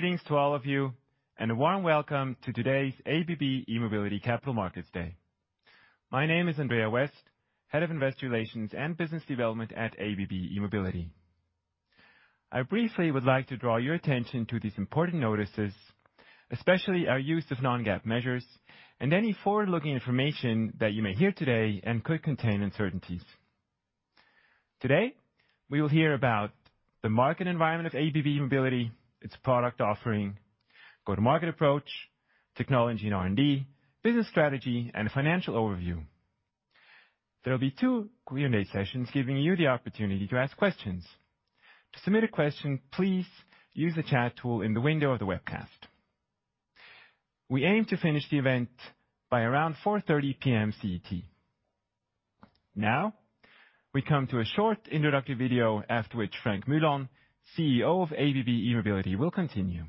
Greetings to all of you, and a warm welcome to today's ABB E-mobility Capital Markets Day. My name is Andrea Wüest, Head of Investor Relations and Business Development at ABB E-mobility. I briefly would like to draw your attention to these important notices, especially our use of non-GAAP measures and any forward-looking information that you may hear today and could contain uncertainties. Today, we will hear about the market environment of ABB E-mobility, its product offering, go-to-market approach, technology and R&D, business strategy, and a financial overview. There'll be two Q&A sessions giving you the opportunity to ask questions. To submit a question, please use the chat tool in the window of the webcast. We aim to finish the event by around 4:30 PM CT. Now, we come to a short introductory video after which Frank Mühlon, CEO of ABB E-mobility, will continue.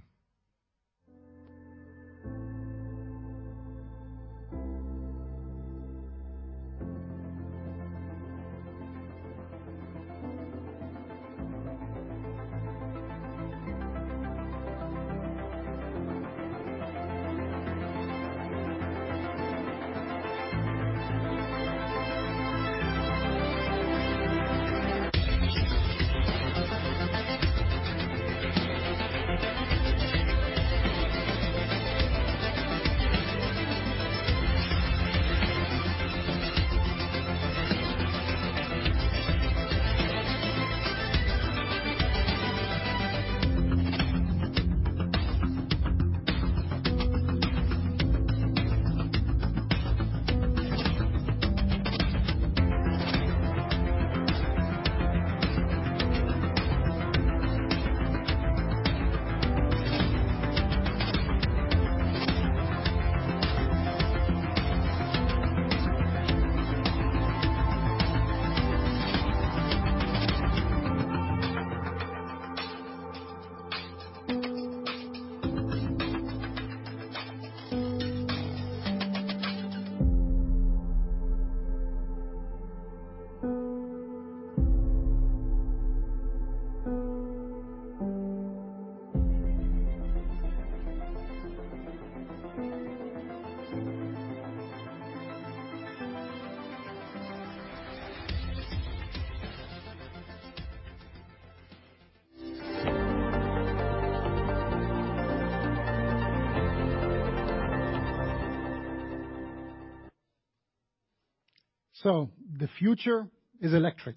The future is electric.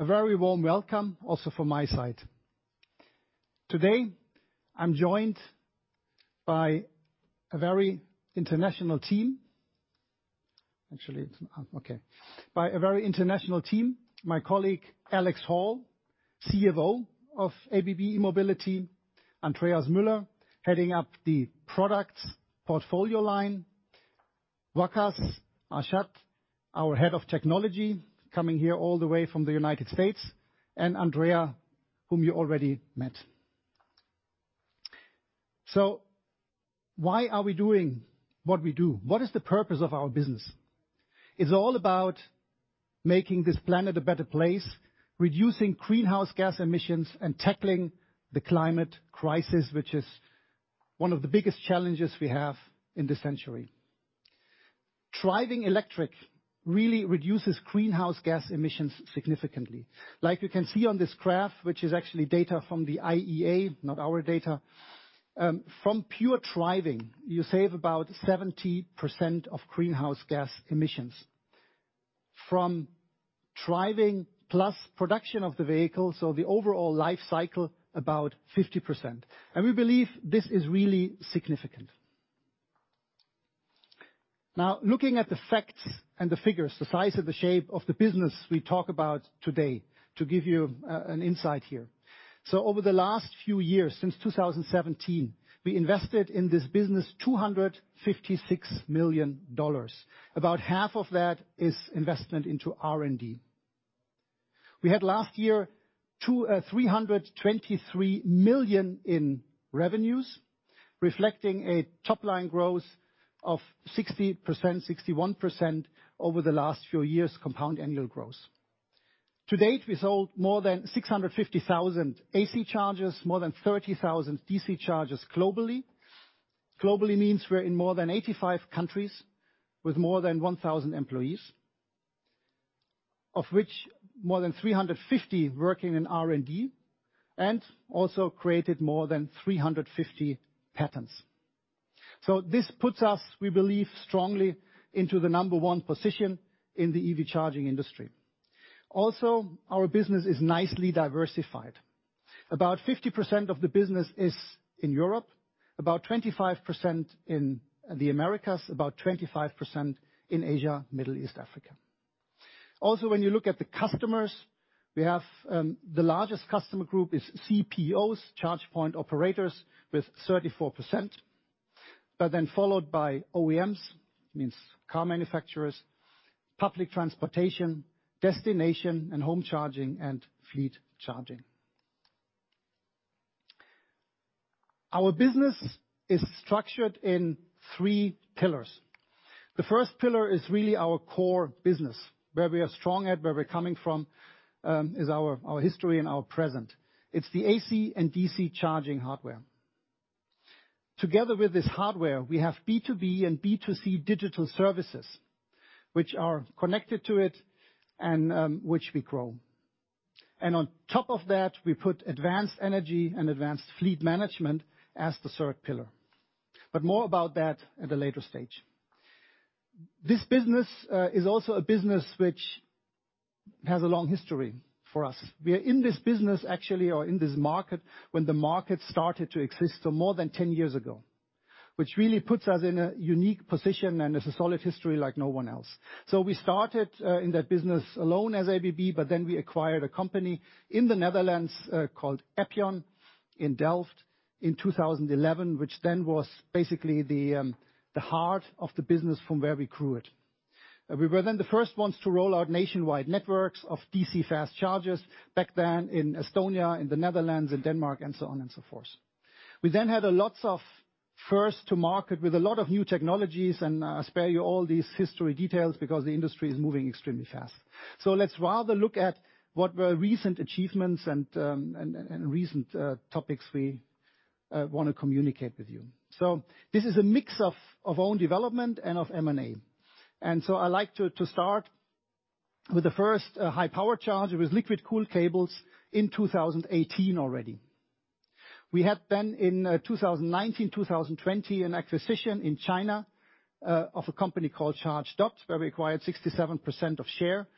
A very warm welcome also from my side. Today, I'm joined by a very international team. My colleague, Alex Hall, CFO of ABB E-mobility. Andreas Müller, heading up the product portfolio line. Waqas Arshad, our Head of Technology, coming here all the way from the United States, and Andrea, whom you already met. Why are we doing what we do? What is the purpose of our business? It's all about making this planet a better place, reducing greenhouse gas emissions, and tackling the climate crisis, which is one of the biggest challenges we have in this century. Driving electric really reduces greenhouse gas emissions significantly. Like you can see on this graph, which is actually data from the IEA, not our data, from pure driving, you save about 70% of greenhouse gas emissions. From driving plus production of the vehicle, so the overall life cycle, about 50%. We believe this is really significant. Now, looking at the facts and the figures, the size and the shape of the business we talk about today to give you an insight here. Over the last few years, since 2017, we invested in this business $256 million. About half of that is investment into R&D. We had last year $323 million in revenues, reflecting a top-line growth of 60%, 61% over the last few years, compound annual growth. To date, we sold more than 650,000 AC chargers, more than 30,000 DC chargers globally. Globally means we're in more than 85 countries with more than 1,000 employees, of which more than 350 working in R&D, and also created more than 350 patents. This puts us, we believe, strongly into the number one position in the EV charging industry. Our business is nicely diversified. About 50% of the business is in Europe, about 25% in the Americas, about 25% in Asia, Middle East, Africa. When you look at the customers, we have the largest customer group is CPOs, charge point operators, with 34%. Followed by OEMs, means car manufacturers, public transportation, destination and home charging, and fleet charging. Our business is structured in three pillars. The first pillar is really our core business, where we are strong at, where we're coming from, is our history and our present. It's the AC and DC charging hardware. Together with this hardware, we have B2B and B2C digital services which are connected to it and, which we grow. On top of that, we put advanced energy and advanced fleet management as the third pillar, but more about that at a later stage. This business is also a business which has a long history for us. We are in this business actually, or in this market, when the market started to exist, so more than 10 years ago, which really puts us in a unique position, and it's a solid history like no one else. We started in that business alone as ABB, but then we acquired a company in the Netherlands called Epyon in Delft in 2011, which then was basically the heart of the business from where we grew it. We were the first ones to roll out nationwide networks of DC fast chargers back then in Estonia, in the Netherlands, in Denmark, and so on and so forth. We had a lot of first-to-market with a lot of new technologies, and I spare you all these history details because the industry is moving extremely fast. Let's rather look at what were recent achievements and recent topics we wanna communicate with you. This is a mix of own development and of M&A. I like to start with the first high power charger with liquid-cooled cables in 2018 already. We had then in 2019, 2020 an acquisition in China of a company called Chargedot, where we acquired 67% of share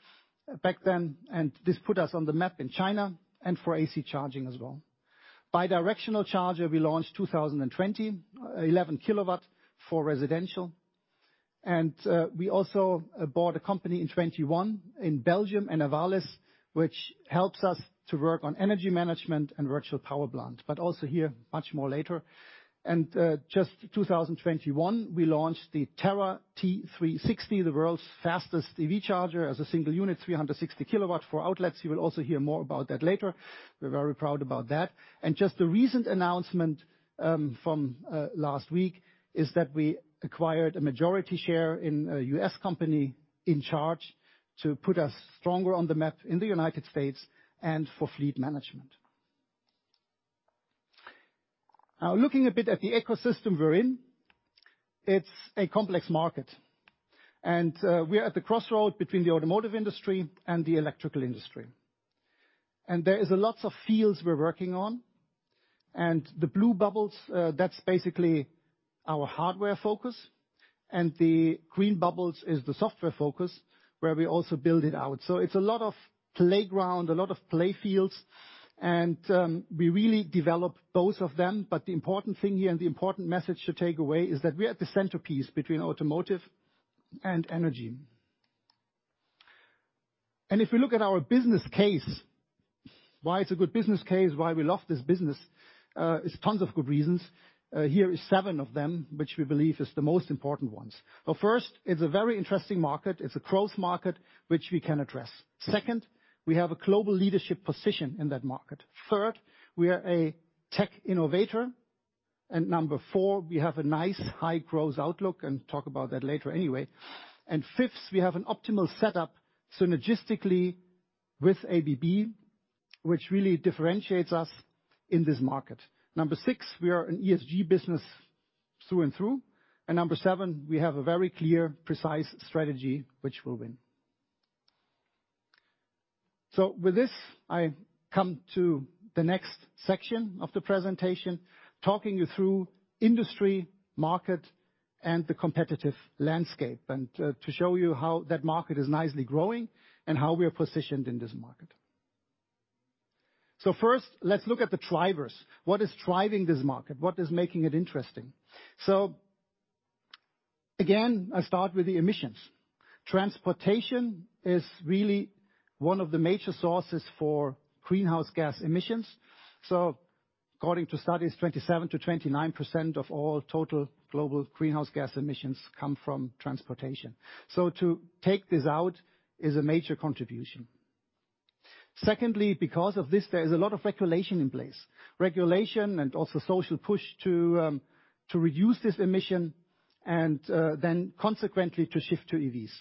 back then, and this put us on the map in China and for AC charging as well. Bidirectional charger we launched 2020, 11 kW for residential. We also bought a company in 2021 in Belgium, Enervalis, which helps us to work on energy management and virtual power plant, but also here much more later. Just 2021, we launched the Terra 360, the world's fastest EV charger as a single unit, 360 kW for outlets. You will also hear more about that later. We're very proud about that. Just a recent announcement from last week is that we acquired a majority share in a U.S. company In-Charge Energy to put us stronger on the map in the United States and for fleet management. Now, looking a bit at the ecosystem we're in, it's a complex market, and we're at the crossroad between the automotive industry and the electrical industry. There is a lot of fields we're working on. The blue bubbles that's basically our hardware focus, and the green bubbles is the software focus where we also build it out. It's a lot of playground, a lot of play fields, and we really develop both of them. The important thing here and the important message to take away is that we are at the centerpiece between automotive and energy. If we look at our business case, why it's a good business case, why we love this business, is tons of good reasons. Here is seven of them, which we believe is the most important ones. Well, first, it's a very interesting market. It's a growth market which we can address. Second, we have a global leadership position in that market. Third, we are a tech innovator. Number four, we have a nice high-growth outlook, and talk about that later anyway. Fifth, we have an optimal setup synergistically with ABB, which really differentiates us in this market. Number six, we are an ESG business through and through. Number seven, we have a very clear, precise strategy which will win. With this, I come to the next section of the presentation, talking you through industry, market, and the competitive landscape, and to show you how that market is nicely growing and how we are positioned in this market. First, let's look at the drivers. What is driving this market? What is making it interesting? Again, I start with the emissions. Transportation is really one of the major sources for greenhouse gas emissions. According to studies, 27%-29% of all total global greenhouse gas emissions come from transportation. To take this out is a major contribution. Secondly, because of this, there is a lot of regulation in place. Regulation and also social push to reduce this emission and then consequently to shift to EVs.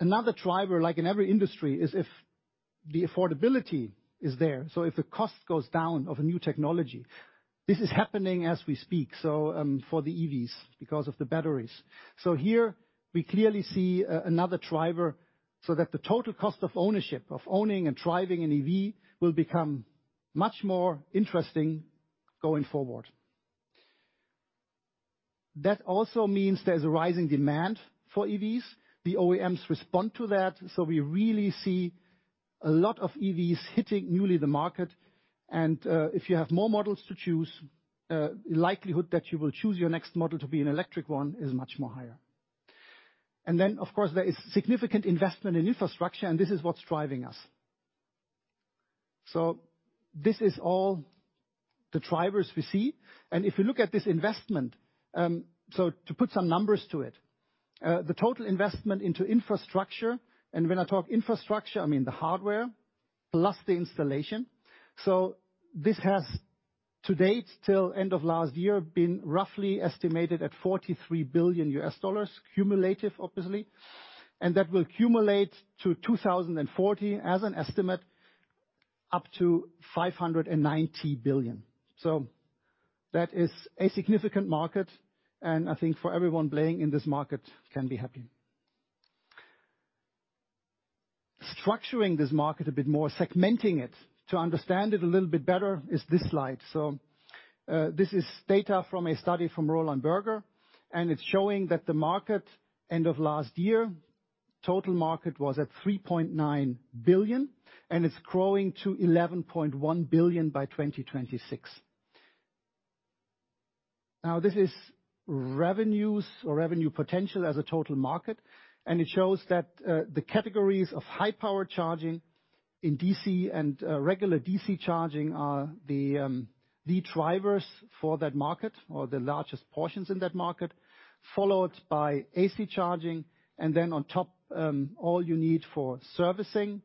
Another driver, like in every industry, is if the affordability is there, so if the cost goes down of a new technology. This is happening as we speak, so for the EVs because of the batteries. Here we clearly see another driver so that the total cost of ownership, of owning and driving an EV will become much more interesting going forward. That also means there's a rising demand for EVs. The OEMs respond to that. We really see a lot of EVs hitting newly the market. If you have more models to choose, the likelihood that you will choose your next model to be an electric one is much more higher. Then, of course, there is significant investment in infrastructure, and this is what's driving us. This is all the drivers we see. If you look at this investment, so to put some numbers to it, the total investment into infrastructure, and when I talk infrastructure, I mean the hardware plus the installation. This has, to date, till end of last year, been roughly estimated at $43 billion, cumulative obviously. That will cumulate to 2040 as an estimate up to $590 billion. That is a significant market, and I think for everyone playing in this market can be happy. Structuring this market a bit more, segmenting it to understand it a little bit better, is this slide. This is data from a study from Roland Berger, and it's showing that the market end of last year, total market was at $3.9 billion, and it's growing to $11.1 billion by 2026. Now, this is revenues or revenue potential as a total market, and it shows that the categories of high power charging in DC and regular DC charging are the drivers for that market or the largest portions in that market, followed by AC charging, and then on top all you need for servicing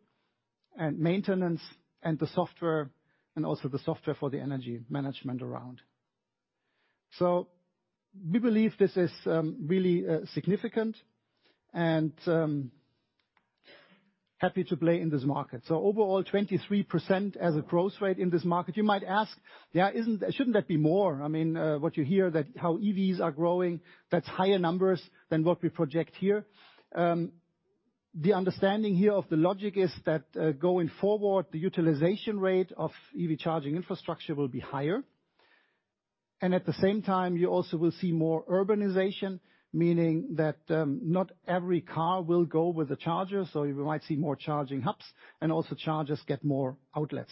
and maintenance and the software, and also the software for the energy management around. We believe this is really significant and happy to play in this market. Overall, 23% as a growth rate in this market. You might ask, "Yeah, shouldn't that be more?" I mean, what you hear about how EVs are growing, that's higher numbers than what we project here. The understanding here of the logic is that going forward, the utilization rate of EV charging infrastructure will be higher. At the same time, you also will see more urbanization, meaning that not every car will go with the charger. You might see more charging hubs and also chargers get more outlets.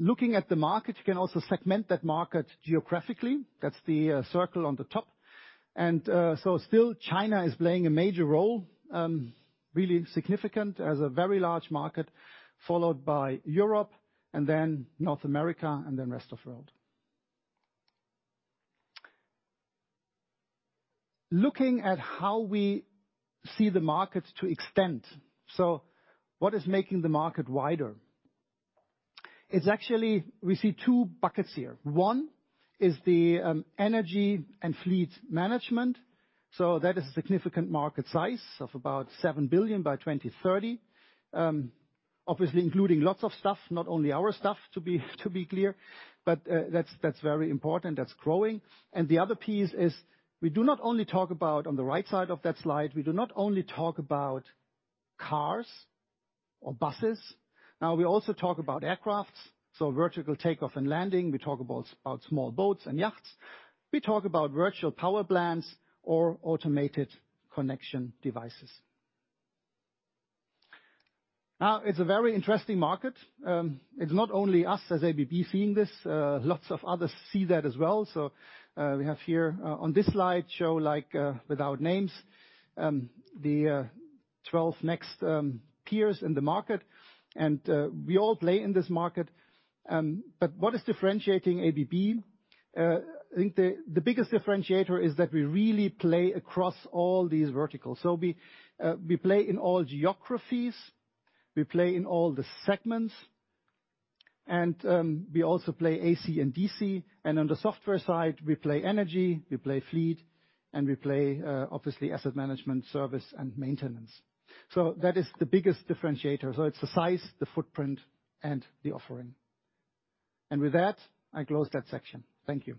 Looking at the market, you can also segment that market geographically. That's the circle on the top. Still China is playing a major role, really significant as a very large market, followed by Europe and then North America and then rest of world. Looking at how we see the markets to extent. What is making the market wider? It's actually we see two buckets here. One is the energy and fleet management, that is a significant market size of about $7 billion by 2030. Obviously including lots of stuff, not only our stuff, to be clear, but that's very important, that's growing. The other piece is we do not only talk about on the right side of that slide, we do not only talk about cars or buses. Now, we also talk about aircrafts, so vertical take-off and landing. We talk about small boats and yachts. We talk about virtual power plants or automated connection devices. Now, it's a very interesting market. It's not only us as ABB seeing this, lots of others see that as well. We have here on this slide show, like, without names, the 12 next peers in the market. We all play in this market. But what is differentiating ABB, I think the biggest differentiator is that we really play across all these verticals. We play in all geographies, we play in all the segments, and we also play AC and DC, and on the software side, we play energy, we play fleet, and we play obviously asset management service and maintenance. That is the biggest differentiator. It's the size, the footprint, and the offering. With that, I close that section. Thank you.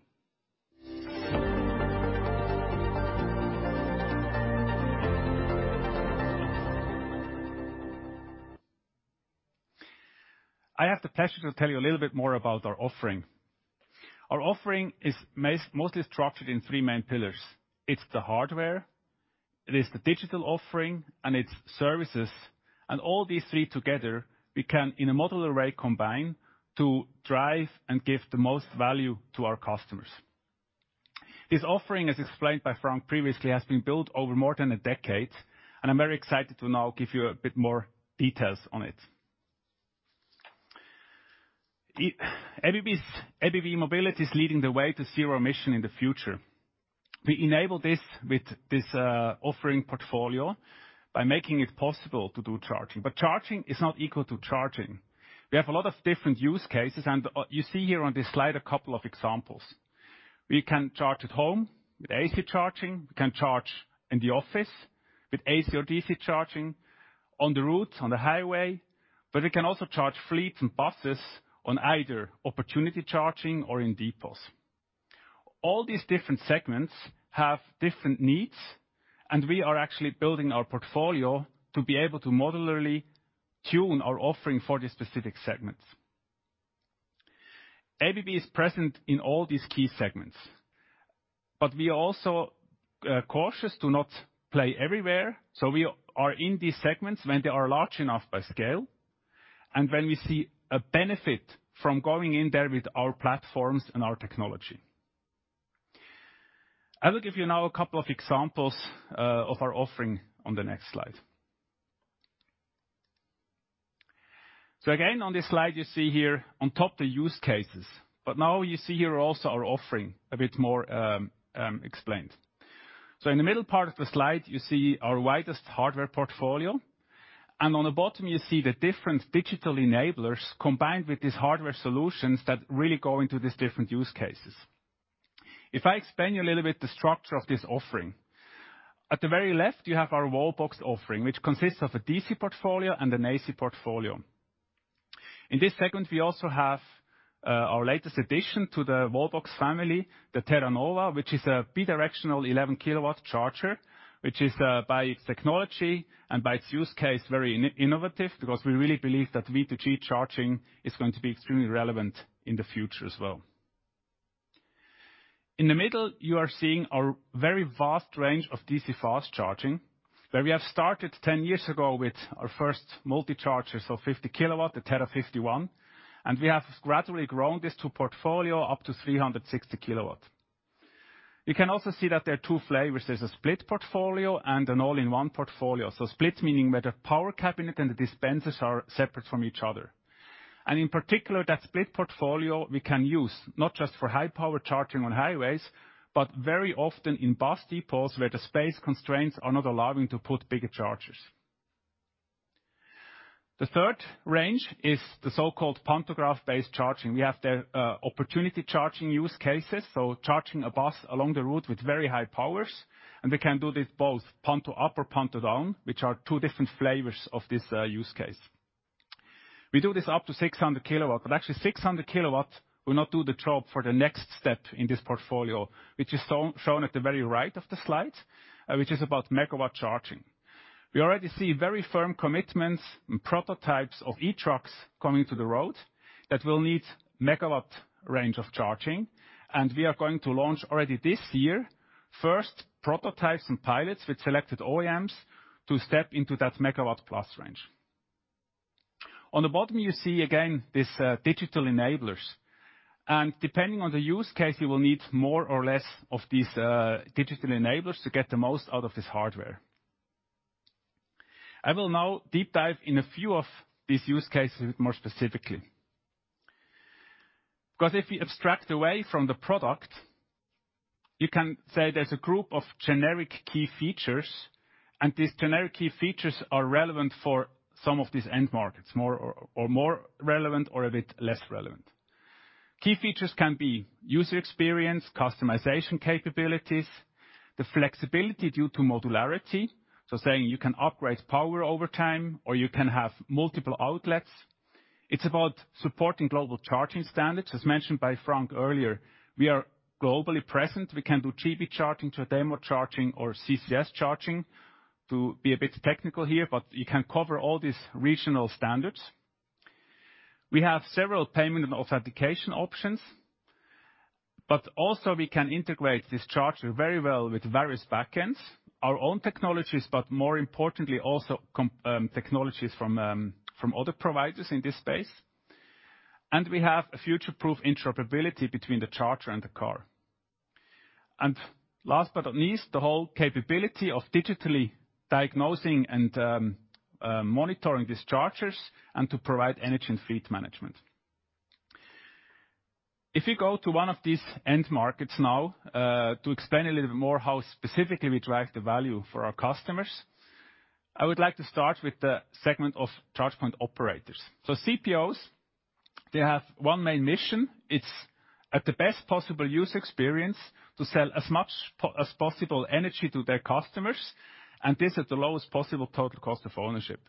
I have the pleasure to tell you a little bit more about our offering. Our offering is mostly structured in three main pillars. It's the hardware, it is the digital offering, and it's services. All these three together we can in a modular way combine to drive and give the most value to our customers. This offering, as explained by Frank previously, has been built over more than a decade. I'm very excited to now give you a bit more details on it. ABB E-mobility is leading the way to zero emission in the future. We enable this with this offering portfolio by making it possible to do charging. Charging is not equal to charging. We have a lot of different use cases, and you see here on this slide a couple of examples. We can charge at home with AC charging. We can charge in the office with AC or DC charging. On the routes, on the highway, but we can also charge fleets and buses on either opportunity charging or in depots. All these different segments have different needs, and we are actually building our portfolio to be able to modularly tune our offering for these specific segments. ABB is present in all these key segments, but we are also cautious to not play everywhere. We are in these segments when they are large enough by scale and when we see a benefit from going in there with our platforms and our technology. I will give you now a couple of examples of our offering on the next slide. Again, on this Slide, you see here on top the use cases, but now you see here also our offering a bit more explained. In the middle part of the Slide, you see our widest hardware portfolio, and on the bottom you see the different digital enablers combined with these hardware solutions that really go into these different use cases. If I explain you a little bit the structure of this offering, at the very left you have our wall box offering, which consists of a DC portfolio and an AC portfolio. In this segment, we also have our latest addition to the wall box family, the Terra Nova, which is a bi-directional 11 kW charger, which is, by its technology and by its use case, very innovative because we really believe that V2G charging is going to be extremely relevant in the future as well. In the middle, you are seeing our very vast range of DC fast charging, where we have started 10 years ago with our first multi-charger, so 50 kW, the Terra 51, and we have gradually grown this portfolio up to 360 kW. You can also see that there are two flavors. There's a split portfolio and an all-in-one portfolio. Split meaning where the power cabinet and the dispensers are separate from each other. In particular, that split portfolio we can use not just for high power charging on highways, but very often in bus depots where the space constraints are not allowing to put bigger chargers. The third range is the so-called pantograph-based charging. We have the opportunity charging use cases, so charging a bus along the route with very high powers, and we can do this both panto up or panto down, which are two different flavors of this use case. We do this up to 600 kW, but actually 600 kW will not do the job for the next step in this portfolio, which is shown at the very right of the slide, which is about megawatt charging. We already see very firm commitments and prototypes of e-trucks coming to the road that will need megawatt range of charging, and we are going to launch already this year first prototypes and pilots with selected OEMs to step into that megawatt plus range. On the bottom, you see again these digital enablers, and depending on the use case, you will need more or less of these digital enablers to get the most out of this hardware. I will now deep dive in a few of these use cases more specifically. 'Cause if we abstract away from the product, you can say there's a group of generic key features, and these generic key features are relevant for some of these end markets, more or less relevant. Key features can be user experience, customization capabilities, the flexibility due to modularity. Saying you can upgrade power over time, or you can have multiple outlets. It's about supporting global charging standards. As mentioned by Frank earlier, we are globally present. We can do GB charging to a CHAdeMO charging or CCS charging to be a bit technical here, but you can cover all these regional standards. We have several payment and authentication options, but also we can integrate this charger very well with various backends. Our own technologies, but more importantly, also compatible technologies from other providers in this space. We have a future-proof interoperability between the charger and the car. Last but not least, the whole capability of digitally diagnosing and monitoring these chargers and to provide energy and fleet management. If we go to one of these end markets now, to explain a little bit more how specifically we drive the value for our customers, I would like to start with the segment of charge point operators. CPOs, they have one main mission. It's at the best possible user experience to sell as much as possible energy to their customers, and this at the lowest possible total cost of ownership.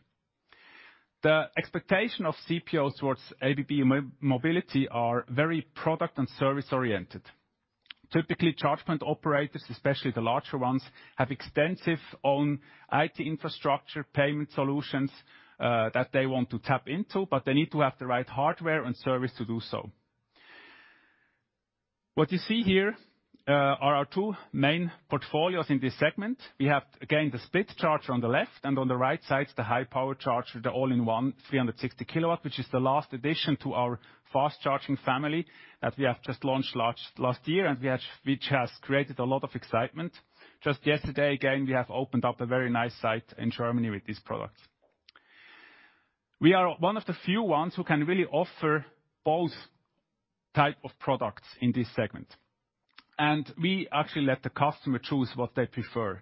The expectation of CPOs towards ABB E-mobility are very product and service-oriented. Typically, charge point operators, especially the larger ones, have extensive own IT infrastructure, payment solutions, that they want to tap into, but they need to have the right hardware and service to do so. What you see here are our two main portfolios in this segment. We have, again, the split charger on the left and on the right side, the high power charger, the all-in-one 360-kilowatt, which is the last addition to our fast charging family that we have just launched last year, which has created a lot of excitement. Just yesterday, again, we have opened up a very nice site in Germany with this product. We are one of the few ones who can really offer both type of products in this segment. We actually let the customer choose what they prefer.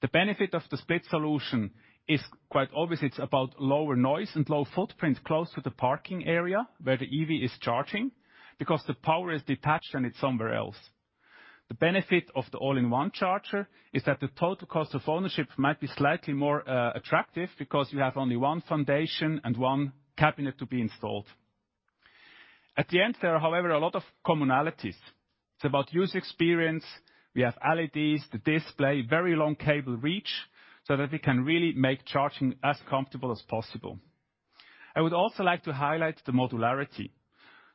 The benefit of the split solution is quite obvious. It's about lower noise and low footprint close to the parking area where the EV is charging because the power is detached and it's somewhere else. The benefit of the all-in-one charger is that the total cost of ownership might be slightly more attractive because you have only one foundation and one cabinet to be installed. At the end, there are, however, a lot of commonalities. It's about user experience. We have LEDs, the display, very long cable reach, so that we can really make charging as comfortable as possible. I would also like to highlight the modularity.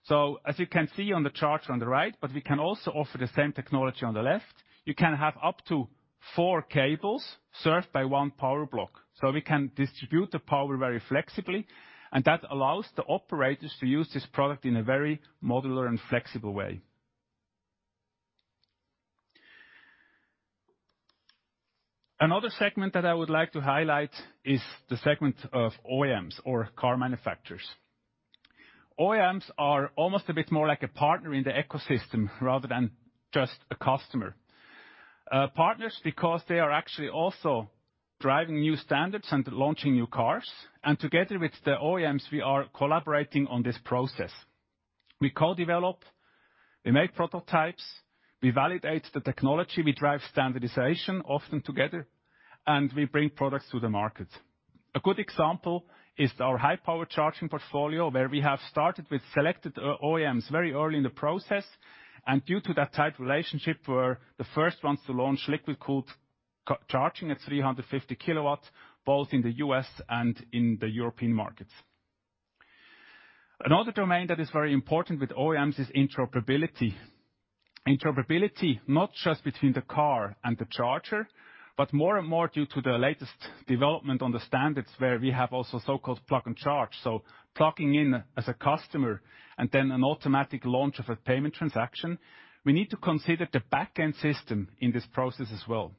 As you can see on the charger on the right, but we can also offer the same technology on the left, you can have up to four cables served by one power block. We can distribute the power very flexibly, and that allows the operators to use this product in a very modular and flexible way. Another segment that I would like to highlight is the segment of OEMs or car manufacturers. OEMs are almost a bit more like a partner in the ecosystem rather than just a customer. Partners because they are actually also driving new standards and launching new cars. Together with the OEMs, we are collaborating on this process. We co-develop, we make prototypes, we validate the technology, we drive standardization often together, and we bring products to the market. A good example is our high-power charging portfolio, where we have started with selected OEMs very early in the process. Due to that tight relationship, we're the first ones to launch liquid-cooled charging at 350 kW, both in the U.S. and in the European markets. Another domain that is very important with OEMs is interoperability. Interoperability, not just between the car and the charger, but more and more due to the latest development on the standards where we have also so-called Plug & Charge. Plugging in as a customer and then an automatic launch of a payment transaction. We need to consider the back-end system in this process as well.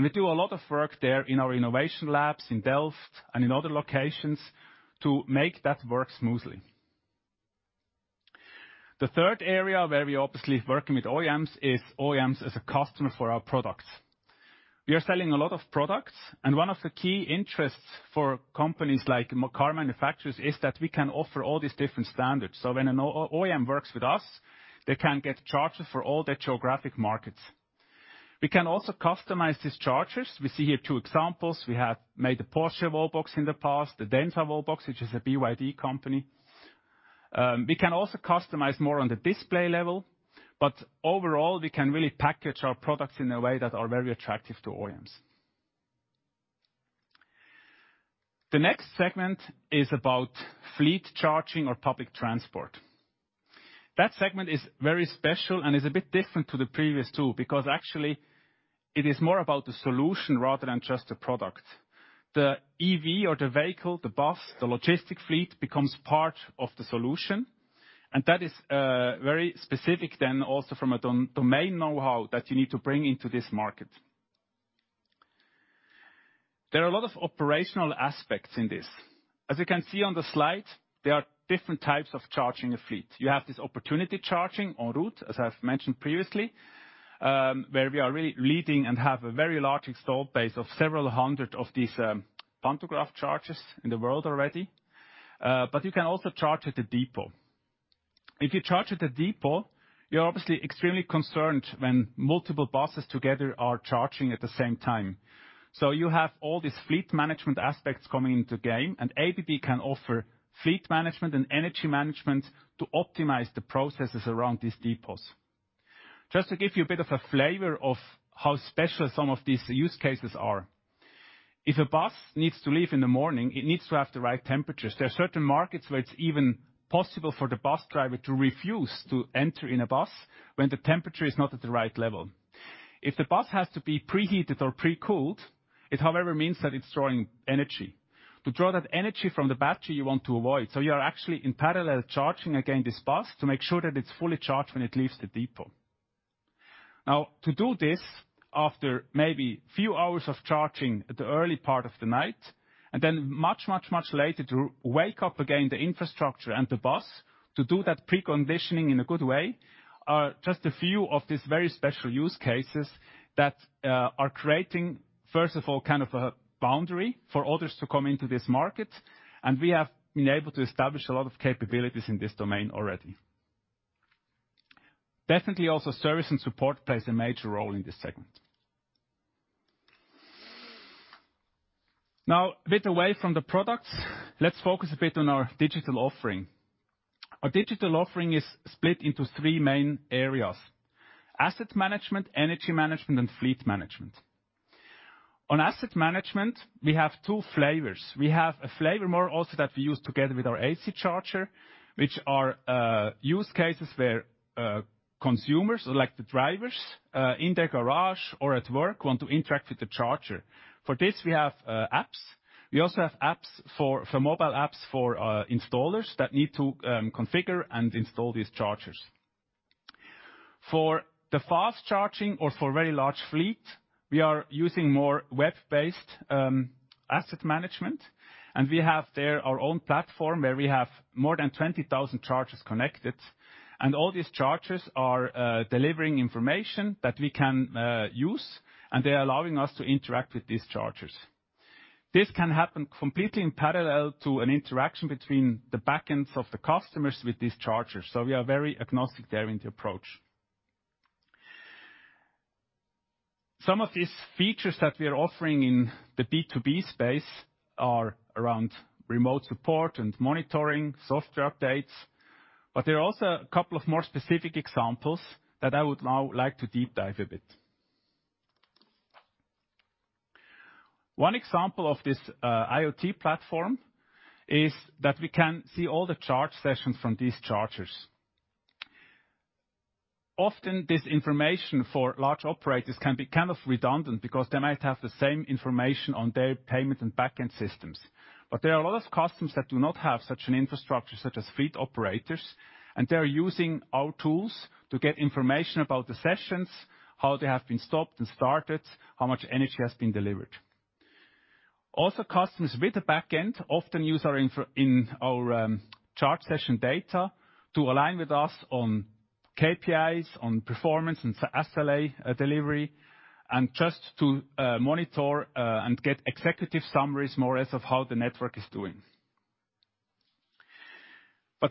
We do a lot of work there in our innovation labs in Delft and in other locations to make that work smoothly. The third area where we're obviously working with OEMs is OEMs as a customer for our products. We are selling a lot of products, and one of the key interests for companies like car manufacturers is that we can offer all these different standards. When an OEM works with us, they can get chargers for all their geographic markets. We can also customize these chargers. We see here two examples. We have made the Porsche Wallbox in the past, the Denza Wallbox, which is a BYD company. We can also customize more on the display level, but overall, we can really package our products in a way that are very attractive to OEMs. The next segment is about fleet charging or public transport. That segment is very special and is a bit different to the previous two because actually it is more about the solution rather than just a product. The EV or the vehicle, the bus, the logistic fleet, becomes part of the solution, and that is very specific then also from a domain know-how that you need to bring into this market. There are a lot of operational aspects in this. As you can see on the slide, there are different types of charging a fleet. You have this opportunity charging en route, as I've mentioned previously, where we are really leading and have a very large installed base of several hundred of these pantograph chargers in the world already. You can also charge at a depot. If you charge at a depot, you're obviously extremely concerned when multiple buses together are charging at the same time. You have all these fleet management aspects coming into play, and ABB can offer fleet management and energy management to optimize the processes around these depots. Just to give you a bit of a flavor of how special some of these use cases are. If a bus needs to leave in the morning, it needs to have the right temperatures. There are certain markets where it's even possible for the bus driver to refuse to enter in a bus when the temperature is not at the right level. If the bus has to be preheated or pre-cooled, it, however, means that it's drawing energy. To draw that energy from the battery, you want to avoid. You are actually in parallel charging again this bus to make sure that it's fully charged when it leaves the depot. Now, to do this, after maybe few hours of charging at the early part of the night, and then much later to wake up again the infrastructure and the bus to do that preconditioning in a good way, are just a few of these very special use cases that are creating, first of all, kind of a boundary for others to come into this market. We have been able to establish a lot of capabilities in this domain already. Definitely, also service and support plays a major role in this segment. Now, a bit away from the products, let's focus a bit on our digital offering. Our digital offering is split into three main areas, asset management, energy management, and fleet management. On asset management, we have two flavors. We have a flavor more also that we use together with our AC charger, which are use cases where consumers, like the drivers, in their garage or at work, want to interact with the charger. For this, we have apps. We also have mobile apps for installers that need to configure and install these chargers. For the fast charging or for very large fleet, we are using more web-based asset management, and we have there our own platform where we have more than 20,000 chargers connected. All these chargers are delivering information that we can use, and they are allowing us to interact with these chargers. This can happen completely in parallel to an interaction between the back ends of the customers with these chargers. We are very agnostic there in the approach. Some of these features that we are offering in the B2B space are around remote support and monitoring, software updates, but there are also a couple of more specific examples that I would now like to deep dive a bit. One example of this IoT platform is that we can see all the charge sessions from these chargers. Often, this information for large operators can be kind of redundant because they might have the same information on their payment and back-end systems. There are a lot of customers that do not have such an infrastructure, such as fleet operators, and they are using our tools to get information about the sessions, how they have been stopped and started, how much energy has been delivered. Also, customers with the back-end often use our info in our charge session data to align with us on KPIs, on performance and SLA delivery and just to monitor and get executive summaries more as of how the network is doing.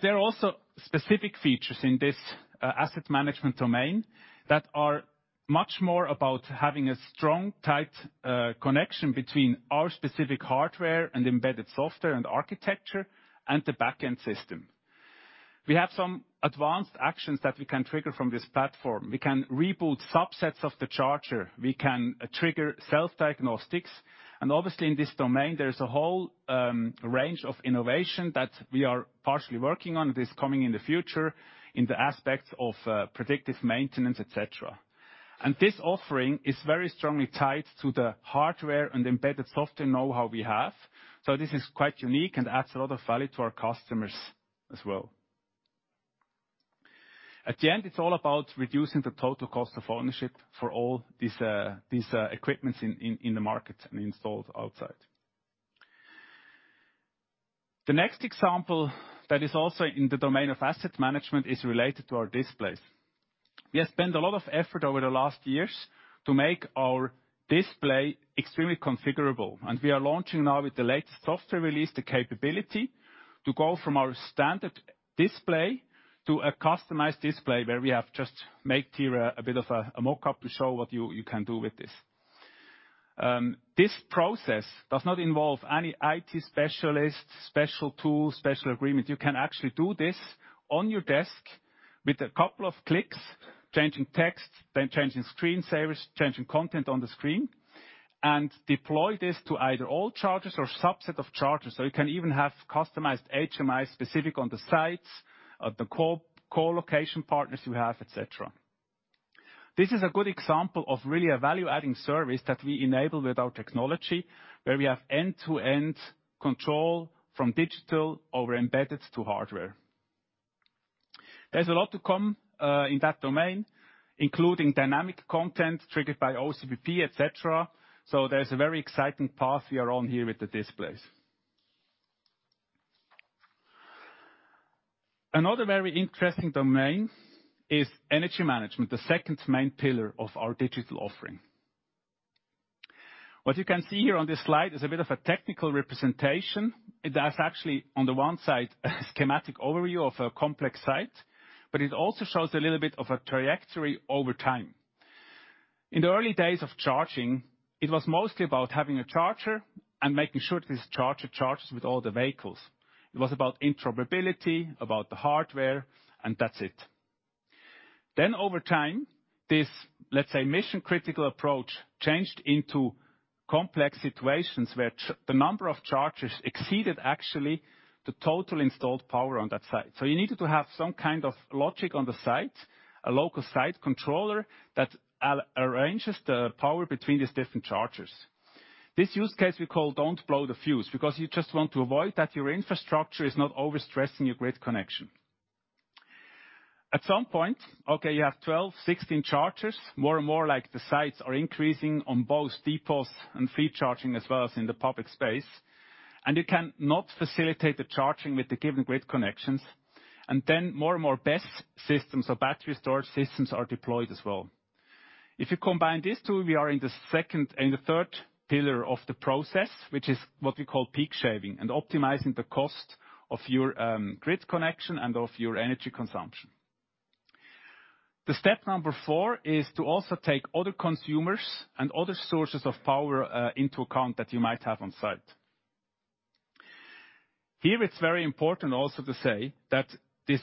There are also specific features in this asset management domain that are much more about having a strong, tight connection between our specific hardware and embedded software and architecture and the back-end system. We have some advanced actions that we can trigger from this platform. We can reboot subsets of the charger. We can trigger self-diagnostics. Obviously, in this domain, there is a whole range of innovation that we are partially working on, this coming in the future in the aspects of predictive maintenance, et cetera. This offering is very strongly tied to the hardware and embedded software know-how we have. This is quite unique and adds a lot of value to our customers as well. At the end, it's all about reducing the total cost of ownership for all these equipment in the market and installed outside. The next example that is also in the domain of asset management is related to our displays. We have spent a lot of effort over the last years to make our display extremely configurable, and we are launching now with the latest software release, the capability to go from our standard display to a customized display, where we have just made here a bit of a mockup to show what you can do with this. This process does not involve any IT specialist, special tools, special agreement. You can actually do this on your desk with a couple of clicks, changing text, then changing screen savers, changing content on the screen, and deploy this to either all chargers or subset of chargers. You can even have customized HMI specific on the sites, at the co-location partners you have, et cetera. This is a good example of really a value-adding service that we enable with our technology, where we have end-to-end control from digital over embedded to hardware. There's a lot to come in that domain, including dynamic content triggered by OCPP, et cetera. There's a very exciting path we are on here with the displays. Another very interesting domain is energy management, the second main pillar of our digital offering. What you can see here on this slide is a bit of a technical representation that's actually, on the one side, a schematic overview of a complex site, but it also shows a little bit of a trajectory over time. In the early days of charging, it was mostly about having a charger and making sure this charger charges with all the vehicles. It was about interoperability, about the hardware, and that's it. Over time, this, let's say, mission-critical approach changed into complex situations where the number of chargers exceeded actually the total installed power on that site. You needed to have some kind of logic on the site, a local site controller that arranges the power between these different chargers. This use case we call don't blow the fuse, because you just want to avoid that your infrastructure is not overstressing your grid connection. At some point, okay, you have 12, 16 chargers, more and more like the sites are increasing on both depots and fleet charging, as well as in the public space. You can not facilitate the charging with the given grid connections. Then more and more BESS systems or battery storage systems are deployed as well. If you combine these two, we are in the second and the third pillar of the process, which is what we call peak shaving and optimizing the cost of your grid connection and of your energy consumption. The step number four is to also take other consumers and other sources of power into account that you might have on-site. Here, it's very important also to say that this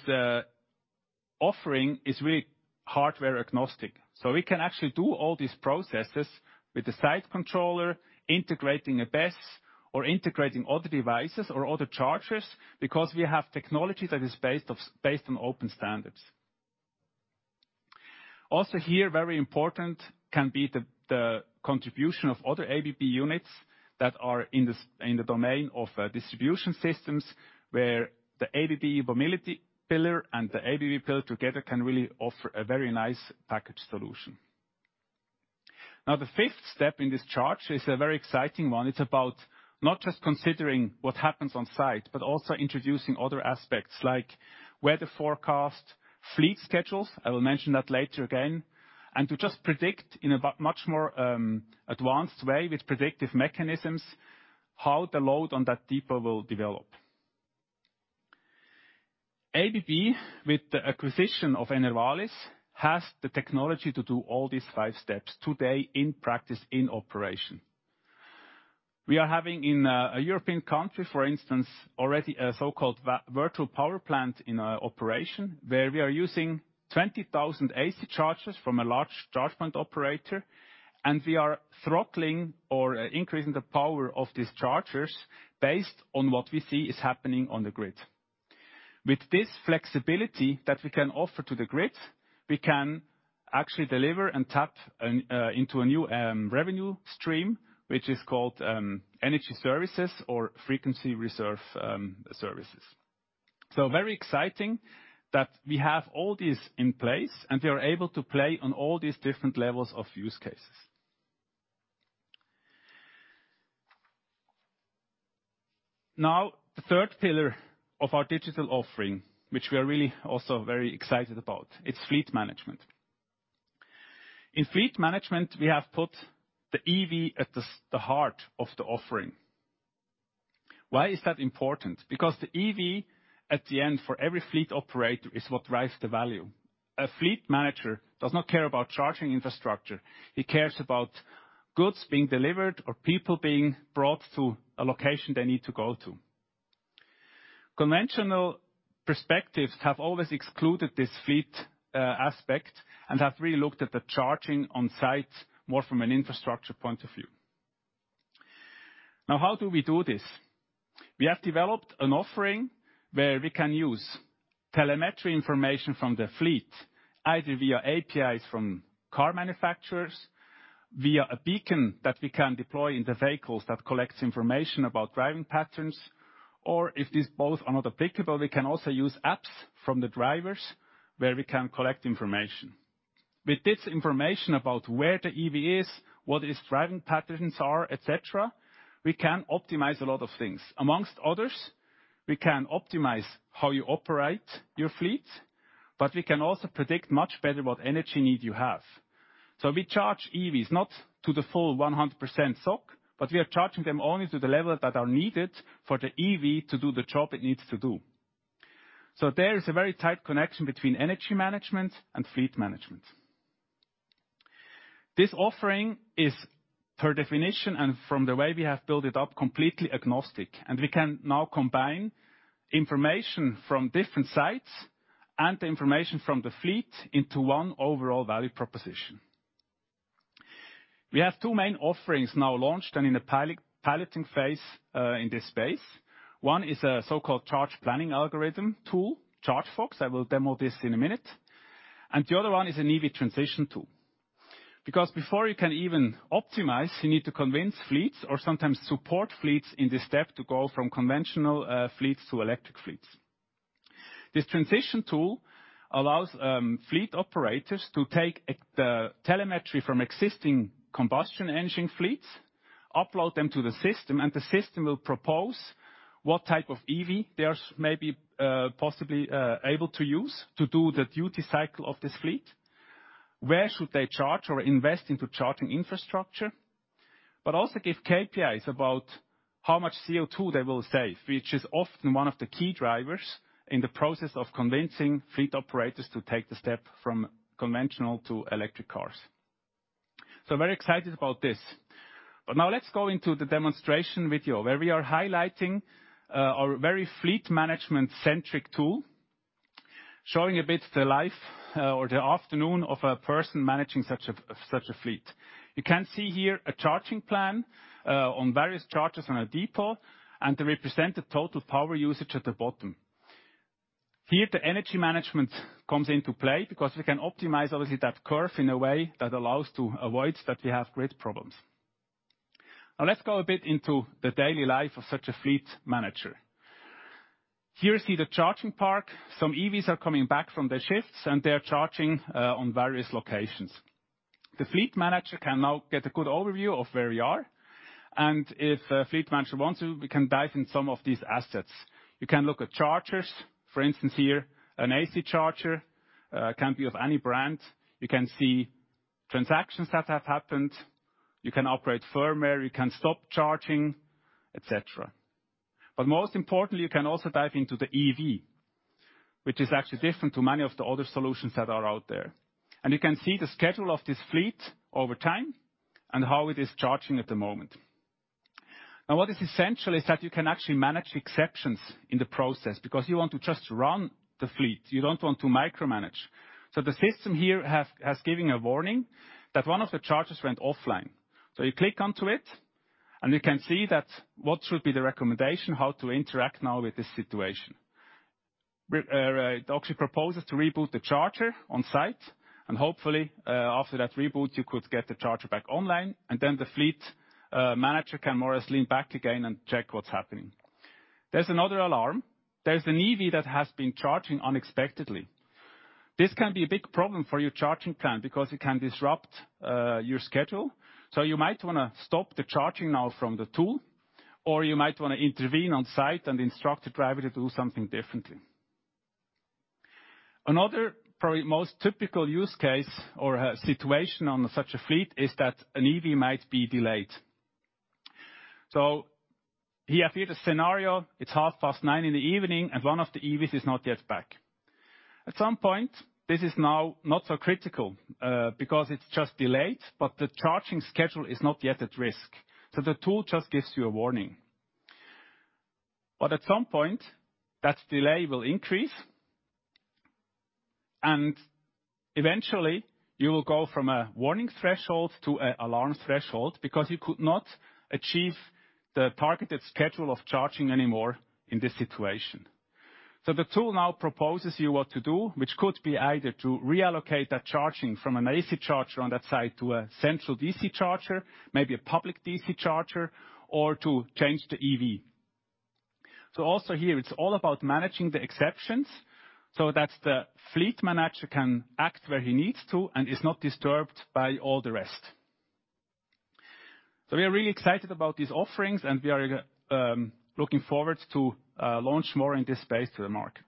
offering is really hardware-agnostic. We can actually do all these processes with the site controller, integrating a BESS, or integrating all the devices or all the chargers, because we have technology that is based on open standards. Also here, very important can be the contribution of other ABB units that are in the domain of distribution systems, where the ABB mobility pillar and the ABB pillar together can really offer a very nice package solution. Now, the fifth step in this charge is a very exciting one. It's about not just considering what happens on-site, but also introducing other aspects like weather forecast, fleet schedules, I will mention that later again, and to just predict in a much more advanced way with predictive mechanisms, how the load on that depot will develop. ABB, with the acquisition of Enervalis, has the technology to do all these five steps today in practice, in operation. We are having in a European country, for instance, already a so-called virtual power plant in operation, where we are using 20,000 AC chargers from a large charge point operator, and we are throttling or increasing the power of these chargers based on what we see is happening on the grid. With this flexibility that we can offer to the grid, we can actually deliver and tap into a new revenue stream, which is called energy services or frequency reserve services. Very exciting that we have all this in place, and we are able to play on all these different levels of use cases. Now, the third pillar of our digital offering, which we are really also very excited about, is fleet management. In fleet management, we have put the EV at the heart of the offering. Why is that important? Because the EV at the end for every fleet operator is what drives the value. A fleet manager does not care about charging infrastructure. He cares about goods being delivered or people being brought to a location they need to go to. Conventional perspectives have always excluded this fleet aspect, and have really looked at the charging on site more from an infrastructure point of view. Now how do we do this? We have developed an offering where we can use telemetry information from the fleet, either via APIs from car manufacturers, via a beacon that we can deploy in the vehicles that collects information about driving patterns, or if these both are not applicable, we can also use apps from the drivers where we can collect information. With this information about where the EV is, what its driving patterns are, etc., we can optimize a lot of things. Among others, we can optimize how you operate your fleet, but we can also predict much better what energy need you have. We charge EVs, not to the full 100% SOC, but we are charging them only to the level that are needed for the EV to do the job it needs to do. There is a very tight connection between energy management and fleet management. This offering is, per definition and from the way we have built it up, completely agnostic, and we can now combine information from different sites and the information from the fleet into one overall value proposition. We have two main offerings now launched and in the piloting phase in this space. One is a so-called charge planning algorithm tool, ChargePilot. I will demo this in a minute. The other one is an EV transition tool. Because before you can even optimize, you need to convince fleets or sometimes support fleets in this step to go from conventional fleets to electric fleets. This transition tool allows fleet operators to take the telemetry from existing combustion engine fleets, upload them to the system, and the system will propose what type of EV they may be possibly able to use to do the duty cycle of this fleet, where should they charge or invest into charging infrastructure, but also give KPIs about how much CO2 they will save, which is often one of the key drivers in the process of convincing fleet operators to take the step from conventional to electric cars. Very excited about this. Now let's go into the demonstration video where we are highlighting our very fleet management-centric tool, showing a bit the life or the afternoon of a person managing such a fleet. You can see here a charging plan on various chargers on a depot, and they represent the total power usage at the bottom. Here, the energy management comes into play because we can optimize obviously that curve in a way that allows to avoid that we have grid problems. Now let's go a bit into the daily life of such a fleet manager. Here you see the charging park. Some EVs are coming back from their shifts, and they are charging on various locations. The fleet manager can now get a good overview of where we are, and if a fleet manager wants to, we can dive in some of these assets. You can look at chargers. For instance, here, an AC charger can be of any brand. You can see transactions that have happened. You can operate firmware, you can stop charging, et cetera. But most importantly, you can also dive into the EV, which is actually different to many of the other solutions that are out there. You can see the schedule of this fleet over time and how it is charging at the moment. Now what is essential is that you can actually manage exceptions in the process because you want to just run the fleet. You don't want to micromanage. The system here has given a warning that one of the chargers went offline. You click onto it, and you can see that what should be the recommendation, how to interact now with this situation. It actually proposes to reboot the charger on-site, and hopefully, after that reboot, you could get the charger back online, and then the fleet manager can more or less lean back again and check what's happening. There's another alarm. There's an EV that has been charging unexpectedly. This can be a big problem for your charging plan because it can disrupt your schedule. You might wanna stop the charging now from the tool, or you might wanna intervene on-site and instruct the driver to do something differently. Another probably most typical use case or situation on such a fleet is that an EV might be delayed. Here I feed a scenario. It's 9:30 PM, and one of the EVs is not yet back. At some point, this is now not so critical, because it's just delayed, but the charging schedule is not yet at risk. The tool just gives you a warning. At some point, that delay will increase, and eventually, you will go from a warning threshold to a alarm threshold because you could not achieve the targeted schedule of charging anymore in this situation. The tool now proposes you what to do, which could be either to reallocate that charging from an AC charger on that site to a central DC charger, maybe a public DC charger, or to change the EV. Also here, it's all about managing the exceptions so that the fleet manager can act where he needs to and is not disturbed by all the rest. We are really excited about these offerings, and we are looking forward to launch more in this space to the market.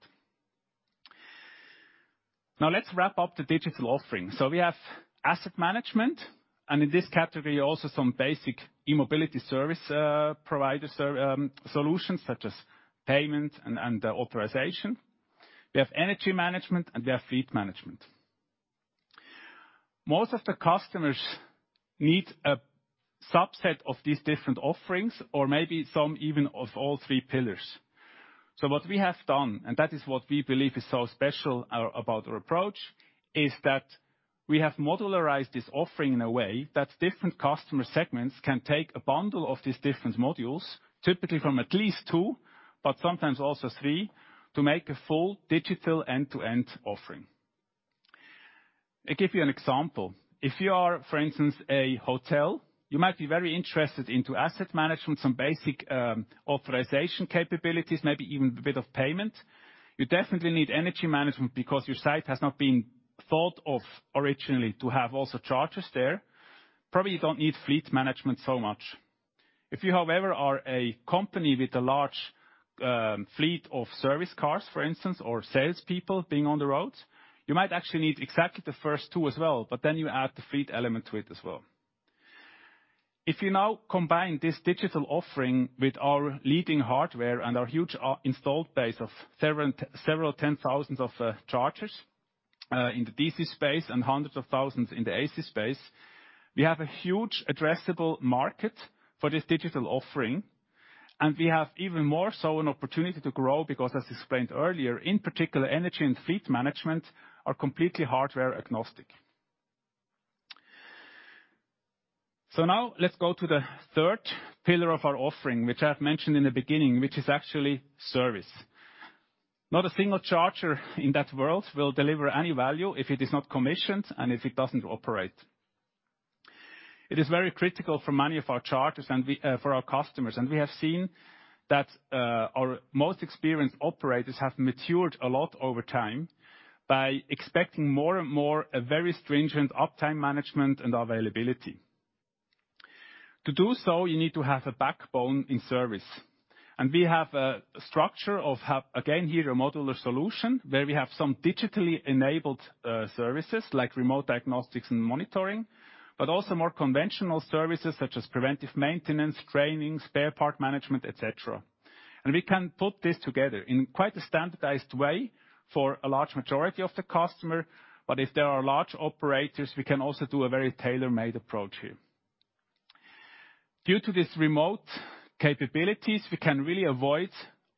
Now let's wrap up the digital offering. We have asset management, and in this category, also some basic e-mobility service provider solutions, such as payment and authorization. We have energy management, and we have fleet management. Most of the customers need a subset of these different offerings, or maybe some even of all three pillars. What we have done, and that is what we believe is so special about our approach, is that we have modularized this offering in a way that different customer segments can take a bundle of these different modules, typically from at least two, but sometimes also three, to make a full digital end-to-end offering. I give you an example. If you are, for instance, a hotel, you might be very interested into asset management, some basic, authorization capabilities, maybe even a bit of payment. You definitely need energy management because your site has not been thought of originally to have also chargers there. Probably you don't need fleet management so much. If you, however, are a company with a large, fleet of service cars, for instance, or salespeople being on the road, you might actually need exactly the first two as well, but then you add the fleet element to it as well. If you now combine this digital offering with our leading hardware and our huge, installed base of several ten thousands of chargers, in the DC space and hundreds of thousands in the AC space, we have a huge addressable market for this digital offering, and we have even more so an opportunity to grow because, as explained earlier, in particular, energy and fleet management are completely hardware-agnostic. Now let's go to the third pillar of our offering, which I've mentioned in the beginning, which is actually service. Not a single charger in that world will deliver any value if it is not commissioned and if it doesn't operate. It is very critical for many of our chargers and for our customers, and we have seen that our most experienced operators have matured a lot over time by expecting more and more a very stringent uptime management and availability. To do so, you need to have a backbone in service. We have a structure, again, here a modular solution where we have some digitally enabled services like remote diagnostics and monitoring, but also more conventional services such as preventive maintenance, training, spare part management, et cetera. We can put this together in quite a standardized way for a large majority of the customer. If there are large operators, we can also do a very tailor-made approach here. Due to these remote capabilities, we can really avoid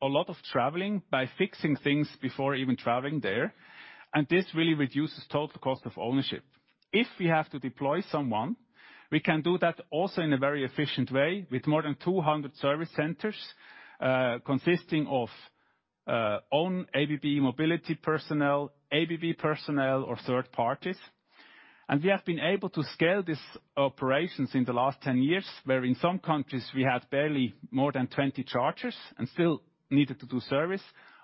a lot of traveling by fixing things before even traveling there, and this really reduces total cost of ownership. If we have to deploy someone, we can do that also in a very efficient way with more than 200 service centers, consisting of own ABB E-mobility personnel, ABB personnel, or third parties. We have been able to scale these operations in the last 10 years, where in some countries we had barely more than 20 chargers and still needed to do service,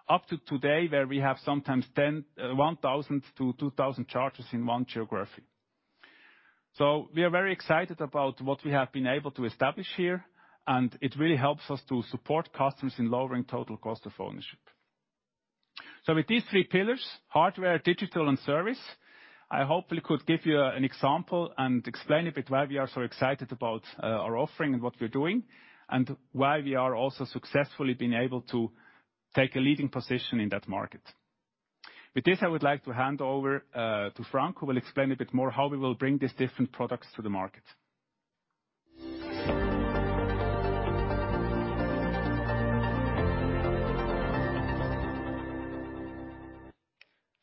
up to today, where we have sometimes 1,000 to 2,000 chargers in one geography. We are very excited about what we have been able to establish here, and it really helps us to support customers in lowering total cost of ownership. With these three pillars, hardware, digital, and service, I hopefully could give you an example and explain a bit why we are so excited about our offering and what we're doing, and why we are also successfully been able to take a leading position in that market. With this, I would like to hand over to Frank, who will explain a bit more how we will bring these different products to the market.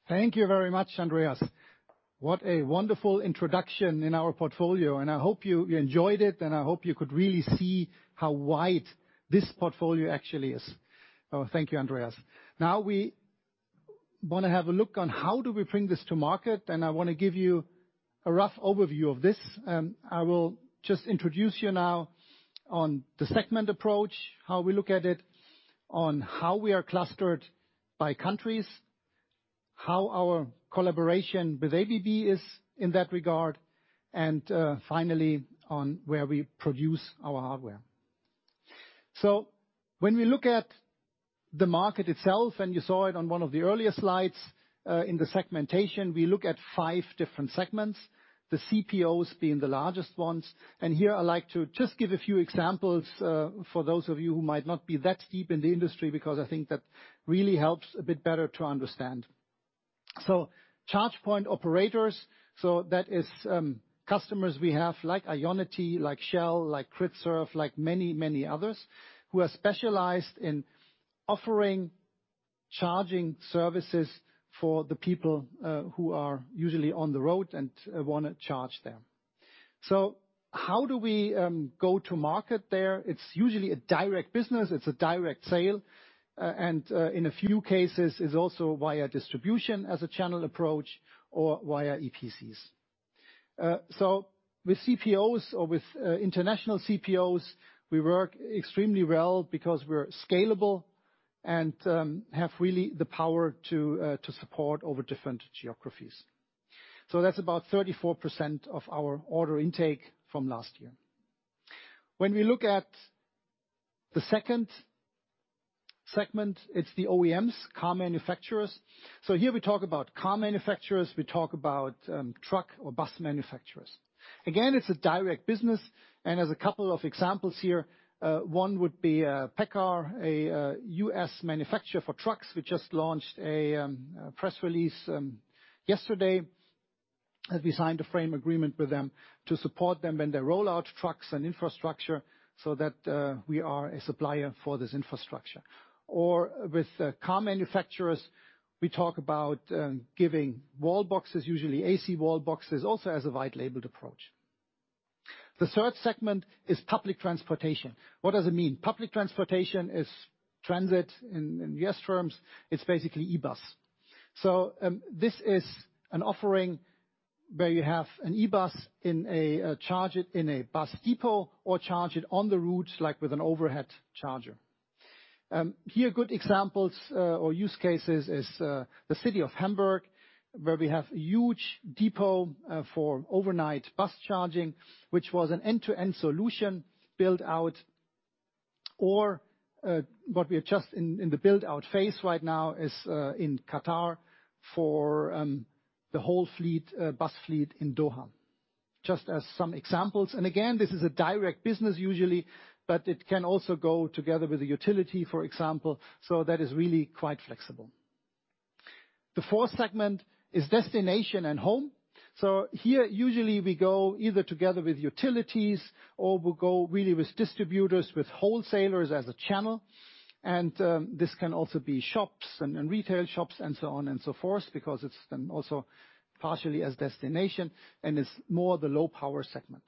Thank you very much, Andreas. What a wonderful introduction in our portfolio, and I hope you enjoyed it, and I hope you could really see how wide this portfolio actually is. Thank you, Andreas. Now we wanna have a look on how do we bring this to market, and I wanna give you a rough overview of this. I will just introduce you now on the segment approach, how we look at it, on how we are clustered by countries, how our collaboration with ABB is in that regard, and finally, on where we produce our hardware. When we look at the market itself, and you saw it on one of the earlier slides, in the segmentation, we look at five different segments, the CPOs being the largest ones. Here I'd like to just give a few examples, for those of you who might not be that deep in the industry because I think that really helps a bit better to understand. Charge point operators, so that is, customers we have, like IONITY, like Shell, like GRIDSERVE, like many, many others, who are specialized in offering charging services for the people, who are usually on the road and, wanna charge there. How do we go to market there? It's usually a direct business. It's a direct sale, and in a few cases is also via distribution as a channel approach or via EPCs. With CPOs or with, international CPOs, we work extremely well because we're scalable and, have really the power to support over different geographies. That's about 34% of our order intake from last year. When we look at the second segment, it's the OEMs, car manufacturers. Here we talk about car manufacturers, we talk about truck or bus manufacturers. Again, it's a direct business, and there's a couple of examples here. One would be PACCAR, a U.S. manufacturer for trucks. We just launched a press release yesterday, as we signed a frame agreement with them to support them when they roll out trucks and infrastructure, so that we are a supplier for this infrastructure. Or with car manufacturers, we talk about giving wall boxes, usually AC wall boxes, also as a white labeled approach. The third segment is public transportation. What does it mean? Public transportation is transit. In U.S. terms, it's basically e-bus. This is an offering where you have an E-bus, charge it in a bus depot or charge it on the route, like with an overhead charger. Here, good examples or use cases is the city of Hamburg, where we have a huge depot for overnight bus charging, which was an end-to-end solution build out. What we are just in the build out phase right now is in Qatar for the whole fleet, bus fleet in Doha. Just as some examples. Again, this is a direct business usually, but it can also go together with a utility, for example, so that is really quite flexible. The fourth segment is destination and home. Here, usually we go either together with utilities or we go really with distributors, with wholesalers as a channel. This can also be shops and retail shops and so on and so forth, because it's then also partially as destination and it's more the low power segment.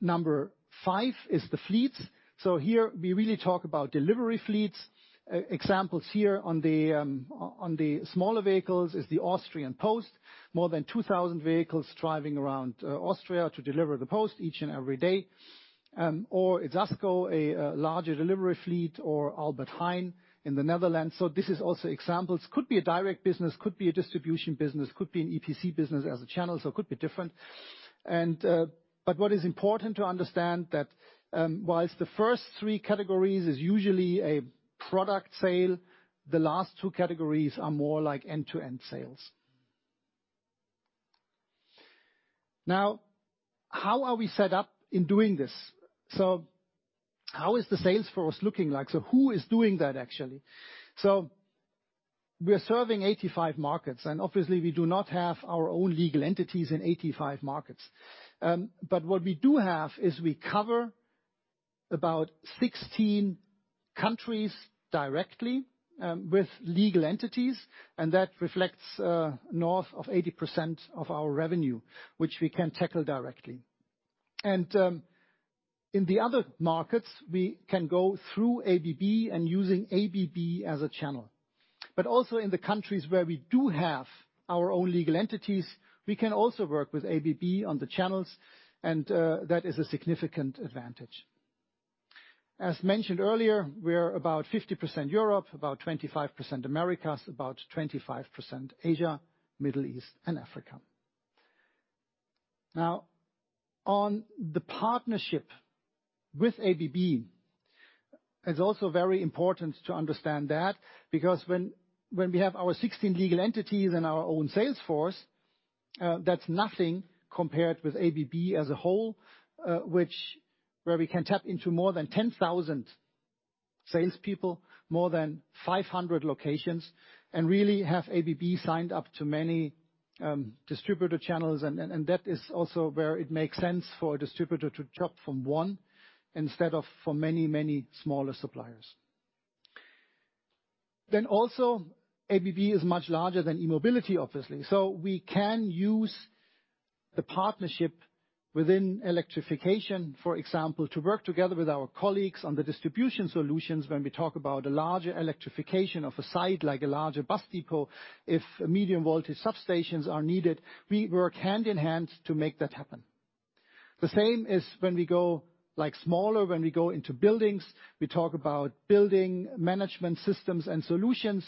Number five is the fleets. Here we really talk about delivery fleets. Examples here on the smaller vehicles is the Austrian Post. More than 2,000 vehicles driving around Austria to deliver the post each and every day. Or Zasco, a larger delivery fleet or Albert Heijn in the Netherlands. This is also examples. Could be a direct business, could be a distribution business, could be an EPC business as a channel, so could be different. What is important to understand that while the first three categories is usually a product sale, the last two categories are more like end-to-end sales. Now, how are we set up in doing this? How is the sales force looking like? Who is doing that, actually? We are serving 85 markets, and obviously we do not have our own legal entities in 85 markets. What we do have is we cover about 16 countries directly with legal entities, and that reflects north of 80% of our revenue, which we can tackle directly. In the other markets, we can go through ABB and using ABB as a channel. Also in the countries where we do have our own legal entities, we can also work with ABB on the channels, and that is a significant advantage. As mentioned earlier, we're about 50% Europe, about 25% Americas, about 25% Asia, Middle East and Africa. Now, on the partnership with ABB, it's also very important to understand that because when we have our 16 legal entities and our own sales force, that's nothing compared with ABB as a whole, where we can tap into more than 10,000 salespeople, more than 500 locations, and really have ABB signed up to many distributor channels and that is also where it makes sense for a distributor to shop from one instead of for many, many smaller suppliers. Also ABB is much larger than E-mobility, obviously. We can use the partnership within electrification, for example, to work together with our colleagues on the distribution solutions when we talk about a larger electrification of a site, like a larger bus depot, if medium voltage substations are needed, we work hand in hand to make that happen. The same is when we go, like, smaller, when we go into buildings, we talk about building management systems and solutions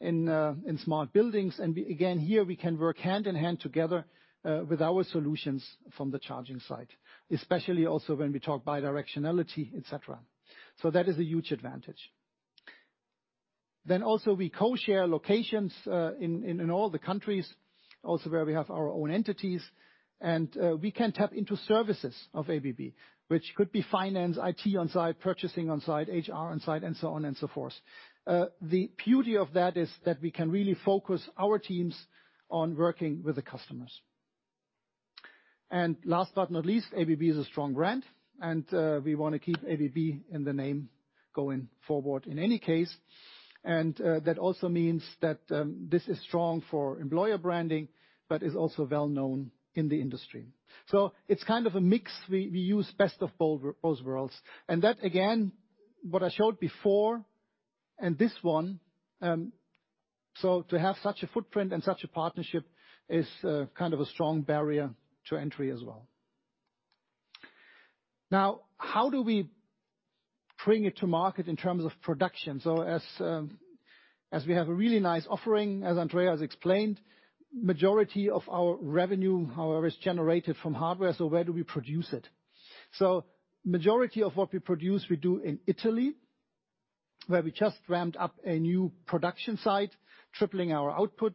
in smart buildings. We, again, here we can work hand in hand together with our solutions from the charging side, especially also when we talk bidirectionality, et cetera. That is a huge advantage. We co-share locations in all the countries also where we have our own entities. We can tap into services of ABB, which could be finance, IT on site, purchasing on site, HR on site, and so on and so forth. The beauty of that is that we can really focus our teams on working with the customers. Last but not least, ABB is a strong brand, and we wanna keep ABB in the name going forward in any case. that also means that, this is strong for employer branding, but is also well known in the industry. It's kind of a mix. We use best of both worlds. This one, so to have such a footprint and such a partnership is kind of a strong barrier to entry as well. Now, how do we bring it to market in terms of production? As we have a really nice offering, as Andrea has explained, majority of our revenue, however, is generated from hardware. Where do we produce it? Majority of what we produce, we do in Italy, where we just ramped up a new production site, tripling our output,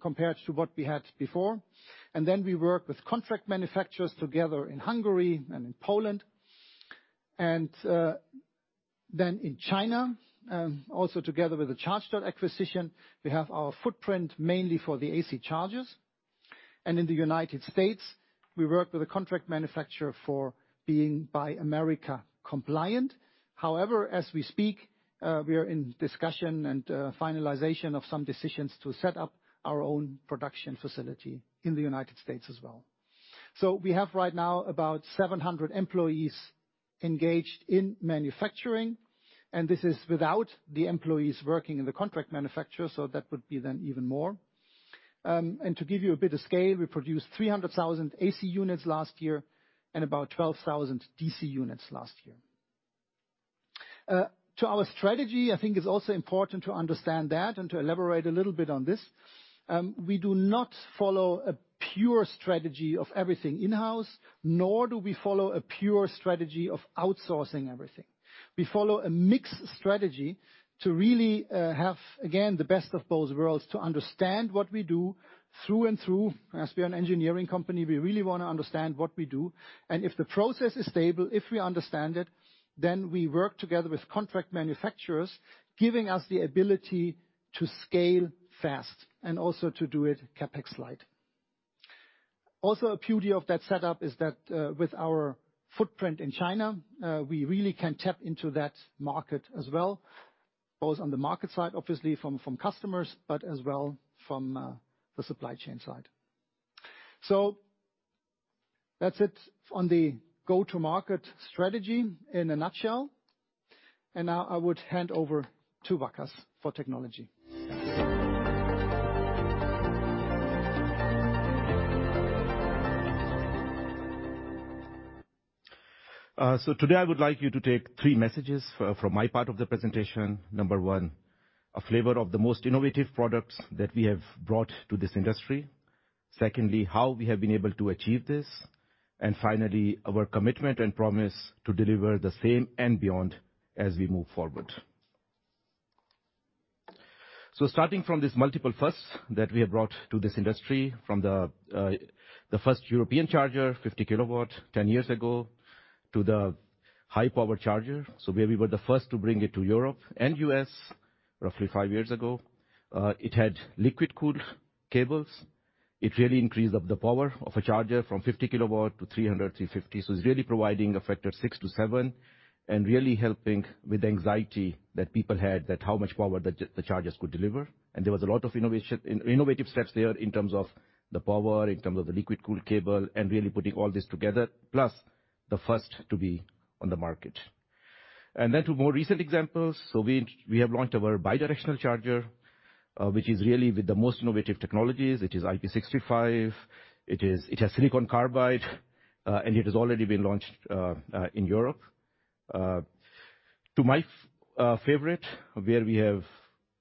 compared to what we had before. Then we work with contract manufacturers together in Hungary and in Poland. In China, also together with the Chargedot acquisition, we have our footprint mainly for the AC chargers. In the United States, we work with a contract manufacturer for being Buy America compliant. However, as we speak, we are in discussion and finalization of some decisions to set up our own production facility in the United States as well. We have right now about 700 employees engaged in manufacturing, and this is without the employees working in the contract manufacturer, so that would be then even more. To give you a bit of scale, we produced 300,000 AC units last year and about 12,000 DC units last year. To our strategy, I think it's also important to understand that and to elaborate a little bit on this. We do not follow a pure strategy of everything in-house, nor do we follow a pure strategy of outsourcing everything. We follow a mixed strategy to really have, again, the best of both worlds to understand what we do through and through. As we are an engineering company, we really wanna understand what we do. If the process is stable, if we understand it, then we work together with contract manufacturers, giving us the ability to scale fast and also to do it CapEx-lite. Also a beauty of that setup is that, with our footprint in China, we really can tap into that market as well, both on the market side, obviously from customers, but as well from the supply chain side. That's it on the go-to-market strategy in a nutshell. Now I would hand over to Waqas for technology. Today I would like you to take three messages from my part of the presentation. Number one, a flavor of the most innovative products that we have brought to this industry. Secondly, how we have been able to achieve this. Finally, our commitment and promise to deliver the same and beyond as we move forward. Starting from this multiple firsts that we have brought to this industry, from the first European charger, 50 kW 10 years ago, to the high-power charger. Where we were the first to bring it to Europe and U.S. roughly five years ago. It had liquid-cooled cables. It really increased up the power of a charger from 50 kW to 350 kW. It's really providing a factor of 6.0x-7.0x and really helping with anxiety that people had, that how much power the chargers could deliver. There was a lot of innovation, innovative steps there in terms of the power, in terms of the liquid-cooled cable, and really putting all this together. Plus, the first to be on the market. To more recent examples. We have launched our bidirectional charger, which is really with the most innovative technologies. It is IP65. It has silicon carbide, and it has already been launched in Europe. To my favorite, where we had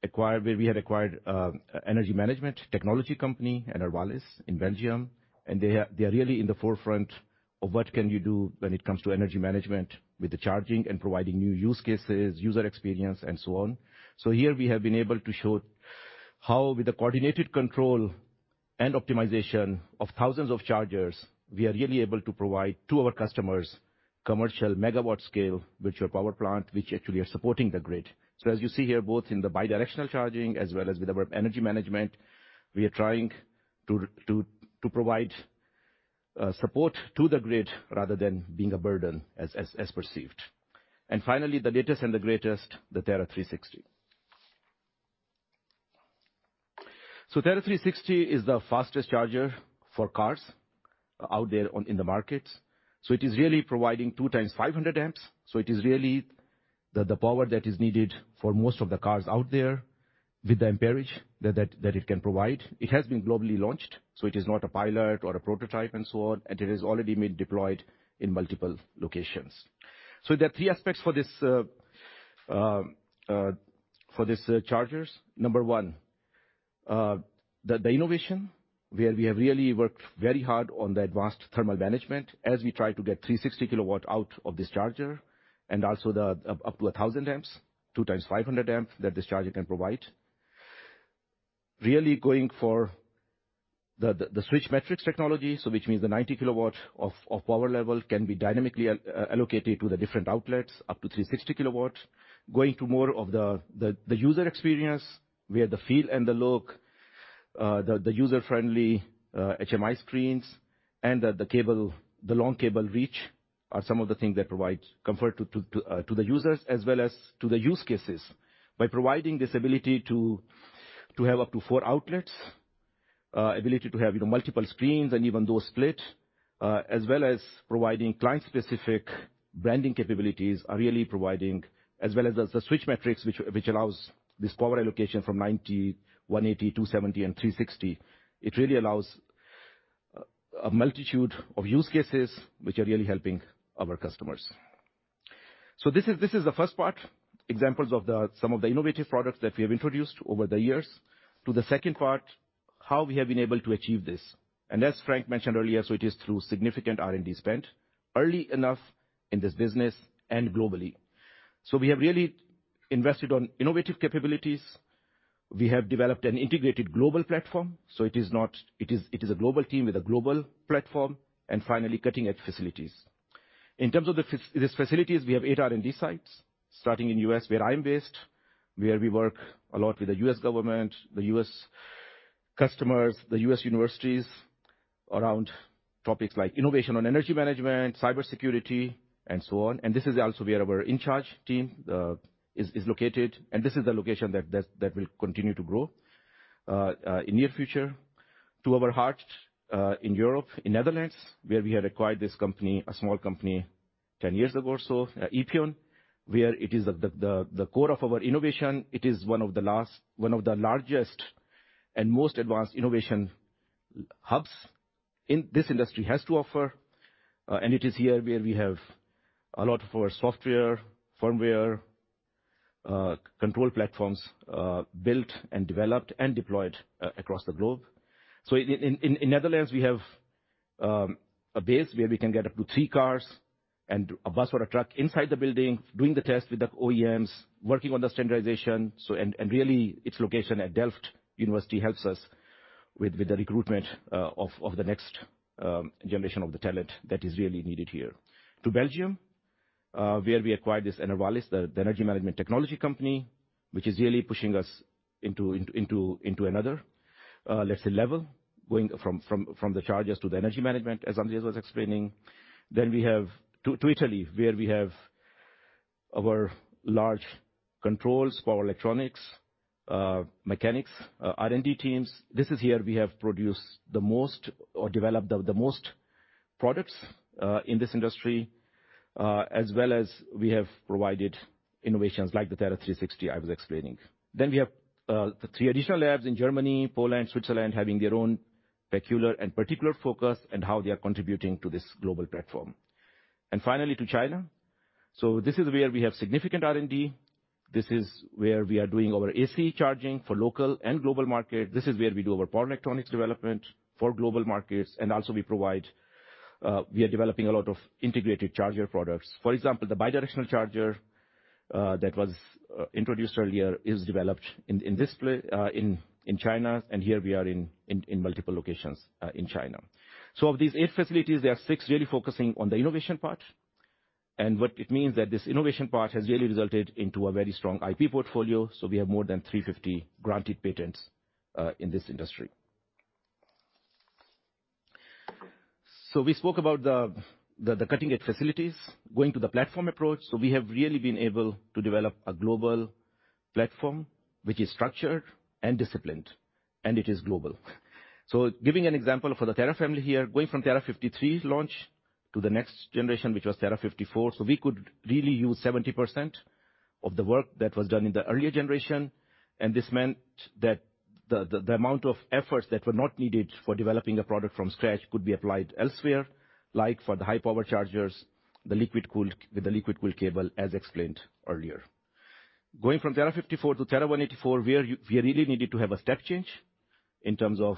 acquired energy management technology company, Enervalis, in Belgium. They are really in the forefront of what can you do when it comes to energy management with the charging and providing new use cases, user experience, and so on. Here we have been able to show how with the coordinated control and optimization of thousands of chargers, we are really able to provide to our customers commercial megawatt scale, virtual power plant, which actually are supporting the grid. As you see here, both in the bidirectional charging as well as with our energy management, we are trying to provide support to the grid rather than being a burden as perceived. Finally, the latest and the greatest, the Terra 360. Terra 360 is the fastest charger for cars out there in the market. It is really providing 2.0x 500 amps. It is really the power that is needed for most of the cars out there with the amperage that it can provide. It has been globally launched, so it is not a pilot or a prototype and so on, and it is already been deployed in multiple locations. There are three aspects for these chargers. Number one, the innovation, where we have really worked very hard on the advanced thermal management as we try to get 360 kW out of this charger, and also up to 1,000 amps, 2.0 x 500 amps that this charger can provide. Really going for the switch matrix technology, so which means the 90 kW of power level can be dynamically allocated to the different outlets, up to 360 kW. Going to more of the user experience, where the feel and the look, the user-friendly HMI screens and the cable, the long cable reach are some of the things that provide comfort to the users as well as to the use cases. By providing this ability to have up to four outlets, ability to have even multiple screens and even those split, as well as providing client-specific branding capabilities are really providing. As well as the switch matrix which allows this power allocation from 90, 180, 270 and 360 kW. It really allows a multitude of use cases which are really helping our customers. This is the first part, examples of some of the innovative products that we have introduced over the years. To the second part, how we have been able to achieve this. As Frank mentioned earlier, so it is through significant R&D spend early enough in this business and globally. We have really invested in innovative capabilities. We have developed an integrated global platform, it is a global team with a global platform and finally cutting-edge facilities. In terms of these facilities, we have eight R&D sites starting in U.S. where I'm based, where we work a lot with the U.S. government, the U.S. customers, the U.S. universities around topics like innovation in energy management, cybersecurity, and so on. This is also where our InCharge team is located, and this is the location that will continue to grow in near future. To our heart in Europe, in Netherlands, where we had acquired this company, a small company 10 years ago or so, Epyon, where it is the core of our innovation. It is one of the largest and most advanced innovation hubs in this industry has to offer. It is here where we have a lot of our software, firmware, control platforms built and developed and deployed across the globe. In Netherlands, we have a base where we can get up to three cars and a bus or a truck inside the building, doing the test with the OEMs, working on the standardization. Really its location at Delft University helps us with the recruitment of the next generation of the talent that is really needed here. In Belgium, where we acquired this Enervalis, the energy management technology company, which is really pushing us into another, let's say level, going from the chargers to the energy management, as Andreas was explaining. We have in Italy, where we have our large controls, power electronics, mechanics, R&D teams. This is where we have produced the most or developed the most products in this industry, as well as we have provided innovations like the Terra 360 I was explaining. We have the three additional labs in Germany, Poland, Switzerland, having their own peculiar and particular focus and how they are contributing to this global platform. Finally, in China. This is where we have significant R&D. This is where we are doing our AC charging for local and global market. This is where we do our power electronics development for global markets, and also we provide, we are developing a lot of integrated charger products. For example, the bidirectional charger that was introduced earlier is developed in China, and here we are in multiple locations in China. Of these eight facilities, there are six really focusing on the innovation part. What it means that this innovation part has really resulted into a very strong IP portfolio. We have more than 350 granted patents in this industry. We spoke about the cutting edge facilities going to the platform approach. We have really been able to develop a global platform which is structured and disciplined, and it is global. Giving an example for the Terra family here, going from Terra 53's launch to the next generation, which was Terra 54. We could really use 70% of the work that was done in the earlier generation. This meant that the amount of efforts that were not needed for developing a product from scratch could be applied elsewhere, like for the high power chargers, the liquid cooled, with the liquid cooled cable, as explained earlier. Going from Terra 54 to Terra 184, we really needed to have a step change in terms of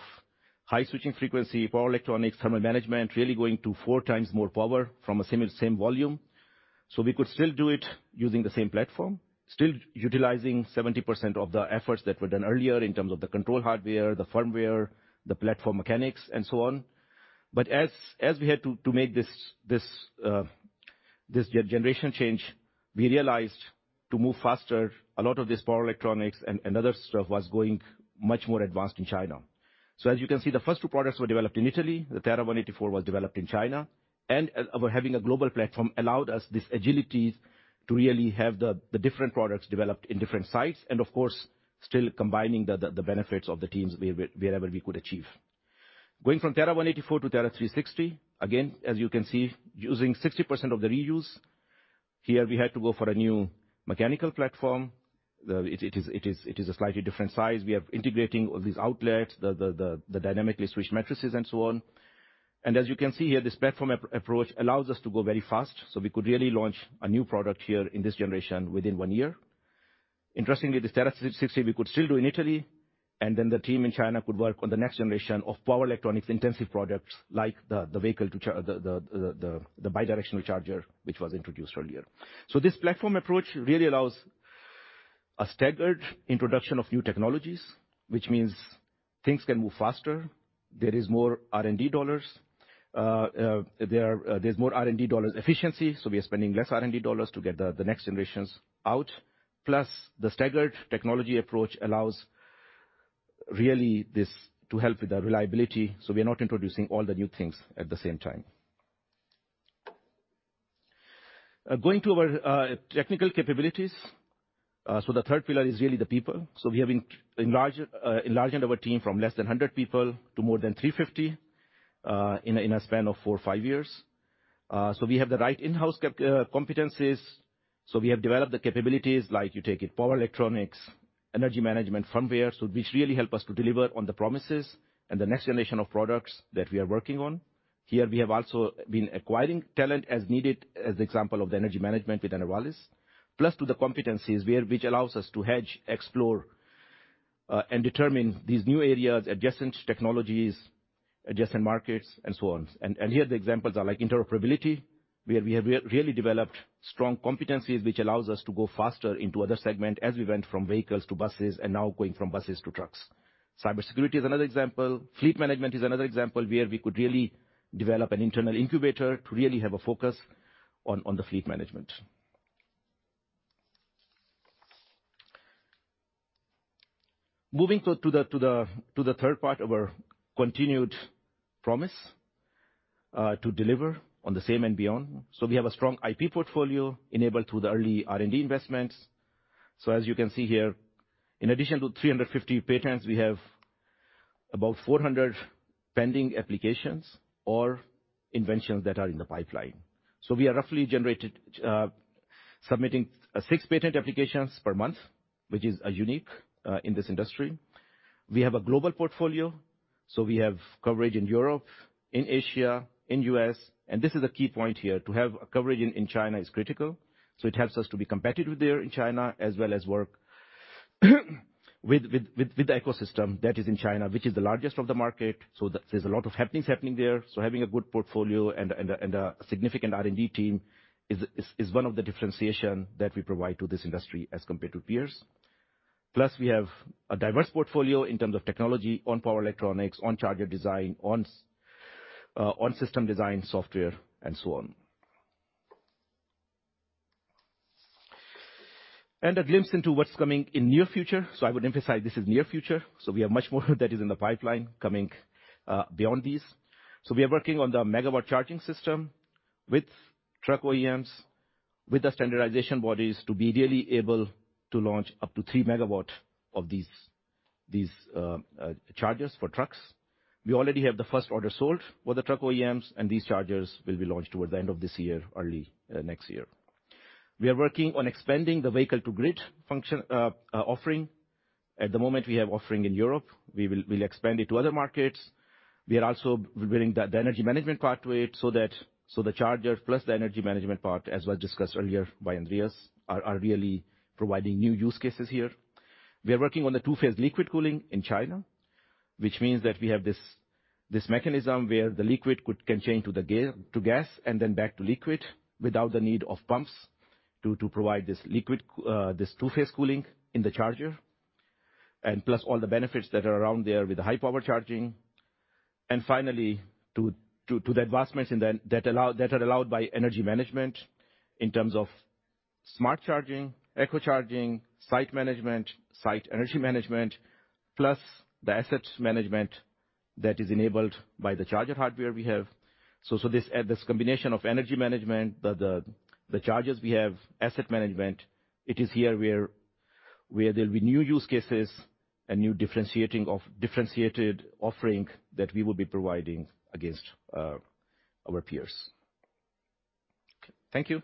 high switching frequency, power electronics, thermal management, really going to four times more power from the same volume. We could still do it using the same platform, still utilizing 70% of the efforts that were done earlier in terms of the control hardware, the firmware, the platform mechanics, and so on. As we had to make this generation change, we realized to move faster, a lot of this power electronics and other stuff was going much more advanced in China. As you can see, the first two products were developed in Italy. The Terra 184 was developed in China. Our having a global platform allowed us this agility to really have the different products developed in different sites, and of course, still combining the benefits of the teams wherever we could achieve. Going from Terra 184 to Terra 360, again, as you can see, using 60% of the reuse. Here, we had to go for a new mechanical platform. It is a slightly different size. We are integrating all these outlets, the dynamically switched matrices and so on. As you can see here, this platform approach allows us to go very fast, so we could really launch a new product here in this generation within one year. Interestingly, this Terra 360 we could still do in Italy, and then the team in China could work on the next generation of power electronics intensive products like the bidirectional charger, which was introduced earlier. This platform approach really allows a staggered introduction of new technologies, which means things can move faster. There is more R&D dollars. There's more R&D dollars efficiency, so we are spending less R&D dollars to get the next generations out. The staggered technology approach allows really this to help with the reliability, so we are not introducing all the new things at the same time. Going to our technical capabilities. The third pillar is really the people. We have enlarged our team from less than 100 people to more than 350 in a span of four to five years. We have the right in-house competencies. We have developed the capabilities, like you take it, power electronics, energy management, firmware, which really help us to deliver on the promises and the next generation of products that we are working on. Here we have also been acquiring talent as needed, as an example of the energy management with Enervalis. In addition to the competencies which allows us to hedge, explore, and determine these new areas, adjacent technologies, adjacent markets and so on. Here, the examples are like interoperability, where we have really developed strong competencies which allows us to go faster into other segment as we went from vehicles to buses, and now going from buses to trucks. Cybersecurity is another example. Fleet management is another example where we could really develop an internal incubator to really have a focus on the fleet management. Moving to the third part of our continued promise to deliver on the same and beyond. We have a strong IP portfolio enabled through the early R&D investments. As you can see here, in addition to 350 patents, we have about 400 pending applications or inventions that are in the pipeline. We roughly submit 6 patent applications per month, which is unique in this industry. We have a global portfolio, so we have coverage in Europe, in Asia, in U.S. This is a key point here, to have coverage in China is critical. It helps us to be competitive there in China, as well as work with the ecosystem that is in China, which is the largest of the market. There's a lot of happenings there. Having a good portfolio and a significant R&D team is one of the differentiation that we provide to this industry as compared to peers. Plus, we have a diverse portfolio in terms of technology on power electronics, on charger design, on system design software and so on. A glimpse into what's coming in near future. I would emphasize this is near future. We have much more that is in the pipeline coming beyond these. We are working on the megawatt charging system with truck OEMs, with the standardization bodies to be really able to launch up to 3 megawatts of these chargers for trucks. We already have the first order sold with the truck OEMs, and these chargers will be launched towards the end of this year, early next year. We are working on expanding the vehicle to grid function offering. At the moment, we have offering in Europe. We will expand it to other markets. We are also building the energy management part to it so that the charger plus the energy management part, as was discussed earlier by Andreas, are really providing new use cases here. We are working on the two-phase liquid cooling in China, which means that we have this mechanism where the liquid can change to gas and then back to liquid without the need of pumps to provide this two-phase cooling in the charger. Plus all the benefits that are around there with the high power charging. Finally, to the advancements that are allowed by energy management in terms of smart charging, eco charging, site management, site energy management, plus the asset management that is enabled by the charger hardware we have. This combination of energy management, the chargers we have, asset management, it is here where there'll be new use cases and new differentiated offering that we will be providing against our peers. Thank you.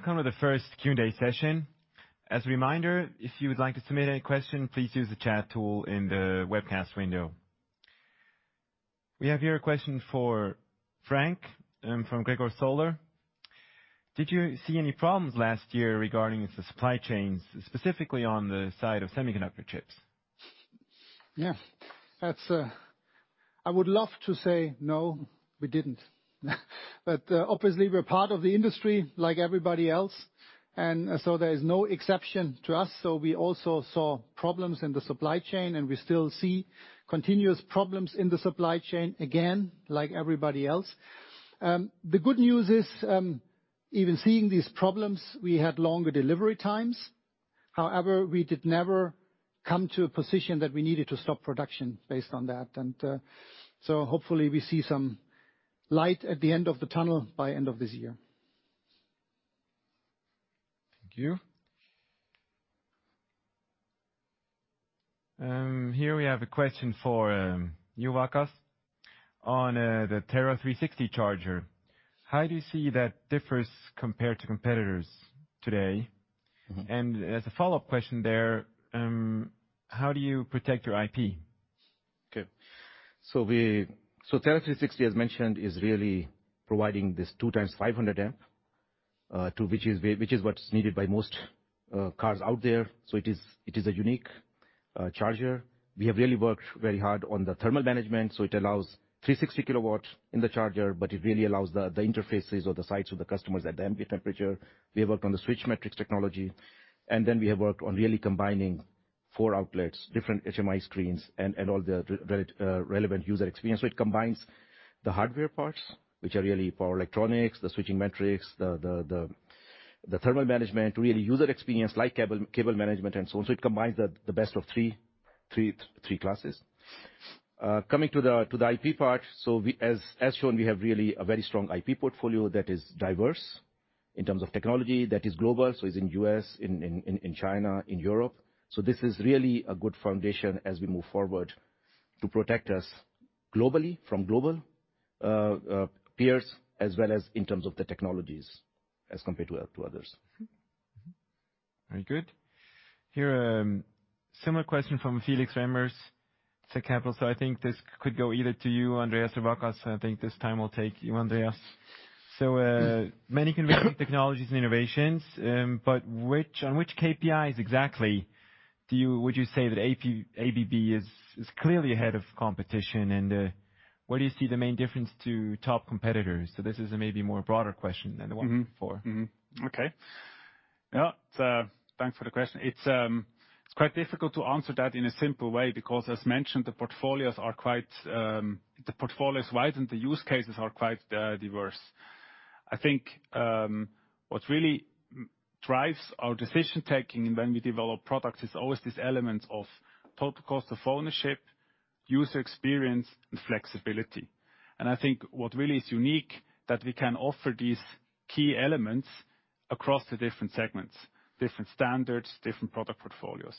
We now come to the first Q&A session. As a reminder, if you would like to submit any question, please use the chat tool in the webcast window. We have here a question for Frank, from Gregor Kuglitsch. Did you see any problems last year regarding the supply chains, specifically on the side of semiconductor chips? Yeah. That's... I would love to say no, we didn't. Obviously we're part of the industry like everybody else, and so there is no exception to us. We also saw problems in the supply chain, and we still see continuous problems in the supply chain, again, like everybody else. The good news is, even seeing these problems, we had longer delivery times. However, we did never come to a position that we needed to stop production based on that. Hopefully we see some light at the end of the tunnel by end of this year. Thank you. Here we have a question for you, Waqas, on the Terra 360 charger. How do you see that differs compared to competitors today? Mm-hmm. As a follow-up question there, how do you protect your IP? Terra 360, as mentioned, is really providing this 2.0 x 500 amps to which is what's needed by most cars out there. It is a unique charger. We have really worked very hard on the thermal management, so it allows 360 kilowatts in the charger, but it really allows the interfaces or the sites of the customers at the ambient temperature. We have worked on the switch matrix technology, and then we have worked on really combining four outlets, different HMI screens and all the relevant user experience. It combines the hardware parts, which are really power electronics, the switch matrix, the thermal management, really user experience, like cable management and so on. It combines the best of three classes. Coming to the IP part. As shown, we have really a very strong IP portfolio that is diverse in terms of technology, that is global, so is in U.S., in China, in Europe. This is really a good foundation as we move forward to protect us globally from global peers, as well as in terms of the technologies as compared to others. Very good. Here's a similar question from Felix Remmers, zCapital. I think this could go either to you, Andreas or Waqas. I think this time we'll take you, Andreas. Many convincing technologies and innovations, but on which KPIs exactly would you say that ABB is clearly ahead of competition? Where do you see the main difference to top competitors? This is maybe more broader question than the one before. Thanks for the question. It's quite difficult to answer that in a simple way because as mentioned, the portfolios are quite, the portfolio is wide, and the use cases are quite diverse. I think what really drives our decision-making and when we develop products is always this element of total cost of ownership, user experience, and flexibility. I think what really is unique that we can offer these key elements across the different segments, different standards, different product portfolios.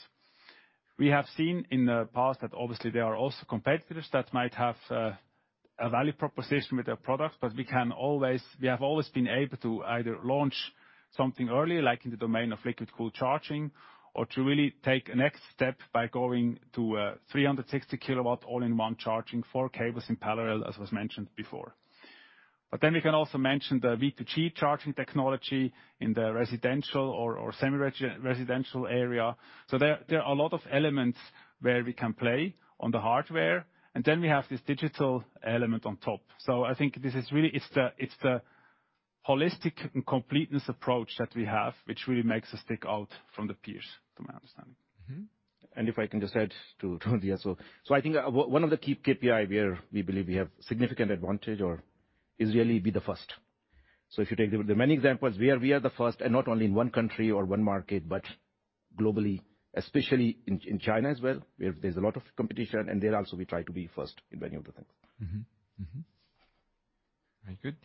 We have seen in the past that obviously there are also competitors that might have a value proposition with their product, but we can always. We have always been able to either launch something early, like in the domain of liquid-cooled charging, or to really take a next step by going to a 360 kW all-in-one charging, four cables in parallel, as was mentioned before. We can also mention the V2G charging technology in the residential or semi-residential area. There are a lot of elements where we can play on the hardware, and then we have this digital element on top. I think this is really the holistic and complete approach that we have, which really makes us stick out from the peers, from my understanding. If I can just add to Andreas. I think one of the key KPI where we believe we have significant advantage or is really be the first. If you take the many examples, we are the first, and not only in one country or one market, but globally, especially in China as well, where there's a lot of competition, and there also we try to be first in many of the things. Very good.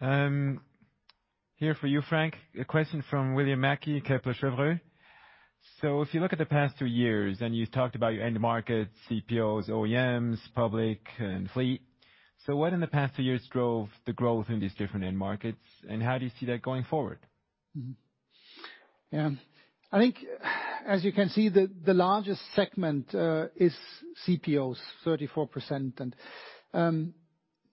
Here for you, Frank, a question from William Mackie, Kepler Cheuvreux. If you look at the past two years, and you talked about your end markets, CPOs, OEMs, public, and fleet. What in the past two years drove the growth in these different end markets, and how do you see that going forward? I think as you can see, the largest segment is CPOs, 34%.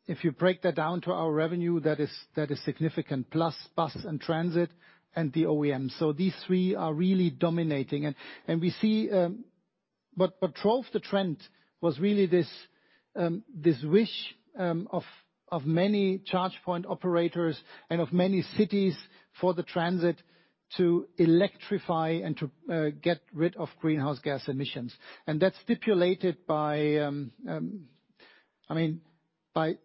If you break that down to our revenue, that is significant, plus bus and transit and the OEM. These three are really dominating. We see what drove the trend was really this wish of many charge point operators and of many cities for the transit to electrify and to get rid of greenhouse gas emissions. That's stipulated by, I mean, by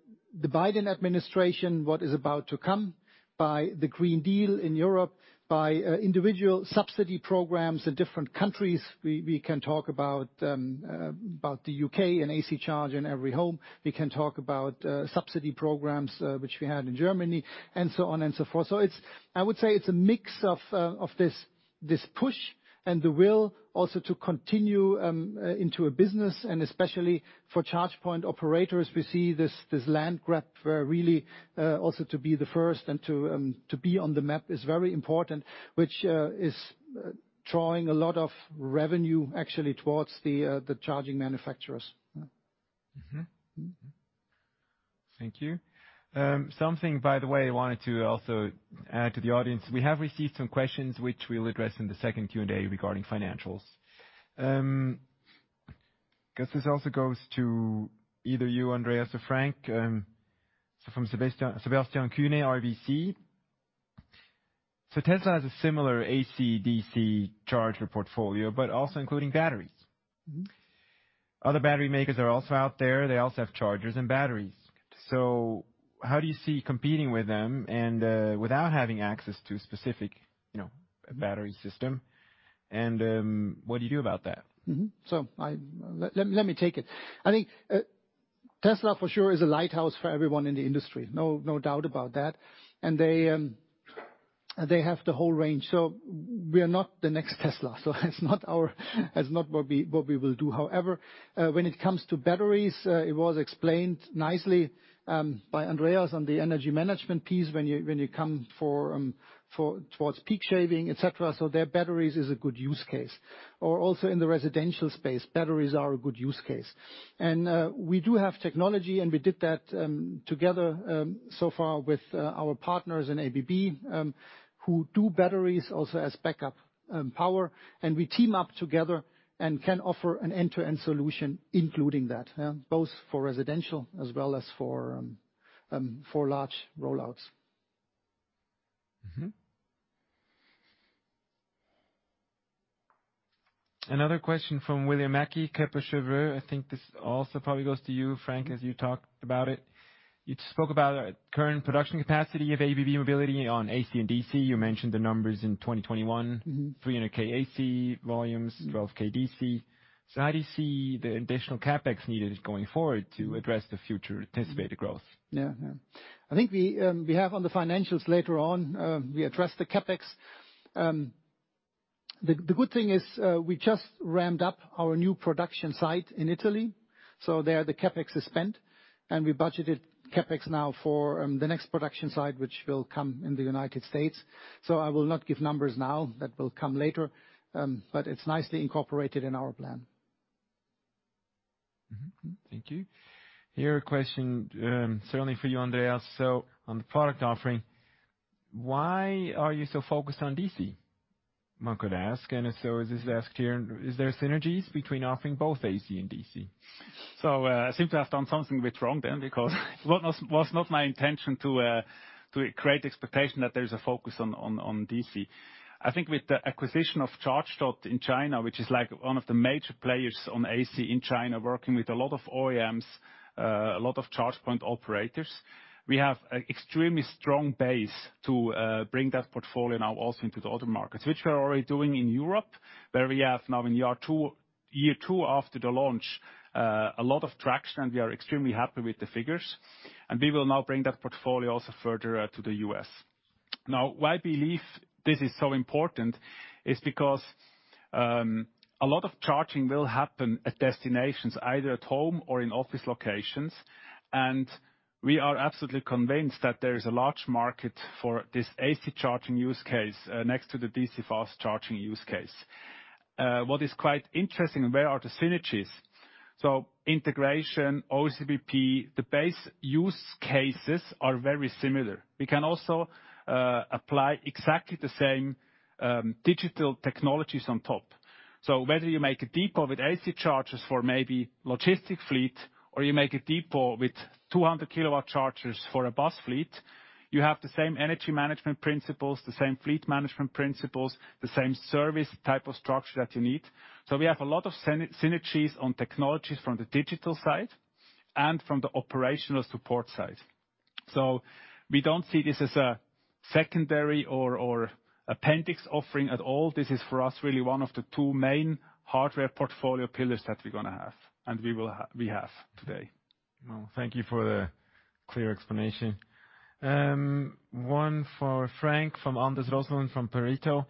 the Biden administration, what is about to come, by the European Green Deal in Europe, by individual subsidy programs in different countries. We can talk about the UK and AC charge in every home. We can talk about subsidy programs, which we had in Germany, and so on and so forth. It's, I would say it's a mix of this push and the will also to continue into a business, and especially for charge point operators, we see this land grab where really also to be the first and to be on the map is very important, which is drawing a lot of revenue actually towards the charging manufacturers. Mm-hmm. Mm-hmm. Thank you. Something, by the way, I wanted to also add to the audience. We have received some questions which we'll address in the second Q&A regarding financials. I guess this also goes to either you, Andreas or Frank, so from Sebastian Kuenne, RBC. Tesla has a similar AC, DC charger portfolio, but also including batteries. Mm-hmm. Other battery makers are also out there. They also have chargers and batteries. How do you see competing with them and, without having access to a specific, battery system, and, what do you do about that? Let me take it. I think Tesla for sure is a lighthouse for everyone in the industry. No doubt about that. They have the whole range. We are not the next Tesla, that's not our. That's not what we will do. However, when it comes to batteries, it was explained nicely by Andreas on the energy management piece when you come towards peak shaving, et cetera. Their batteries is a good use case. Also in the residential space, batteries are a good use case. We do have technology, and we did that together so far with our partners in ABB, who do batteries also as backup power. We team up together and can offer an end-to-end solution, including that, both for residential as well as for large rollouts. Another question from William Mackie, Kepler Cheuvreux. I think this also probably goes to you, Frank, as you talked about it. You spoke about current production capacity of ABB E-mobility on AC and DC. You mentioned the numbers in 2021. Mm-hmm. 300,000 AC volumes, 12,000 DC. How do you see the additional CapEx needed going forward to address the future anticipated growth? I think we have on the financials later on, we address the CapEx. The good thing is, we just ramped up our new production site in Italy, so there, the CapEx is spent, and we budgeted CapEx now for the next production site, which will come in the United States. I will not give numbers now. That will come later, but it's nicely incorporated in our plan. Thank you. Here's a question, certainly for you, Andreas. On the product offering, why are you so focused on DC? One could ask, and so is this asked here. Is there synergies between offering both AC and DC? I seem to have done something a bit wrong then because it was not my intention to create expectation that there is a focus on DC. I think with the acquisition of Chargedot in China, which is, like, one of the major players on AC in China, working with a lot of OEMs, a lot of charge point operators, we have an extremely strong base to bring that portfolio now also into the other markets, which we are already doing in Europe, where we have now in year two after the launch a lot of traction, and we are extremely happy with the figures, and we will now bring that portfolio also further out to the U.S. Now, why I believe this is so important is because a lot of charging will happen at destinations, either at home or in office locations, and we are absolutely convinced that there is a large market for this AC charging use case next to the DC fast charging use case. What is quite interesting, where are the synergies? Integration, OCPP, the base use cases are very similar. We can also apply exactly the same digital technologies on top. Whether you make a depot with AC chargers for maybe logistic fleet, or you make a depot with 200 kW chargers for a bus fleet, you have the same energy management principles, the same fleet management principles, the same service type of structure that you need. We have a lot of synergies on technologies from the digital side and from the operational support side. We don't see this as a secondary or appendix offering at all. This is, for us, really one of the two main hardware portfolio pillars that we're gonna have, and we have today. Well, thank you for the clear explanation. Question for Frank from Anders Roslund from Pareto.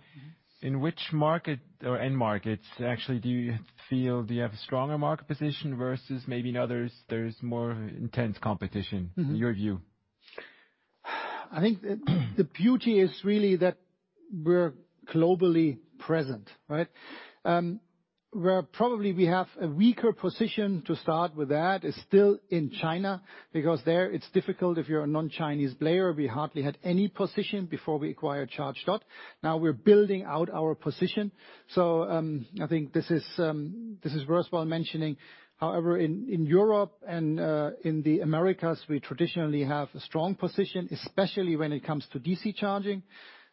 In which market or end markets actually do you feel you have a stronger market position versus maybe in others there is more intense competition? Mm-hmm. in your view? I think the beauty is really that we're globally present, right? Where probably we have a weaker position to start with that is still in China, because there it's difficult if you're a non-Chinese player. We hardly had any position before we acquired Chargedot. Now we're building out our position. I think this is worthwhile mentioning. However, in Europe and in the Americas, we traditionally have a strong position, especially when it comes to DC charging.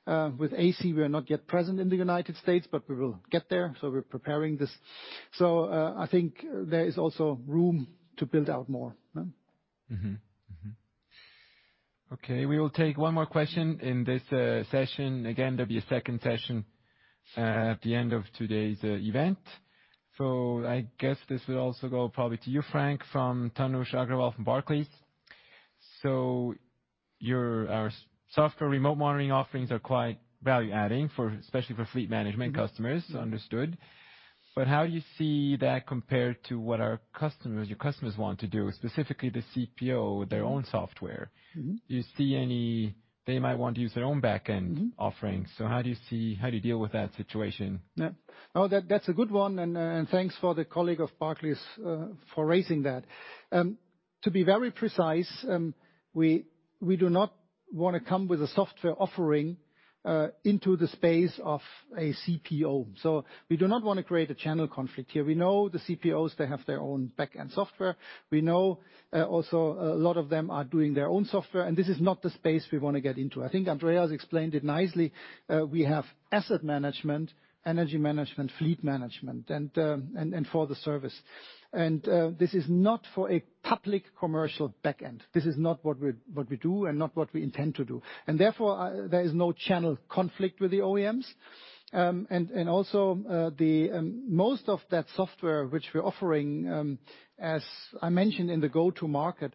With AC, we are not yet present in the United States, but we will get there, so we're preparing this. I think there is also room to build out more. Yeah. Okay, we will take one more question in this session. Again, there'll be a second session at the end of today's event. I guess this will also go probably to you, Frank, from Tansy Aganwal from Barclays. Your software remote monitoring offerings are quite value-adding, especially for fleet management customers. Mm-hmm. Understood. How do you see that compared to what our customers, your customers want to do, specifically the CPO, their own software? Mm-hmm. Do you see any? They might want to use their own back-end. Mm-hmm. offerings, so how do you see, how do you deal with that situation? Yeah. Oh, that's a good one, and thanks for the colleague of Barclays for raising that. To be very precise, we do not wanna come with a software offering into the space of a CPO. So we do not wanna create a channel conflict here. We know the CPOs, they have their own back-end software. We know also a lot of them are doing their own software, and this is not the space we wanna get into. I think Andreas explained it nicely. We have asset management, energy management, fleet management, and for the service. This is not for a public commercial back end. This is not what we do and not what we intend to do. Therefore, there is no channel conflict with the OEMs. Most of that software which we're offering, as I mentioned in the go-to market,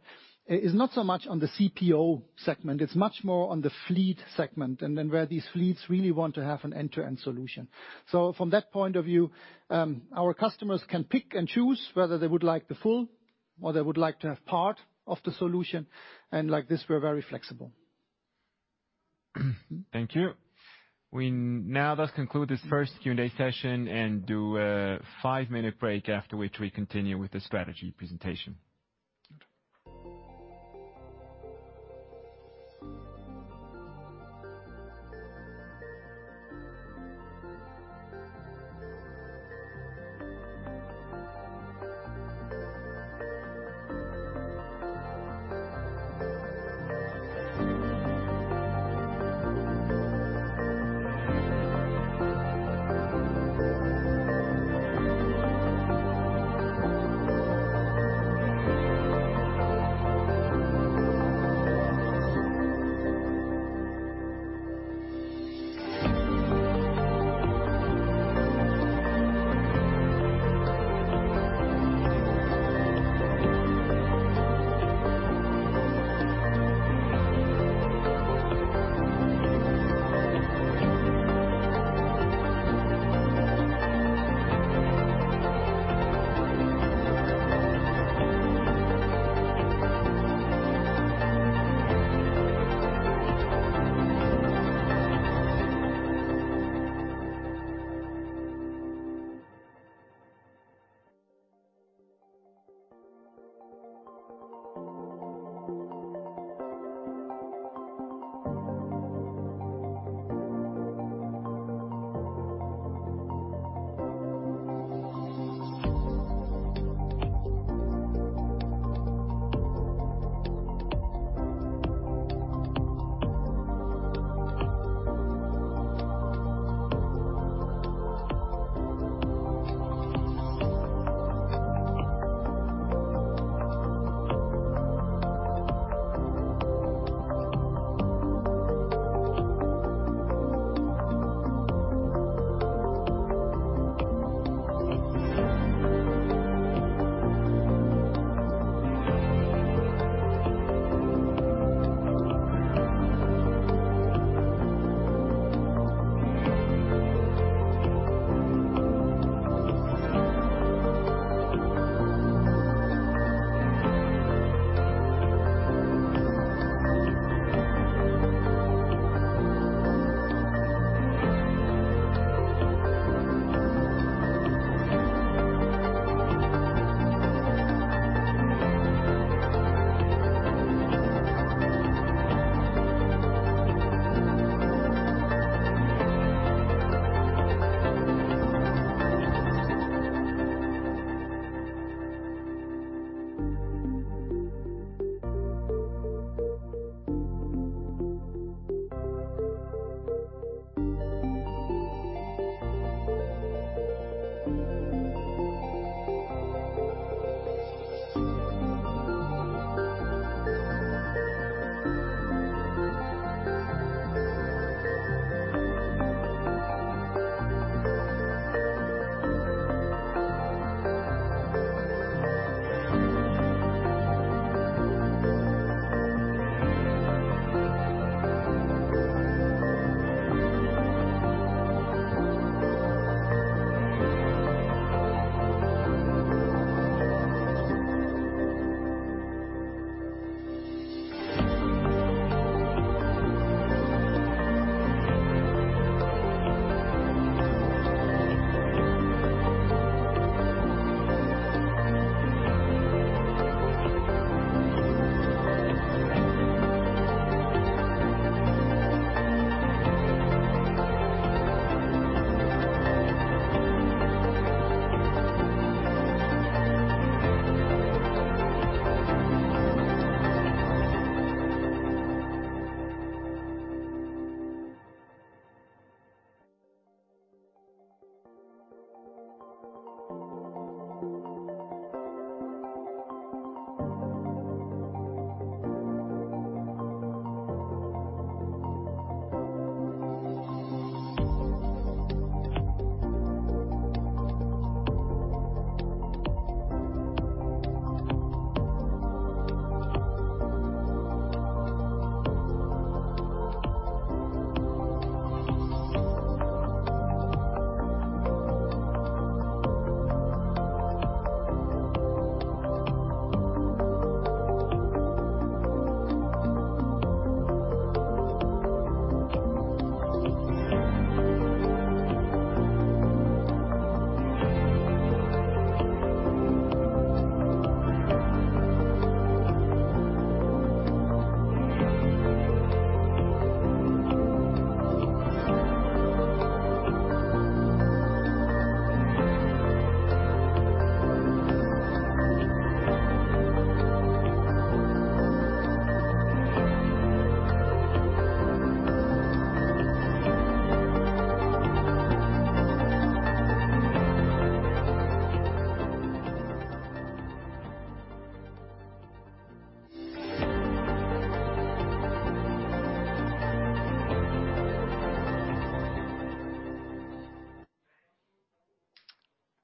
is not so much on the CPO segment. It's much more on the fleet segment, and then where these fleets really want to have an end-to-end solution. From that point of view, our customers can pick and choose whether they would like the full or they would like to have part of the solution, and like this, we're very flexible. Thank you. We now thus conclude this first Q&A session and do a five-minute break, after which we continue with the strategy presentation.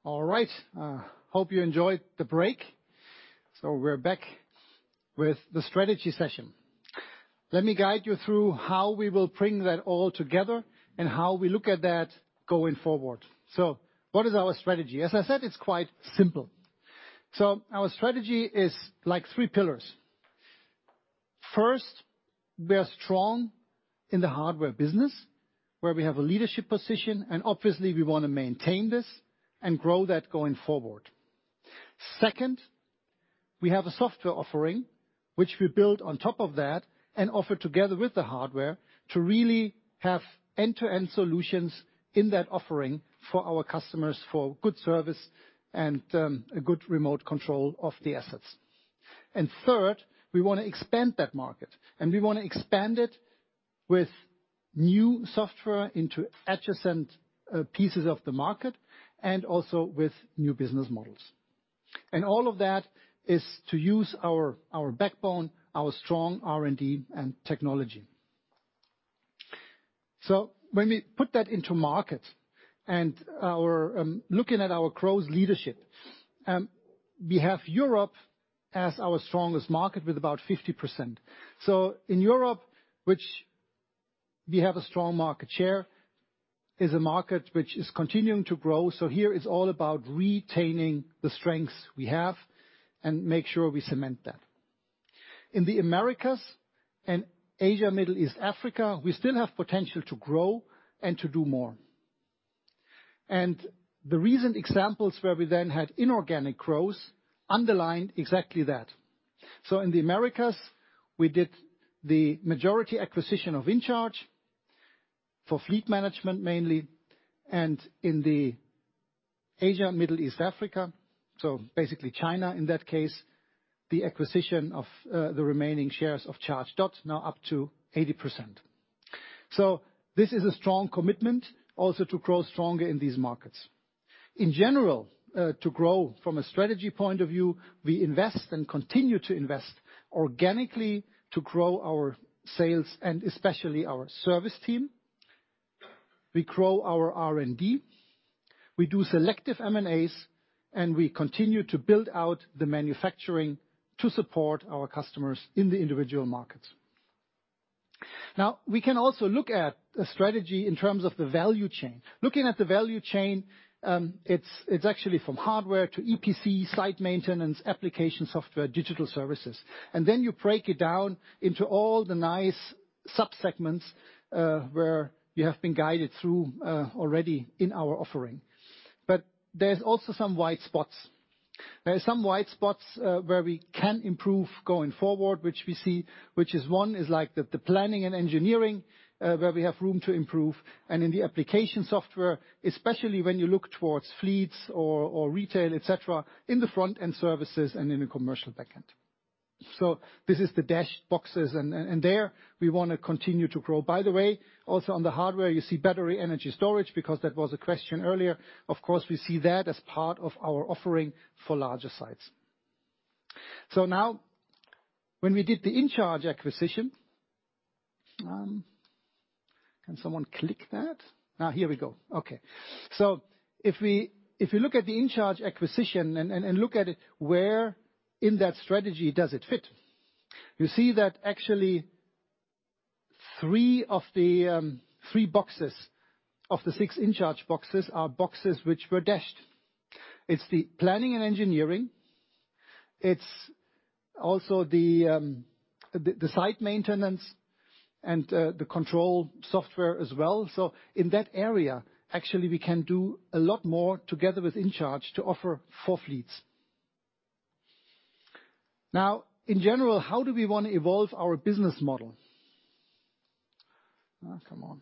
Good. All right. Hope you enjoyed the break. We're back with the strategy session. Let me guide you through how we will bring that all together and how we look at that going forward. What is our strategy? As I said, it's quite simple. Our strategy is like three pillars. First, we are strong in the hardware business, where we have a leadership position, and obviously we wanna maintain this and grow that going forward. Second, we have a software offering which we build on top of that and offer together with the hardware to really have end-to-end solutions in that offering for our customers for good service and, a good remote control of the assets. Third, we wanna expand that market, and we wanna expand it with new software into adjacent, pieces of the market, and also with new business models. All of that is to use our backbone, our strong R&D and technology. When we put that into market and looking at our growth leadership, we have Europe as our strongest market with about 50%. In Europe, which we have a strong market share, is a market which is continuing to grow. Here it's all about retaining the strengths we have and make sure we cement that. In the Americas and Asia, Middle East, Africa, we still have potential to grow and to do more. The recent examples where we then had inorganic growth underlined exactly that. In the Americas, we did the majority acquisition of InCharge for fleet management mainly. In the Asia and Middle East, Africa, basically China, the acquisition of the remaining shares of Chargedot now up to 80%. This is a strong commitment also to grow stronger in these markets. In general, to grow from a strategy point of view, we invest and continue to invest organically to grow our sales and especially our service team. We grow our R&D, we do selective M&As, and we continue to build out the manufacturing to support our customers in the individual markets. Now we can also look at a strategy in terms of the value chain. Looking at the value chain, it's actually from hardware to EPC, site maintenance, application software, digital services. Then you break it down into all the nice sub-segments, where you have been guided through, already in our offering. There's also some white spots. There are some white spots where we can improve going forward, which we see, one is the planning and engineering where we have room to improve. In the application software, especially when you look towards fleets or retail, et cetera, in the front-end services and in the commercial back-end. This is the dashed boxes and there we wanna continue to grow. By the way, also on the hardware, you see battery energy storage because that was a question earlier. Of course, we see that as part of our offering for larger sites. Now when we did the InCharge acquisition. Can someone click that? Now here we go. Okay. If we look at the InCharge acquisition and look at it, where in that strategy does it fit? You see that actually three of the three boxes of the six InCharge boxes are boxes which were dashed. It's the planning and engineering, it's also the site maintenance and the control software as well. In that area, actually, we can do a lot more together with InCharge to offer for fleets. Now, in general, how do we wanna evolve our business model? Come on.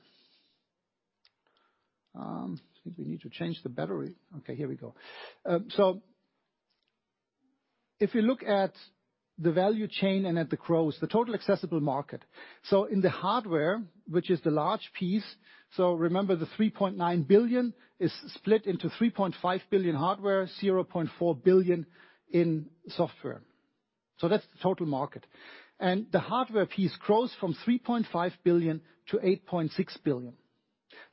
I think we need to change the battery. Okay, here we go. If you look at the value chain and at the growth, the total accessible market. In the hardware, which is the large piece, remember the $3.9 billion is split into $3.5 billion hardware, $0.4 billion in software. That's the total market. The hardware piece grows from $3.5 billion to $8.6 billion.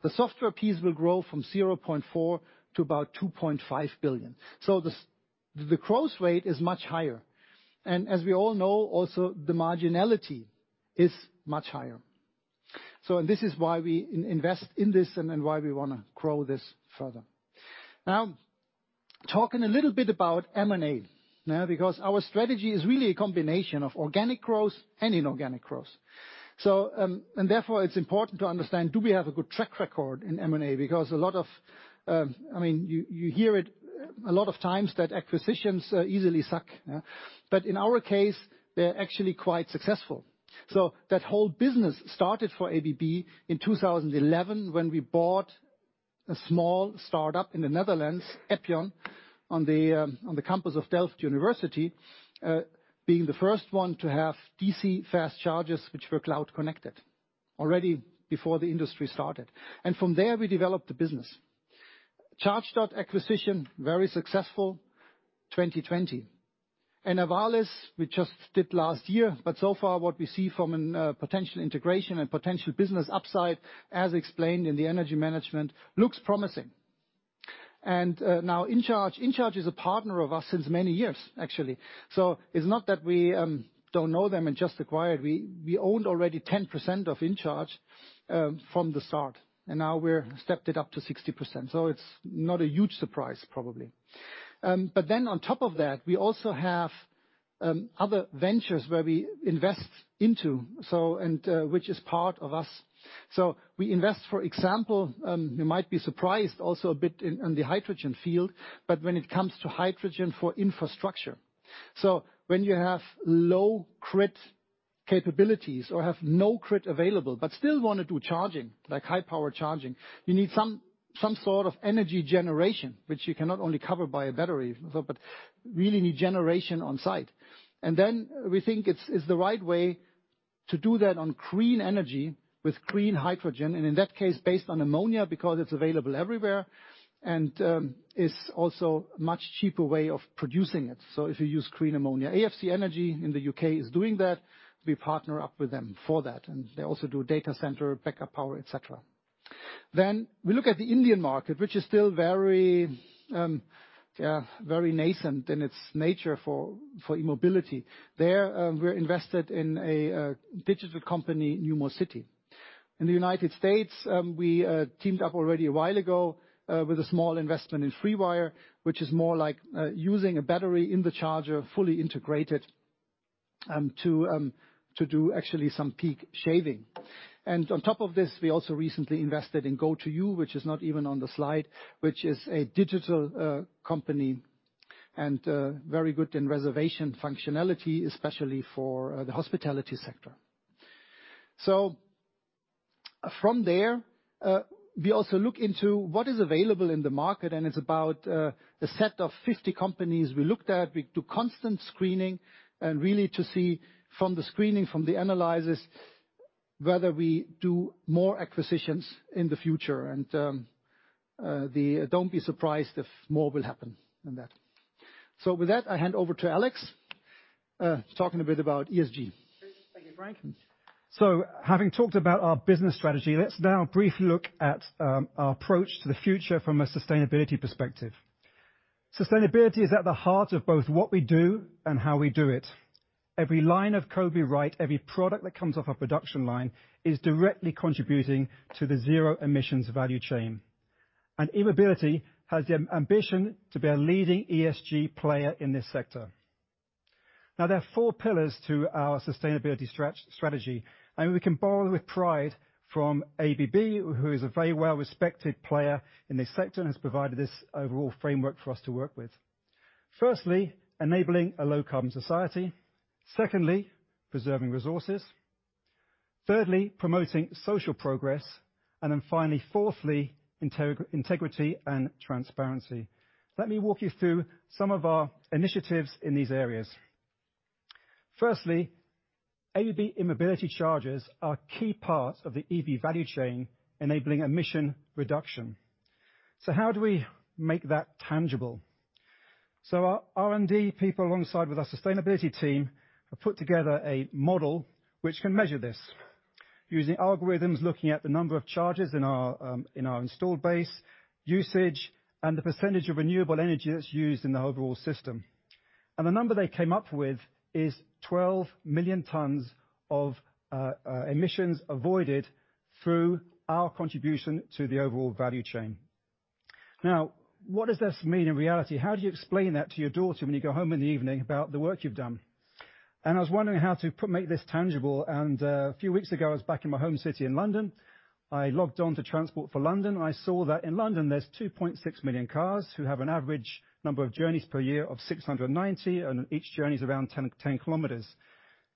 The software piece will grow from $0.4 billion to about $2.5 billion. The growth rate is much higher. As we all know, also, the marginality is much higher. This is why we invest in this and then why we wanna grow this further. Now, talking a little bit about M&A. Now, because our strategy is really a combination of organic growth and inorganic growth. Therefore it's important to understand, do we have a good track record in M&A? Because a lot of, I mean, you hear it a lot of times that acquisitions easily suck, yeah. In our case, they're actually quite successful. That whole business started for ABB in 2011 when we bought a small startup in the Netherlands, Epyon, on the campus of Delft University, being the first one to have DC fast chargers which were cloud connected already before the industry started. From there, we developed the business. Chargedot acquisition, very successful, 2020. Enervalis, we just did last year, but so far what we see from a potential integration and potential business upside, as explained in the energy management, looks promising. Now InCharge. InCharge is a partner of us since many years, actually. It's not that we don't know them and just acquired. We owned already 10% of InCharge from the start, and now we've stepped it up to 60%, so it's not a huge surprise probably. On top of that, we also have other ventures where we invest into, so and, which is part of us. We invest, for example, you might be surprised also a bit in, on the hydrogen field, but when it comes to hydrogen for infrastructure. When you have low grid capabilities or have no grid available, but still wanna do charging, like high power charging, you need some sort of energy generation, which you cannot only cover by a battery, but really need generation on site. We think it's the right way to do that on green energy with green hydrogen, and in that case, based on ammonia, because it's available everywhere and, is also a much cheaper way of producing it. If you use green ammonia. AFC Energy in the UK is doing that. We partner up with them for that, and they also do data center, backup power, et cetera. We look at the Indian market, which is still very nascent in its nature for e-mobility. There, we're invested in a digital company, Numocity. In the United States, we teamed up already a while ago with a small investment in FreeWire, which is more like using a battery in the charger, fully integrated, to do actually some peak shaving. On top of this, we also recently invested in GO TO-U, which is not even on the slide, which is a digital company and very good in reservation functionality, especially for the hospitality sector. From there, we also look into what is available in the market, and it's about a set of 50 companies we looked at. We do constant screening and really to see from the screening, from the analysis, whether we do more acquisitions in the future. Don't be surprised if more will happen than that. With that, I hand over to Alex to talk a bit about ESG. Thank you, Frank. Having talked about our business strategy, let's now briefly look at our approach to the future from a sustainability perspective. Sustainability is at the heart of both what we do and how we do it. Every line of code we write, every product that comes off our production line, is directly contributing to the zero emissions value chain. E-mobility has the ambition to be a leading ESG player in this sector. Now, there are four pillars to our sustainability strategy, and we can borrow with pride from ABB, who is a very well-respected player in this sector and has provided this overall framework for us to work with. Firstly, enabling a low-carbon society. Secondly, preserving resources. Thirdly, promoting social progress. Finally, fourthly, integrity and transparency. Let me walk you through some of our initiatives in these areas. Firstly, ABB E-mobility chargers are a key part of the EV value chain, enabling emission reduction. How do we make that tangible? Our R&D people alongside with our sustainability team have put together a model which can measure this using algorithms, looking at the number of charges in our in our installed base usage and the percentage of renewable energy that's used in the overall system. The number they came up with is 12 million tons of emissions avoided through our contribution to the overall value chain. Now, what does this mean in reality? How do you explain that to your daughter when you go home in the evening about the work you've done? I was wondering how to make this tangible. A few weeks ago, I was back in my home city in London. I logged on to Transport for London, and I saw that in London there's 2.6 million cars who have an average number of journeys per year of 690, and each journey is around 10 km.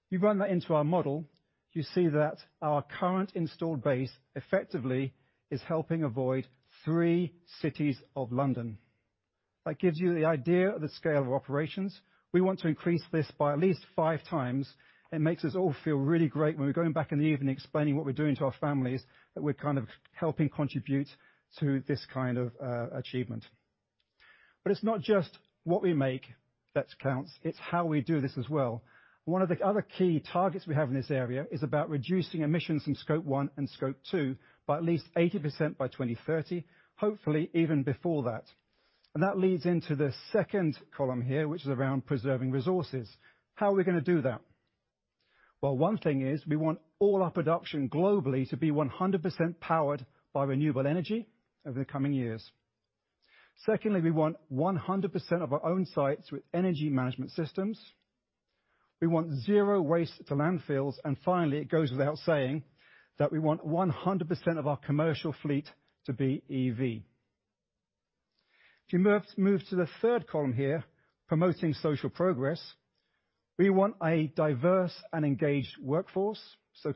You run that into our model, you see that our current installed base effectively is helping avoid three cities of London. That gives you the idea of the scale of operations. We want to increase this by at least five times. It makes us all feel really great when we're going back in the evening explaining what we're doing to our families, that we're kind of helping contribute to this kind of achievement. It's not just what we make that counts, it's how we do this as well. One of the other key targets we have in this area is about reducing emissions from Scope 1 and Scope 2 by at least 80% by 2030, hopefully even before that. That leads into the second column here, which is around preserving resources. How are we gonna do that? Well, one thing is we want all our production globally to be 100% powered by renewable energy over the coming years. Secondly, we want 100% of our own sites with energy management systems. We want zero waste to landfills. Finally, it goes without saying that we want 100% of our commercial fleet to be EV. If you move to the third column here, promoting social progress, we want a diverse and engaged workforce.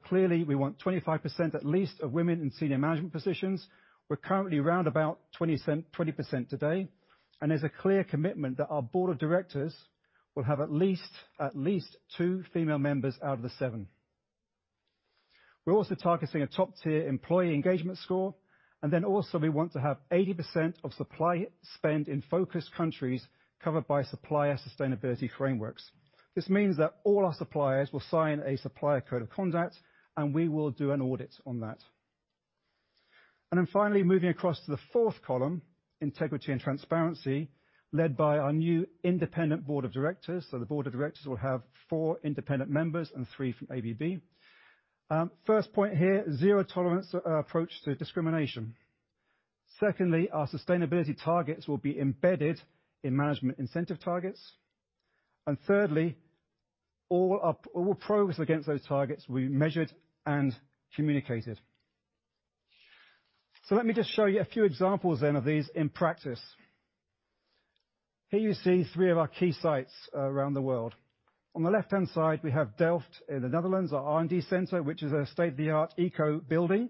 Clearly, we want at least 25% of women in senior management positions. We're currently around about 20% today, and there's a clear commitment that our Board of directors will have at least two female members out of the seven. We're also targeting a top-tier employee engagement score, and then also we want to have 80% of supply spend in focus countries covered by supplier sustainability frameworks. This means that all our suppliers will sign a supplier code of conduct, and we will do an audit on that. Finally, moving across to the fourth column, integrity and transparency, led by our new independent board of directors. The board of directors will have four independent members and three from ABB. First point here, zero tolerance approach to discrimination. Secondly, our sustainability targets will be embedded in management incentive targets. Thirdly, all progress against those targets will be measured and communicated. Let me just show you a few examples then of these in practice. Here you see three of our key sites around the world. On the left-hand side, we have Delft in the Netherlands, our R&D center, which is a state-of-the-art eco-building.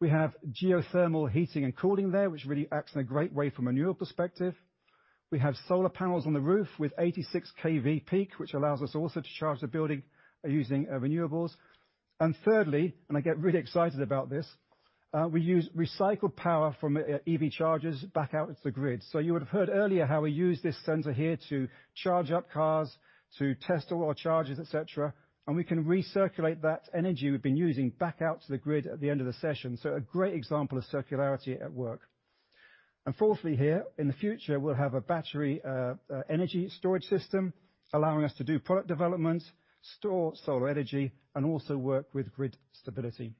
We have geothermal heating and cooling there, which really acts in a great way from an ESG perspective. We have solar panels on the roof with 86 kW peak, which allows us also to charge the building using renewables. Thirdly, I get really excited about this. We use recycled power from EV chargers back out to the grid. You would have heard earlier how we use this center here to charge up cars, to test all our chargers, etc., and we can recirculate that energy we've been using back out to the grid at the end of the session. A great example of circularity at work. Fourthly here, in the future, we'll have a battery energy storage system, allowing us to do product developments, store solar energy, and also work with grid stability.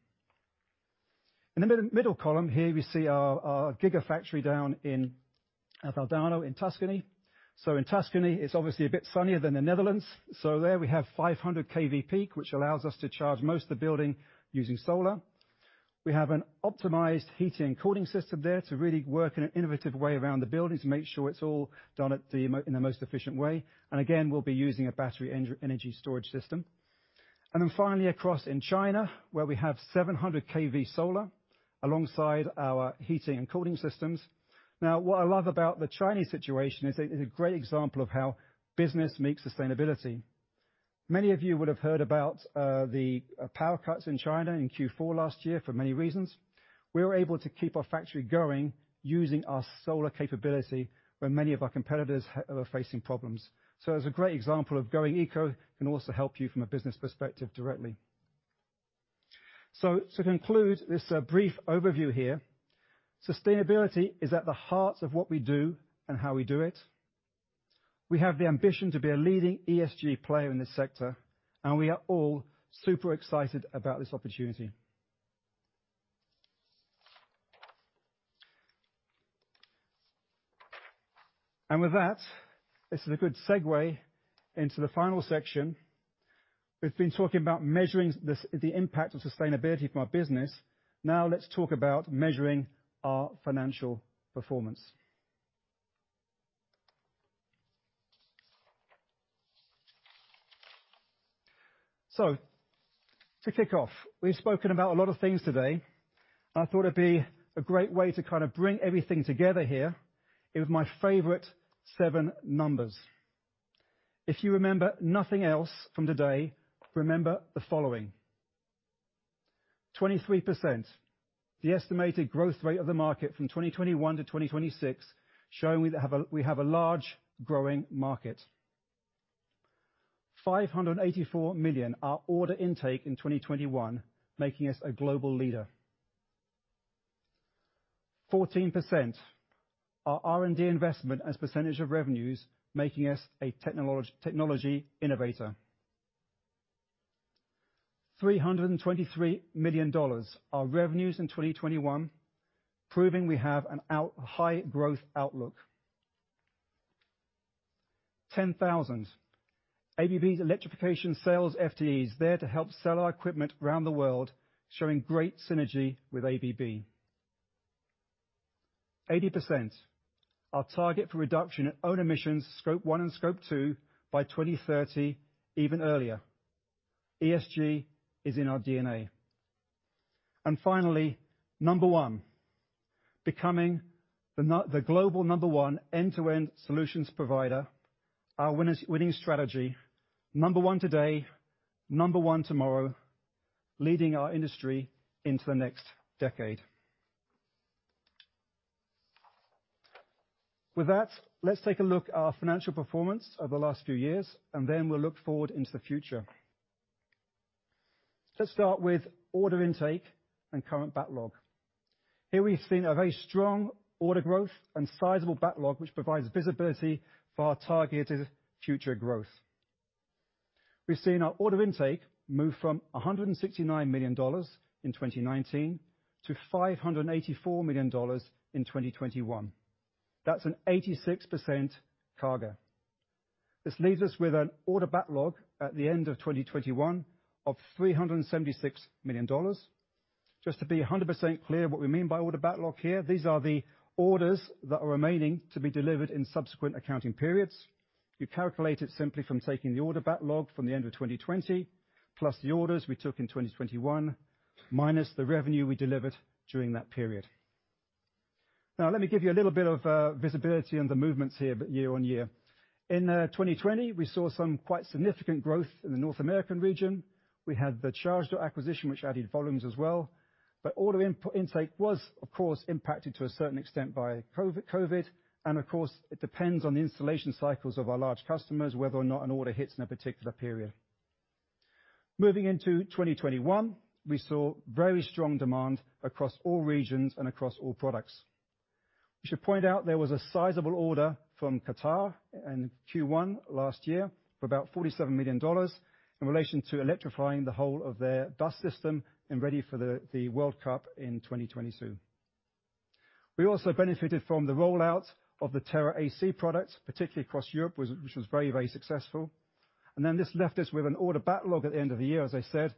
In the middle column here, we see our gigafactory down in Valdarno in Tuscany. In Tuscany, it's obviously a bit sunnier than the Netherlands. There we have 500 kWp, which allows us to charge most of the building using solar. We have an optimized heating and cooling system there to really work in an innovative way around the building to make sure it's all done in the most efficient way. Again, we'll be using a battery energy storage system. Then finally across in China, where we have 700 kWp solar alongside our heating and cooling systems. Now, what I love about the Chinese situation is it's a great example of how business meets sustainability. Many of you would have heard about the power cuts in China in Q4 last year for many reasons. We were able to keep our factory going using our solar capability when many of our competitors are facing problems. As a great example of going eco can also help you from a business perspective directly. To conclude this brief overview here, sustainability is at the heart of what we do and how we do it. We have the ambition to be a leading ESG player in this sector, and we are all super excited about this opportunity. With that, this is a good segue into the final section. We've been talking about measuring the impact of sustainability for our business. Now let's talk about measuring our financial performance. To kick off, we've spoken about a lot of things today. I thought it'd be a great way to kind of bring everything together here. It was my favorite seven numbers. If you remember nothing else from today, remember the following: 23%, the estimated growth rate of the market from 2021 to 2026, showing we have a large growing market. $584 million, our order intake in 2021, making us a global leader. 14%, our R&D investment as a percentage of revenues, making us a technology innovator. $323 million, our revenues in 2021, proving we have a high growth outlook. 10,000, ABB's electrification sales FTEs there to help sell our equipment around the world, showing great synergy with ABB. 80%, our target for reduction in own emissions, Scope 1 and Scope 2 by 2030, even earlier. ESG is in our DNA. Finally, number one, becoming the global number one end-to-end solutions provider. Our winning strategy, number one today, number one tomorrow, leading our industry into the next decade. With that, let's take a look at our financial performance over the last few years, and then we'll look forward into the future. Let's start with order intake and current backlog. Here we've seen a very strong order growth and sizable backlog, which provides visibility for our targeted future growth. We've seen our order intake move from $169 million in 2019 to $584 million in 2021. That's an 86% CAGR. This leaves us with an order backlog at the end of 2021 of $376 million. Just to be 100% clear what we mean by order backlog here, these are the orders that are remaining to be delivered in subsequent accounting periods. We calculate it simply from taking the order backlog from the end of 2020, plus the orders we took in 2021, minus the revenue we delivered during that period. Now let me give you a little bit of visibility on the movements here but year-on-year. In 2020, we saw some quite significant growth in the North American region. We had the Chargedot acquisition, which added volumes as well. Order input intake was of course impacted to a certain extent by COVID-19. Of course, it depends on the installation cycles of our large customers, whether or not an order hits in a particular period. Moving into 2021, we saw very strong demand across all regions and across all products. We should point out there was a sizable order from Qatar in Q1 last year for about $47 million in relation to electrifying the whole of their bus system and ready for the World Cup in 2022. We also benefited from the rollout of the Terra AC product, particularly across Europe, which was very successful. This left us with an order backlog at the end of the year, as I said,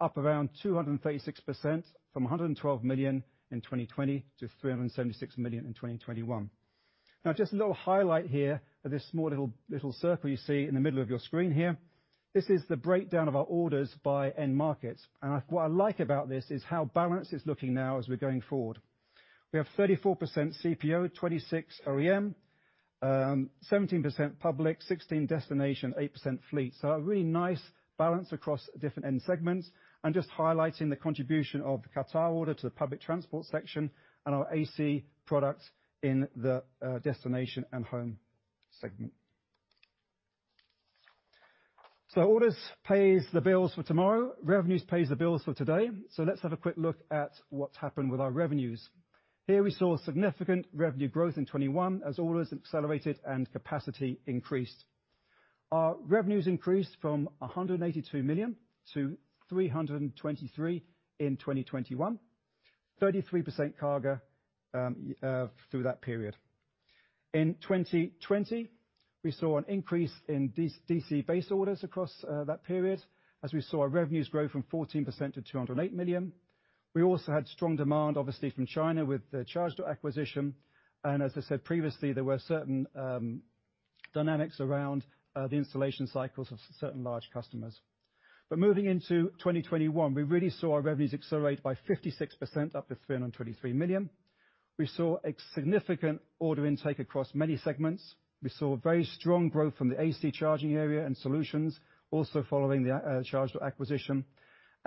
up around 236% from $112 million in 2020 to $376 million in 2021. Now just a little highlight here of this small little circle you see in the middle of your screen here. This is the breakdown of our orders by end markets. What I like about this is how balanced it's looking now as we're going forward. We have 34% CPO, 26% OEM, 17% public, 16% destination, 8% fleet. A really nice balance across different end segments, and just highlighting the contribution of the Qatar order to the public transport section and our AC products in the destination and home segment. Orders pays the bills for tomorrow, revenues pays the bills for today. Let's have a quick look at what's happened with our revenues. Here we saw significant revenue growth in 2021 as orders accelerated and capacity increased. Our revenues increased from $182 million to $323 million in 2021. 33% CAGR through that period. In 2020, we saw an increase in DC-based orders across that period as we saw our revenues grow fourteen percent to $208 million. We also had strong demand, obviously from China with the Chargedot acquisition. I said previously, there were certain dynamics around the installation cycles of certain large customers. Moving into 2021, we really saw our revenues accelerate by 56% up to $323 million. We saw a significant order intake across many segments. We saw very strong growth from the AC charging area and solutions, also following the Chargedot acquisition,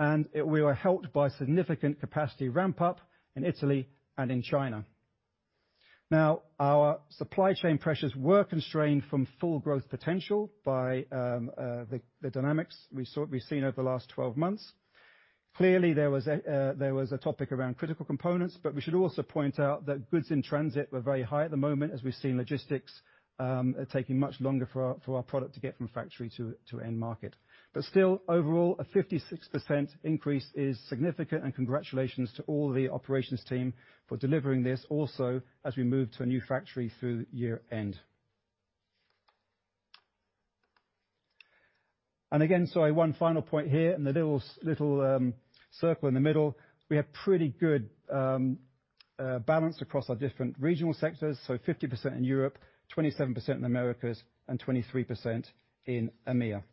and we were helped by significant capacity ramp-up in Italy and in China. Now, our supply chain pressures were constrained from full growth potential by the dynamics we've seen over the last 12 months. Clearly, there was a topic around critical components, but we should also point out that goods in transit were very high at the moment as we've seen logistics taking much longer for our product to get from factory to end market. Still, overall, a 56% increase is significant and congratulations to all the operations team for delivering this also as we move to a new factory through year-end. Again, sorry, one final point here in the little circle in the middle. We have pretty good balance across our different regional sectors, so 50% in Europe, 27% in Americas, and 23% in EMEA.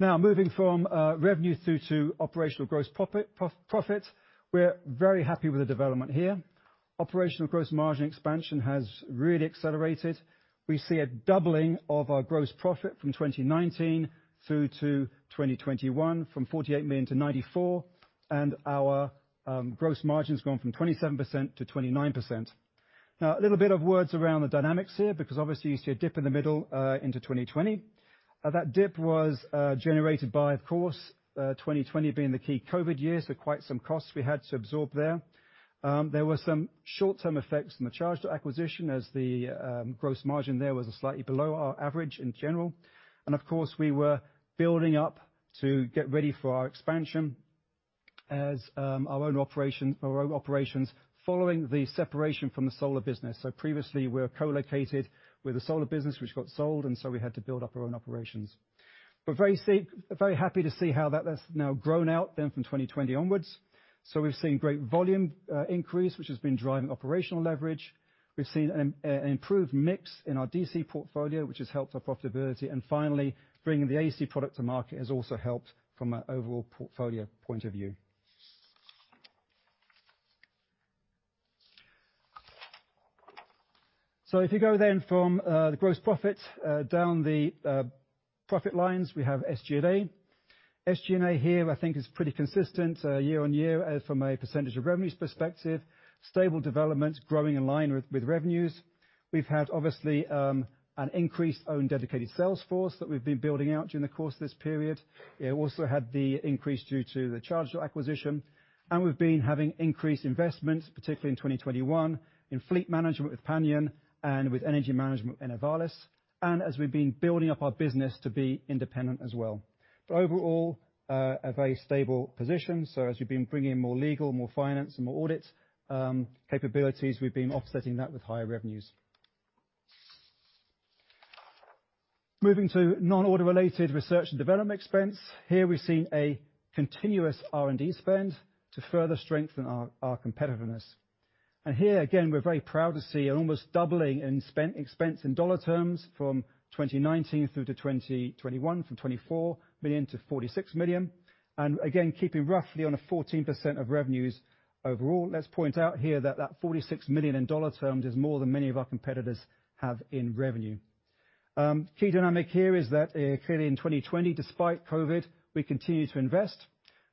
Now, moving from revenue through to operational gross profit, we're very happy with the development here. Operational gross margin expansion has really accelerated. We see a doubling of our gross profit from 2019 through to 2021, from $48 million to $94 million, and our gross margin's gone from 27% to 29%. Now, a little bit of words around the dynamics here, because obviously you see a dip in the middle into 2020. That dip was generated by, of course, 2020 being the key COVID-19 year, so quite some costs we had to absorb there. There were some short-term effects from the Chargedot acquisition as the gross margin there was slightly below our average in general. We were building up to get ready for our expansion as our own operations following the separation from the solar business. Previously, we're co-located with the solar business, which got sold, and we had to build up our own operations. We're very happy to see how that has now grown out then from 2020 onwards. We've seen great volume increase, which has been driving operational leverage. We've seen an improved mix in our DC portfolio, which has helped our profitability. Finally, bringing the AC product to market has also helped from an overall portfolio point of view. If you go then from the gross profit down the profit lines, we have SG&A. SG&A here I think is pretty consistent year-on-year from a percentage of revenues perspective. Stable development growing in line with revenues. We've had obviously an increased own dedicated sales force that we've been building out during the course of this period. It also had the increase due to the Chargedot acquisition, and we've been having increased investments, particularly in 2021, in fleet management with Panion and with energy management in Enervalis, and as we've been building up our business to be independent as well. Overall, a very stable position. As we've been bringing more legal, more finance and more audit capabilities, we've been offsetting that with higher revenues. Moving to non-order related research and development expense. Here we've seen a continuous R&D spend to further strengthen our competitiveness. Here, again, we're very proud to see an almost doubling in SG&A expense in dollar terms from 2019 through to 2021, from $24 million to $46 million. Again, keeping roughly on a 14% of revenues overall. Let's point out here that $46 million in dollar terms is more than many of our competitors have in revenue. Key dynamic here is that, clearly in 2020, despite COVID-19, we continued to invest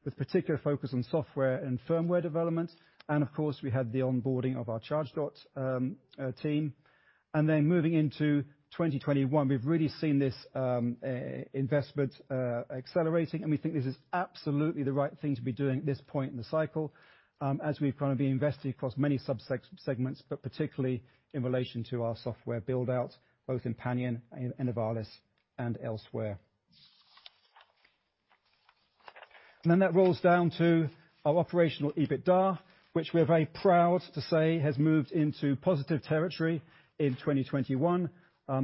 with particular focus on software and firmware development. Of course, we had the onboarding of our Chargedot team. Moving into 2021, we've really seen this investment accelerating, and we think this is absolutely the right thing to be doing at this point in the cycle, as we've kind of been investing across many sub-segments, but particularly in relation to our software build-out, both in Panion, in Enervalis and elsewhere. That rolls down to our operational EBITDA, which we're very proud to say has moved into positive territory in 2021,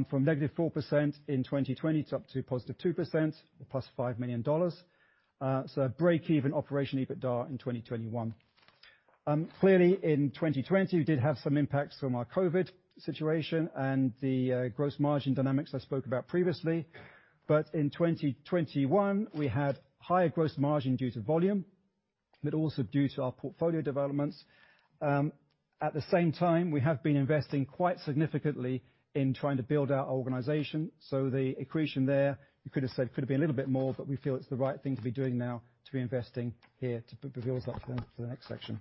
from negative 4% in 2020 to up to positive 2%, +$5 million. A break-even operational EBITDA in 2021. Clearly in 2020, we did have some impacts from our COVID situation and the gross margin dynamics I spoke about previously. In 2021, we had higher gross margin due to volume, but also due to our portfolio developments. At the same time, we have been investing quite significantly in trying to build our organization. The accretion there, you could have said, could have been a little bit more, but we feel it's the right thing to be doing now to be investing here to build us up for the next section.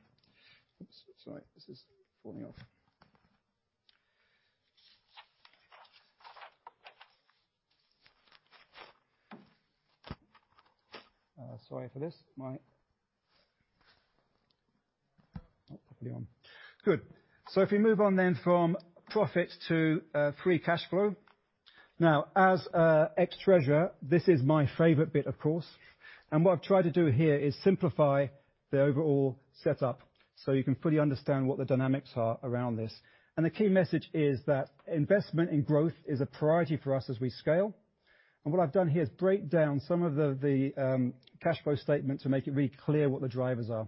If we move on then from profit to free cash flow. Now as ex-treasurer, this is my favorite bit, of course, and what I've tried to do here is simplify the overall setup, so you can fully understand what the dynamics are around this. The key message is that investment in growth is a priority for us as we scale. What I've done here is break down some of the cash flow statement to make it really clear what the drivers are.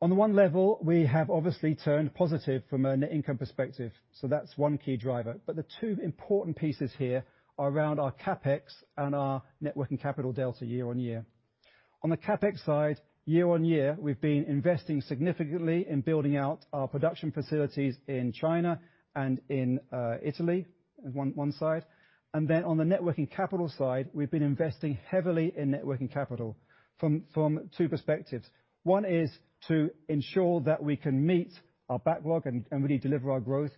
On the one level, we have obviously turned positive from a net income perspective, so that's one key driver. The two important pieces here are around our CapEx and our net working capital delta year-on-year. On the CapEx side, year-on-year, we've been investing significantly in building out our production facilities in China and in Italy on one side. On the net working capital side, we've been investing heavily in net working capital from two perspectives. One is to ensure that we can meet our backlog and really deliver our growth.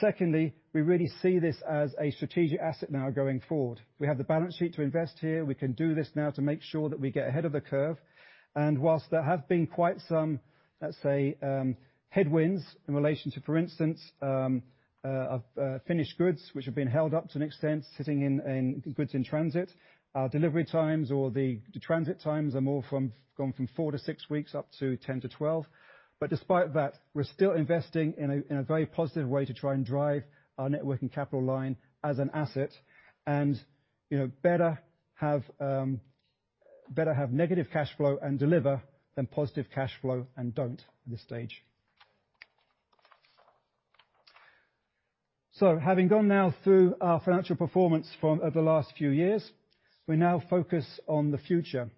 Secondly, we really see this as a strategic asset now going forward. We have the balance sheet to invest here. We can do this now to make sure that we get ahead of the curve. While there have been quite some, let's say, headwinds in relation to, for instance, finished goods which have been held up to an extent, sitting in goods in transit, our delivery times or the transit times have gone from 4 weeks to six weeks up to 10-12 weeks. Despite that, we're still investing in a very positive way to try and drive our net working capital line as an asset. Better have negative cash flow and deliver than positive cash flow and not at this stage. Having gone now through our financial performance over the last few years, we now focus on the future.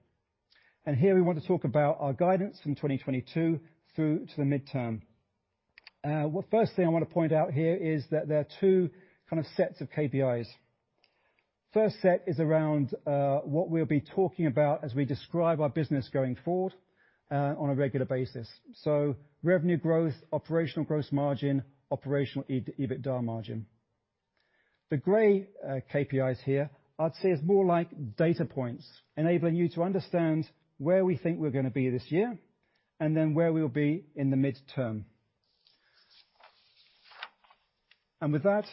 Here we want to talk about our guidance from 2022 through to the midterm. First thing I wanna point out here is that there are two kinds of sets of KPIs. First set is around what we'll be talking about as we describe our business going forward on a regular basis. So revenue growth, operational gross margin, operational EBITDA margin. The gray KPIs here, I'd say, are more like data points, enabling you to understand where we think we're gonna be this year, and then where we'll be in the midterm. With that,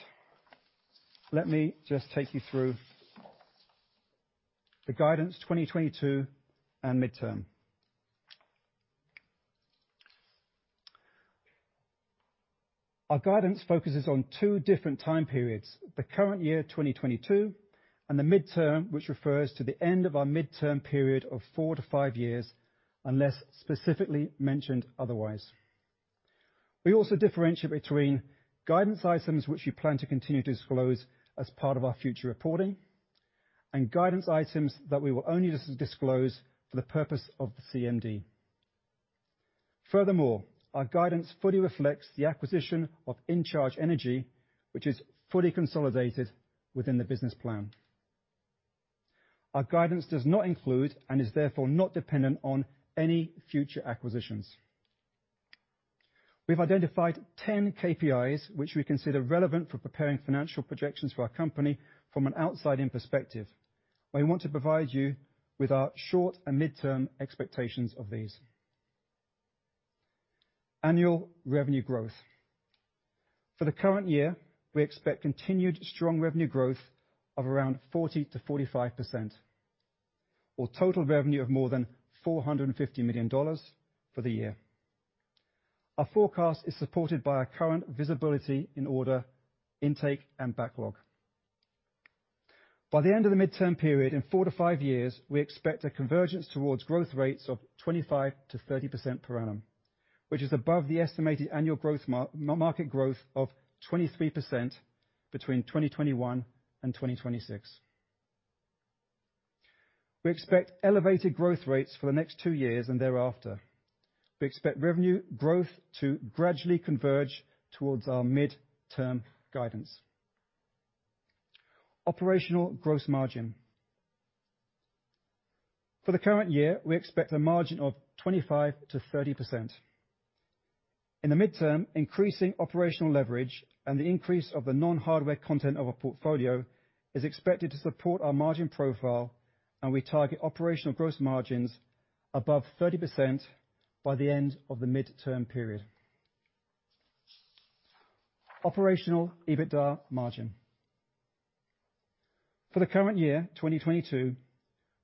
let me just take you through the guidance 2022 and midterm. Our guidance focuses on two different time periods, the current year, 2022, and the midterm, which refers to the end of our midterm period of four to five years, unless specifically mentioned otherwise. We also differentiate between guidance items which we plan to continue to disclose as part of our future reporting, and guidance items that we will only disclose for the purpose of the CMD. Furthermore, our guidance fully reflects the acquisition of InCharge Energy, which is fully consolidated within the business plan. Our guidance does not include, and is therefore not dependent on, any future acquisitions. We've identified 10 KPIs which we consider relevant for preparing financial projections for our company from an outside-in perspective. We want to provide you with our short and midterm expectations of these. Annual revenue growth. For the current year, we expect continued strong revenue growth of around 40%-45%, or total revenue of more than $450 million for the year. Our forecast is supported by our current visibility in order intake and backlog. By the end of the midterm period, in four to five years, we expect a convergence towards growth rates of 25%-30% per annum, which is above the estimated annual growth market growth of 23% between 2021 and 2026. We expect elevated growth rates for the next two years and thereafter. We expect revenue growth to gradually converge towards our midterm guidance. Operational gross margin. For the current year, we expect a margin of 25%-30%. In the midterm, increasing operational leverage and the increase of the non-hardware content of our portfolio is expected to support our margin profile, and we target operational gross margins above 30% by the end of the midterm period. Operational EBITDA margin. For the current year, 2022,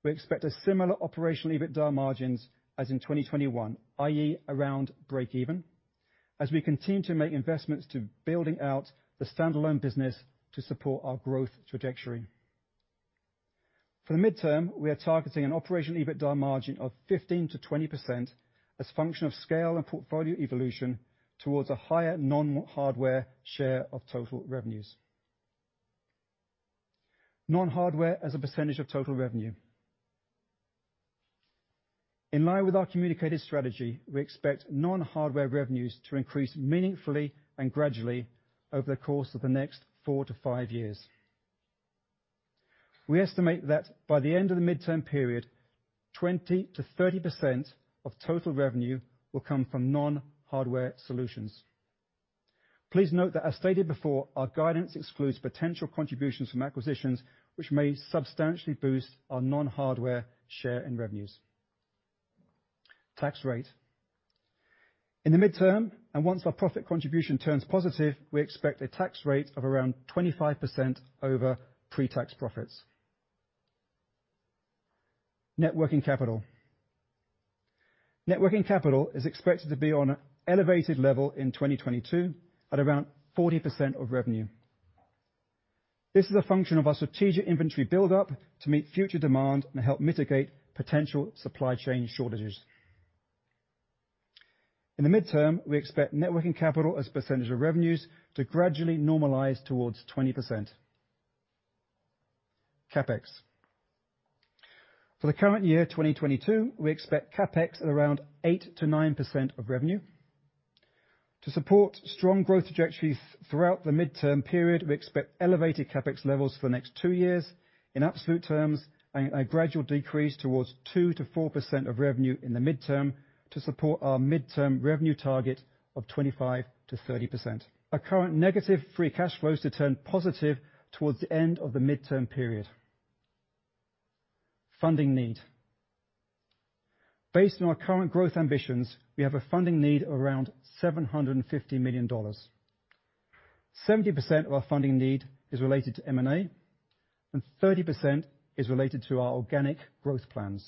we expect similar operational EBITDA margins as in 2021, i.e., around break-even, as we continue to make investments in building out the standalone business to support our growth trajectory. For the midterm, we are targeting an operational EBITDA margin of 15%-20% as a function of scale and portfolio evolution towards a higher non-hardware share of total revenues. Non-hardware as a percentage of total revenue. In line with our communicated strategy, we expect non-hardware revenues to increase meaningfully and gradually over the course of the next four to five years. We estimate that by the end of the midterm period, 20%-30% of total revenue will come from non-hardware solutions. Please note that as stated before, our guidance excludes potential contributions from acquisitions which may substantially boost our non-hardware share and revenues. Tax rate. In the medium term, and once our profit contribution turns positive, we expect a tax rate of around 25% over pre-tax profits. Net working capital. Net working capital is expected to be on an elevated level in 2022 at around 40% of revenue. This is a function of our strategic inventory build-up to meet future demand and help mitigate potential supply chain shortages. In the medium term, we expect net working capital as percentage of revenues to gradually normalize towards 20%. CapEx. For the current year, 2022, we expect CapEx at around 8%-9% of revenue. To support strong growth trajectories throughout the medium-term period, we expect elevated CapEx levels for the next two years in absolute terms, and a gradual decrease towards 2%-4% of revenue in the medium term to support our medium-term revenue target of 25%-30%. Our current negative free cash flows to turn positive towards the end of the midterm period. Funding need. Based on our current growth ambitions, we have a funding need of around $750 million. 70% of our funding need is related to M&A, and 30% is related to our organic growth plans.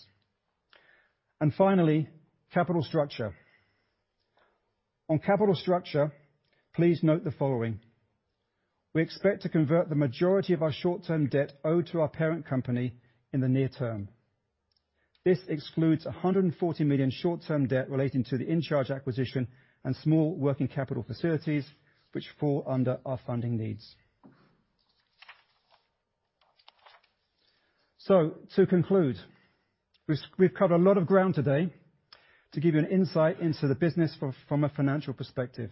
Finally, capital structure. On capital structure, please note the following. We expect to convert the majority of our short-term debt owed to our parent company in the near term. This excludes $140 million short-term debt relating to the InCharge acquisition and small working capital facilities which fall under our funding needs. To conclude, we've covered a lot of ground today to give you an insight into the business from a financial perspective.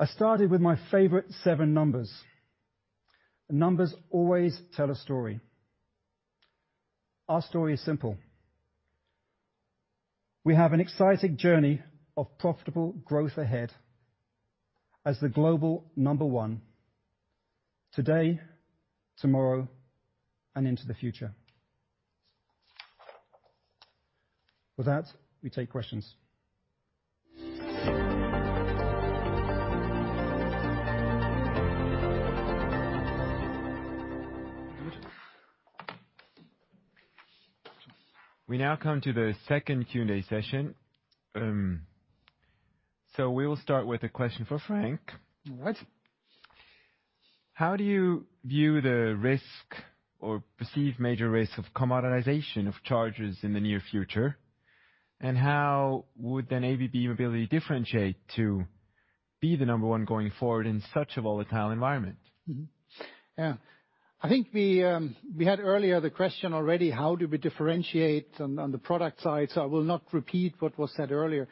I started with my favorite seven numbers. Numbers always tell a story. Our story is simple. We have an exciting journey of profitable growth ahead as the global number one today, tomorrow, and into the future. With that, we take questions. We now come to the second Q&A session. We will start with a question for Frank. What? How do you view the risk or perceived major risk of commoditization of chargers in the near future? How would then ABB be able to differentiate to be the number one going forward in such a volatile environment? Mm-hmm. Yeah. I think we had earlier the question already, how do we differentiate on the product side, so I will not repeat what was said earlier.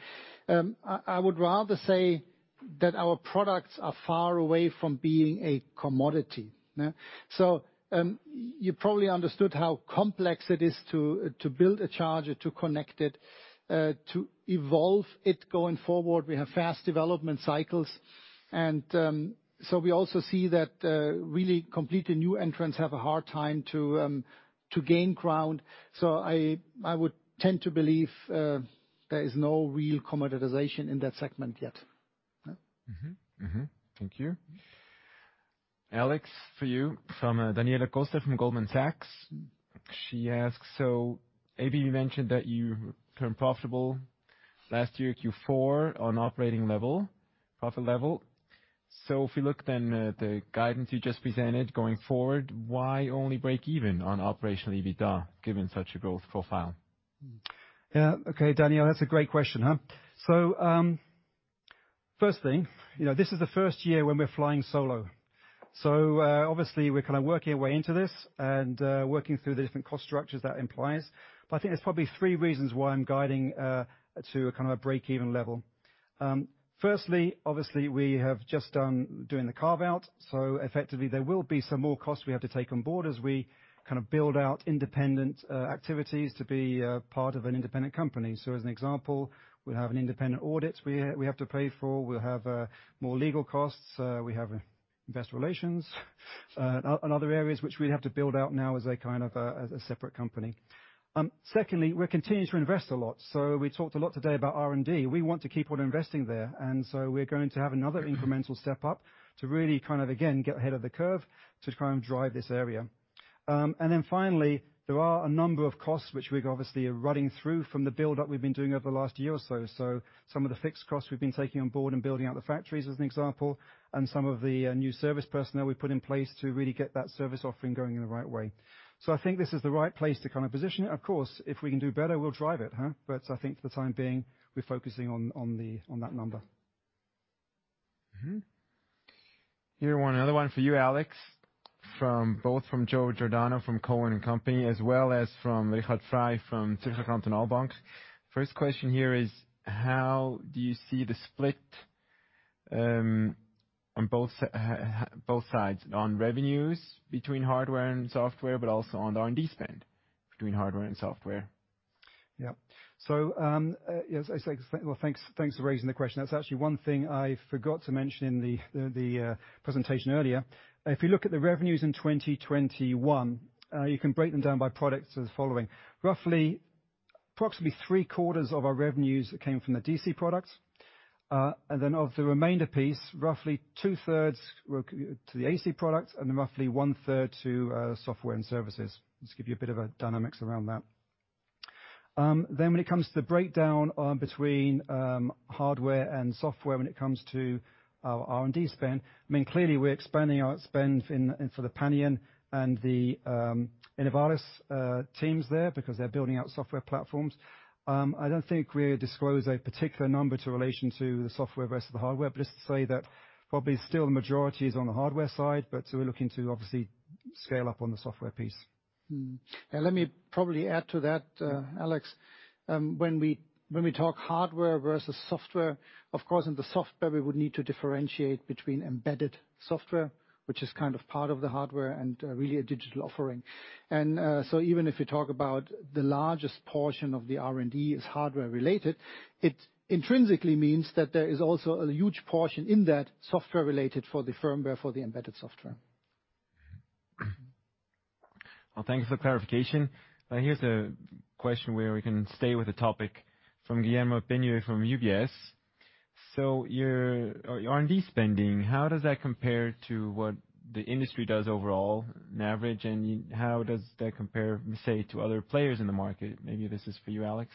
I would rather say that our products are far away from being a commodity. You probably understood how complex it is to build a charger, to connect it, to evolve it going forward. We have fast development cycles and so we also see that really completely new entrants have a hard time to gain ground. I would tend to believe there is no real commoditization in that segment yet. Thank you. Alex, for you, from Daniela Cota from Goldman Sachs. She asks, "So ABB mentioned that you turned profitable last year, Q4 on operating level, profit level. So if you look then at the guidance you just presented going forward, why only break even on operational EBITDA given such a growth profile? Yeah. Okay, Daniela, that's a great question, huh? First thing, this is the first year when we're flying solo. Obviously we're kind of working our way into this and working through the different cost structures that implies. I think there's probably three reasons why I'm guiding to a kind of a break-even level. Firstly, obviously we have just done the carve out, so effectively there will be some more costs we have to take on board as we kind of build out independent activities to be part of an independent company. As an example, we'll have an independent audit we have to pay for, we'll have more legal costs, we have investor relations and other areas which we have to build out now as a kind of as a separate company. Secondly, we're continuing to invest a lot. We talked a lot today about R&D. We want to keep on investing there, and so we're going to have another incremental step up to really kind of again, get ahead of the curve to try and drive this area. Finally, there are a number of costs which we obviously are running through from the build up we've been doing over the last year or so. Some of the fixed costs we've been taking on board and building out the factories as an example, and some of the new service personnel we've put in place to really get that service offering going in the right way. I think this is the right place to kind of position it. Of course, if we can do better, we'll drive it. I think for the time being, we're focusing on that number. Another one for you, Alex, from both Joseph Giordano from Cowen and Company, as well as from Richard Frei from Zürcher Kantonalbank. First question here is, how do you see the split on both sides on revenues between hardware and software, but also on R&D spend between hardware and software? Well, thanks for raising the question. That's actually one thing I forgot to mention in the presentation earlier. If you look at the revenues in 2021, you can break them down by products as following. Roughly, approximately three-quarters of our revenues came from the DC products, and then of the remainder piece, roughly two-thirds were to the AC products and roughly one-third to software and services. Just give you a bit of a dynamics around that. Then when it comes to the breakdown between hardware and software, when it comes to our R&D spend, I mean, clearly we're expanding our spend in for the Panion and the Enervalis teams there because they're building out software platforms. I don't think we disclose a particular number in relation to the software versus the hardware, but just to say that probably still the majority is on the hardware side, but we're looking to obviously scale up on the software piece. Mm-hmm. Let me probably add to that, Alex. When we talk hardware versus software, of course, in the software, we would need to differentiate between embedded software, which is kind of part of the hardware and really a digital offering. Even if you talk about the largest portion of the R&D is hardware related, it intrinsically means that there is also a huge portion in that software related for the firmware, for the embedded software. Well, thanks for the clarification. Here's a question where we can stay with the topic from Guillermo Peigneux Lojo from UBS. Your R&D spending, how does that compare to what the industry does overall on average? How does that compare, say, to other players in the market? Maybe this is for you, Alex.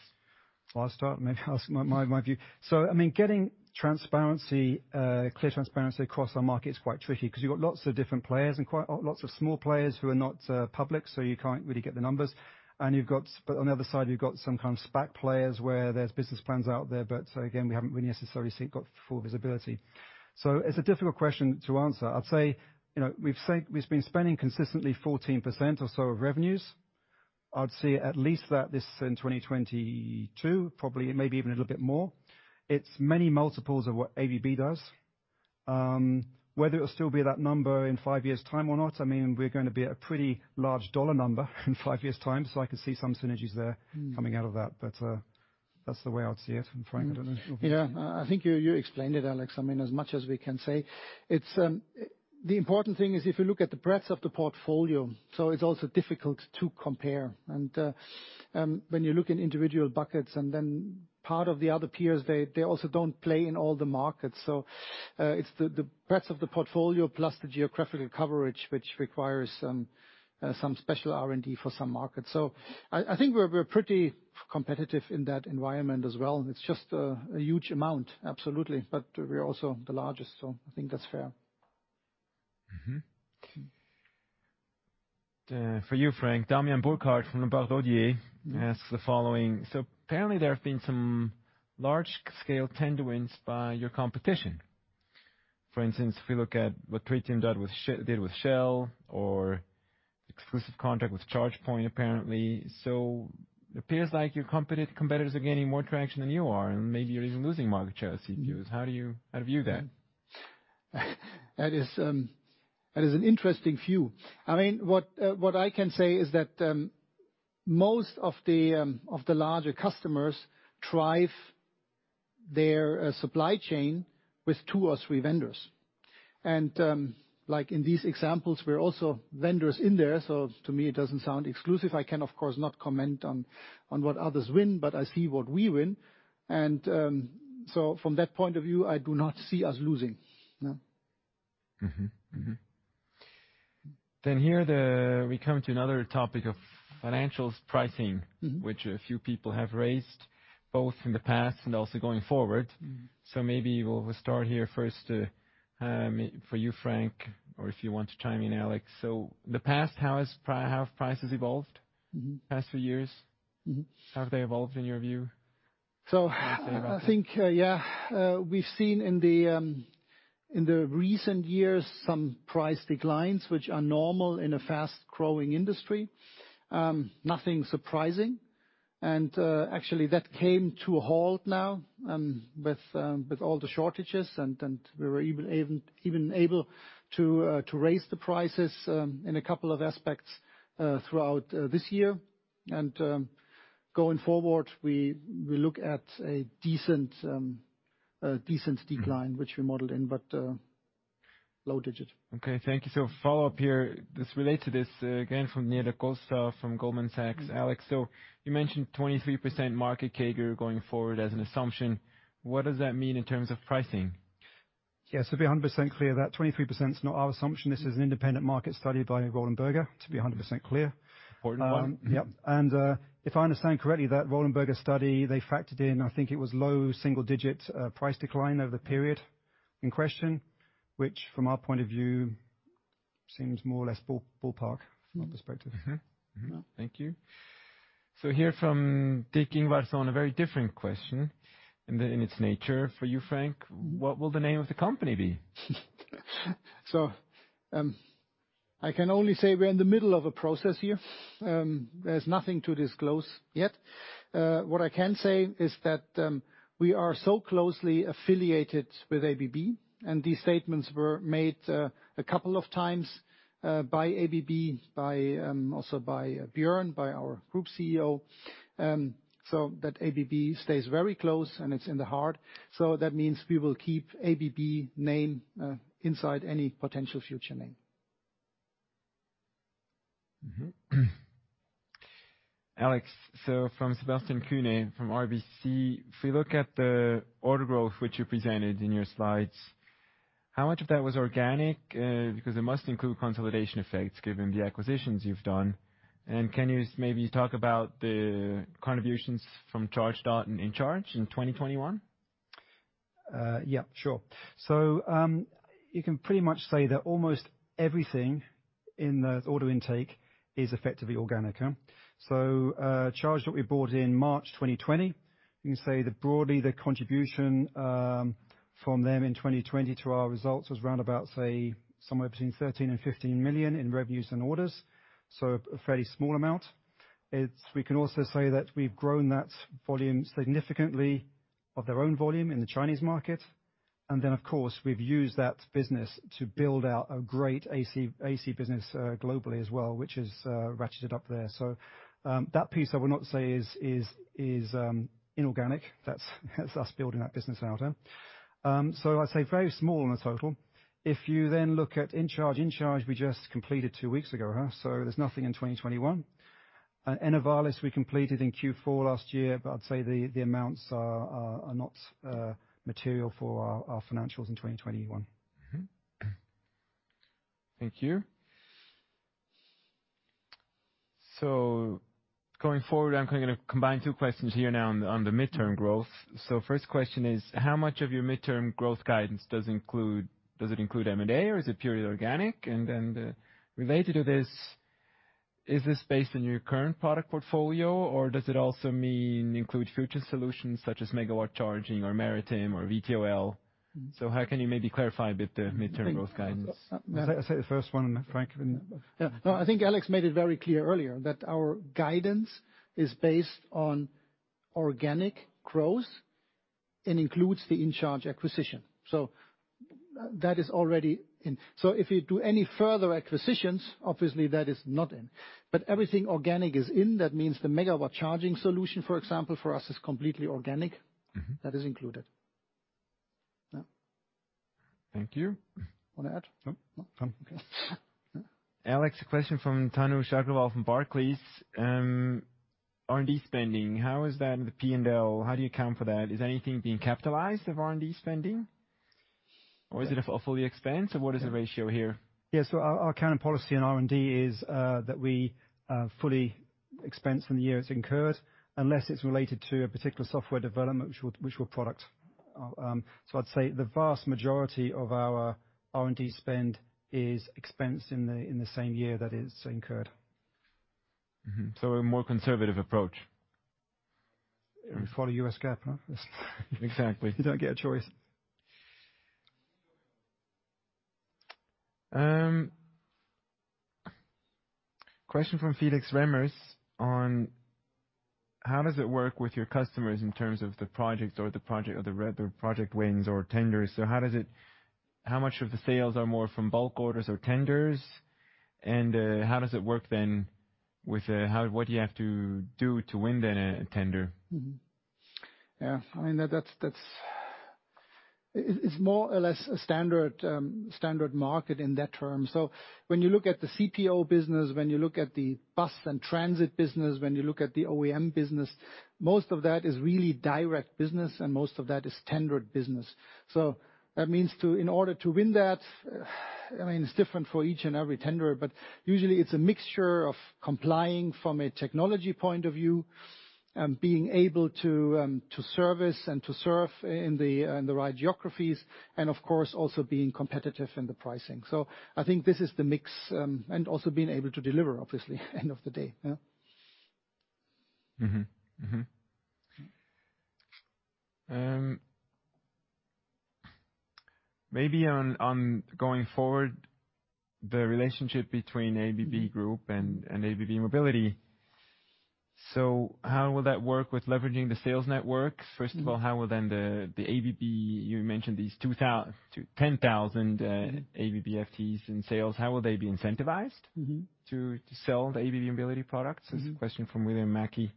I'll start. Maybe I'll say my view. I mean, getting transparency, clear transparency across our market is quite tricky because you've got lots of different players and quite lots of small players who are not public, so you can't really get the numbers, but on the other side, you've got some kind of SPAC players where there's business plans out there. But again, we haven't really necessarily got full visibility. It's a difficult question to answer. I'd say, we've been spending consistently 14% or so of revenues. I'd say at least that in 2022, probably maybe even a little bit more. It's many multiples of what ABB does. Whether it will still be that number in five years' time or not, I mean, we're gonna be at a pretty large dollar number in five years' time, so I can see some synergies there. Mm-hmm. coming out of that. That's the way I'd see it. Frank, I don't know if you Yeah, I think you explained it, Alex. I mean, as much as we can say. It's the important thing is if you look at the breadth of the portfolio. It's also difficult to compare. When you look in individual buckets and then part of the other peers, they also don't play in all the markets. It's the breadth of the portfolio plus the geographical coverage, which requires some special R&D for some markets. I think we're pretty competitive in that environment as well. It's just a huge amount. Absolutely. We're also the largest, so I think that's fair. For you, Frank, Damien Burkhardt from Lombard Odier asks the following: Apparently, there have been some large-scale tender wins by your competition. For instance, if you look at what Tritium did with Shell or exclusive contract with ChargePoint, apparently. It appears like your competitors are gaining more traction than you are, and maybe you're even losing market share as CPOs. How do you view that? That is an interesting view. I mean, what I can say is that most of the larger customers drive their supply chain with two or three vendors. Like in these examples, we're also vendors in there, so to me, it doesn't sound exclusive. I can, of course, not comment on what others win, but I see what we win. From that point of view, I do not see us losing. No. We come to another topic of financials pricing. Mm-hmm. which a few people have raised, both in the past and also going forward. Mm-hmm. Maybe we'll start here first, for you, Frank, or if you want to chime in, Alex. In the past, how have prices evolved? Mm-hmm. past few years? Mm-hmm. How have they evolved in your view? So- What would you say about that? I think, yeah, we've seen in the recent years some price declines, which are normal in a fast-growing industry, nothing surprising. Actually, that came to a halt now with all the shortages. We were even able to raise the prices in a couple of aspects throughout this year. Going forward, we look at a decent decline, which we modeled in, but low digit. Okay. Thank you. Follow up here. This relates to this, again, from Daniela Costa from Goldman Sachs. Alex, you mentioned 23% market CAGR going forward as an assumption. What does that mean in terms of pricing? Yes. To be 100% clear, that 23% is not our assumption. This is an independent market study by Roland Berger, to be 100% clear. Important one. Yep. If I understand correctly, that Roland Berger study, they factored in, I think it was low single digit price decline over the period in question, which from our point of view, seems more or less ballpark from our perspective. Mm-hmm. Mm-hmm. Thank you. Here from Dick Ingvarsson, a very different question in its nature. For you, Frank, what will the name of the company be? I can only say we're in the middle of a process here. There's nothing to disclose yet. What I can say is that we are so closely affiliated with ABB, and these statements were made a couple of times by ABB, also by Bjorn, by our group CEO, so that ABB stays very close, and it's in the heart. That means we will keep ABB name inside any potential future name. Alex, so from Sebastian Kuenne from RBC, if we look at the order growth, which you presented in your slides, how much of that was organic? Because it must include consolidation effects given the acquisitions you've done. Can you maybe talk about the contributions from Chargedot and InCharge in 2021? Yeah, sure. You can pretty much say that almost everything in the order intake is effectively organic. Chargedot that we bought in March 2020, you can say that broadly, the contribution from them in 2020 to our results was around about, say, somewhere between $13 million to $15 million in revenues and orders, so a fairly small amount. We can also say that we've grown that volume significantly of their own volume in the Chinese market. Then, of course, we've used that business to build out a great AC business globally as well, which is ratcheted up there. That piece I will not say is inorganic. That's us building that business out. I'd say very small in the total. If you then look at InCharge, we just completed two weeks ago. There's nothing in 2021. Enervalis we completed in Q4 last year, but I'd say the amounts are not material for our financials in 2021. Thank you. Going forward, I'm gonna combine two questions here now on the midterm growth. First question is, how much of your midterm growth guidance does include M&A, or is it purely organic? And then related to this, is this based on your current product portfolio, or does it also mean include future solutions such as megawatt charging or maritime or VTOL? How can you maybe clarify a bit the midterm growth guidance? I say the first one, Frank. Yeah. No, I think Alex made it very clear earlier that our guidance is based on organic growth and includes the InCharge acquisition. That is already in. If you do any further acquisitions, obviously that is not in. Everything organic is in. That means the megawatt charging solution, for example, for us is completely organic. Mm-hmm. That is included. Yeah. Thank you. Wanna add? No. No? Okay. Alex, a question from Tanu Agarwal from Barclays. R&D spending, how is that in the P&L? How do you account for that? Is anything being capitalized of R&D spending? Or is it a fully expensed? Or what is the ratio here? Our accounting policy in R&D is that we fully expense in the year it's incurred, unless it's related to a particular software development which we productize. I'd say the vast majority of our R&D spend is expensed in the same year that it is incurred. A more conservative approach. We follow U.S. GAAP. Exactly. You don't get a choice. Question from Felix Remmers on how does it work with your customers in terms of the projects or project wins or tenders? How much of the sales are more from bulk orders or tenders? How does it work then with what do you have to do to win then a tender? Mm-hmm. Yeah. I mean, that's. It's more or less a standard market in that term. When you look at the CPO business, when you look at the bus and transit business, when you look at the OEM business, most of that is really direct business, and most of that is tendered business. That means in order to win that, I mean, it's different for each and every tender, but usually it's a mixture of complying from a technology point of view, being able to service and to serve in the right geographies, and of course, also being competitive in the pricing. I think this is the mix, and also being able to deliver, obviously, end of the day. Yeah. Maybe on going forward, the relationship between ABB Group and ABB E-mobility. How will that work with leveraging the sales networks? First of all, how will the ABB... You mentioned these 10,000 ABB FTEs in sales, how will they be incentivized- Mm-hmm. to sell the ABB E-mobility products? Mm-hmm. This is a question from William Mackie.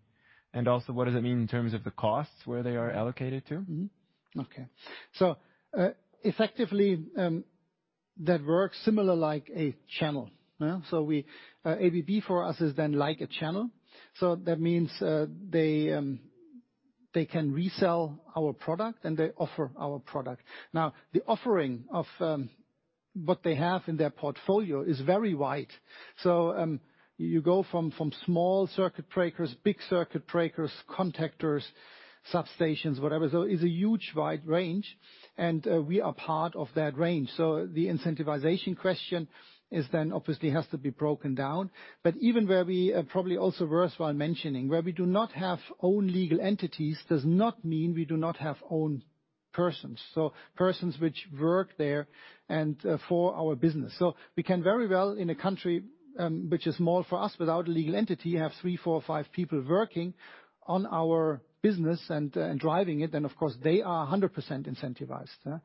What does it mean in terms of the costs, where they are allocated to? Effectively, that works similar like a channel. For us, ABB is then like a channel. That means they can resell our product, and they offer our product. Now, the offering of what they have in their portfolio is very wide. You go from small circuit breakers, big circuit breakers, contactors, substations, whatever. It's a huge wide range, and we are part of that range. The incentivization question is then obviously has to be broken down. Even where we probably also worthwhile mentioning, where we do not have own legal entities, does not mean we do not have own persons. Persons which work there and for our business. We can very well in a country, which is small for us without a legal entity, have three, four, five people working on our business and driving it, then of course they are 100% incentivized.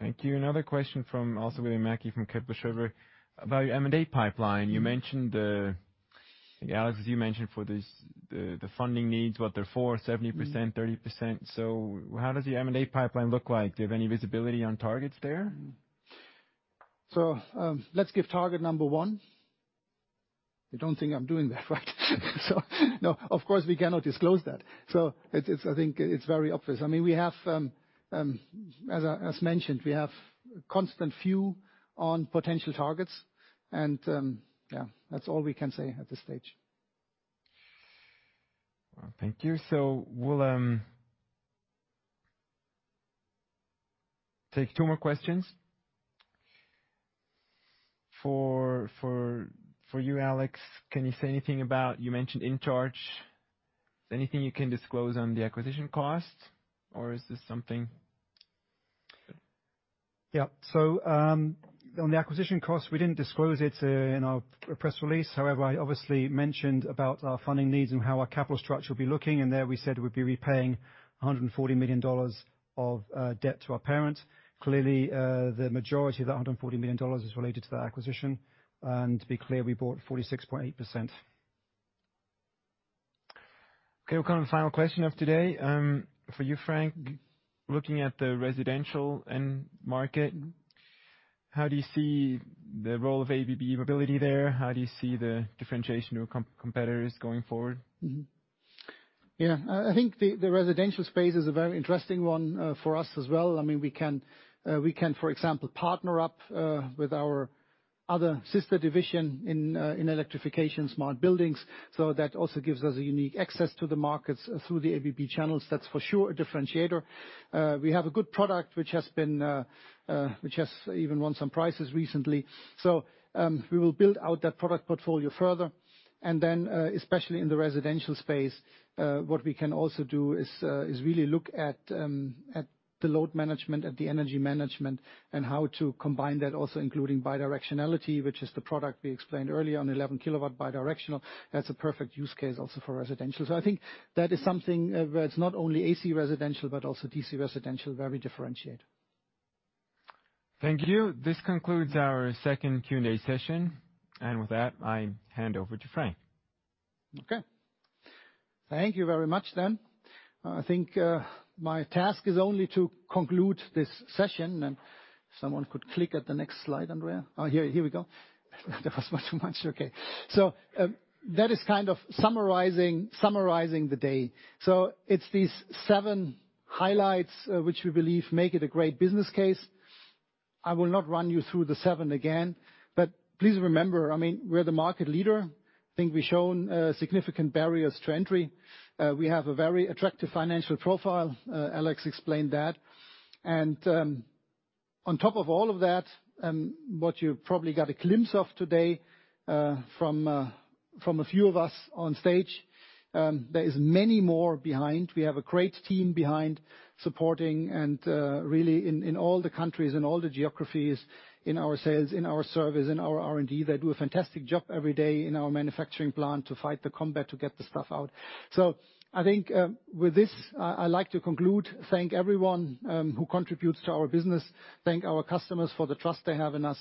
Yeah. Mm-hmm. Thank you. Another question from also William Mackie from Kepler Cheuvreux about your M&A pipeline. You mentioned, Alex, as you mentioned for this, the funding needs, what they're for, 70%, 30%. How does your M&A pipeline look like? Do you have any visibility on targets there? Let's give target number one. You don't think I'm doing that, right? No, of course, we cannot disclose that. It's I think it's very obvious. I mean, we have as mentioned, we have constant view on potential targets and yeah. That's all we can say at this stage. Well, thank you. We'll take two more questions. For you, Alex, can you say anything about. You mentioned InCharge. Is there anything you can disclose on the acquisition cost, or is this something... Yeah. On the acquisition cost, we didn't disclose it in our press release. However, I obviously mentioned about our funding needs and how our capital structure will be looking. There we said we'd be repaying $140 million of debt to our parent. Clearly, the majority of that $140 million is related to that acquisition. To be clear, we bought 46.8%. Okay, we'll come to the final question of today. For you, Frank, looking at the residential end market, how do you see the role of ABB E-mobility there? How do you see the differentiation of competitors going forward? I think the residential space is a very interesting one for us as well. I mean, we can, for example, partner up with our other sister division in electrification smart buildings, so that also gives us a unique access to the markets through the ABB channels. That's for sure a differentiator. We have a good product which has even won some prizes recently. We will build out that product portfolio further. Especially in the residential space, what we can also do is really look at the load management, at the energy management, and how to combine that also including bidirectionality, which is the product we explained earlier on 11 kW bidirectional. That's a perfect use case also for residential. I think that is something where it's not only AC residential but also DC residential, where we differentiate. Thank you. This concludes our second Q&A session. With that, I hand over to Frank. Okay. Thank you very much then. I think my task is only to conclude this session, and someone could click at the next Slide, Andrea. Oh, here we go. That was much too much. Okay. That is kind of summarizing the day. It's these seven highlights which we believe make it a great business case. I will not run you through the seven again, but please remember, I mean, we're the market leader. I think we've shown significant barriers to entry. We have a very attractive financial profile. Alex explained that. And on top of all of that, what you probably got a glimpse of today from a few of us on stage, there is many more behind. We have a great team behind supporting and really in all the countries and all the geographies, in our sales, in our service, in our R&D. They do a fantastic job every day in our manufacturing plant to fight the combat to get the stuff out. I think with this, I like to conclude, thank everyone who contributes to our business. Thank our customers for the trust they have in us.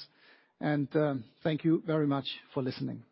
Thank you very much for listening.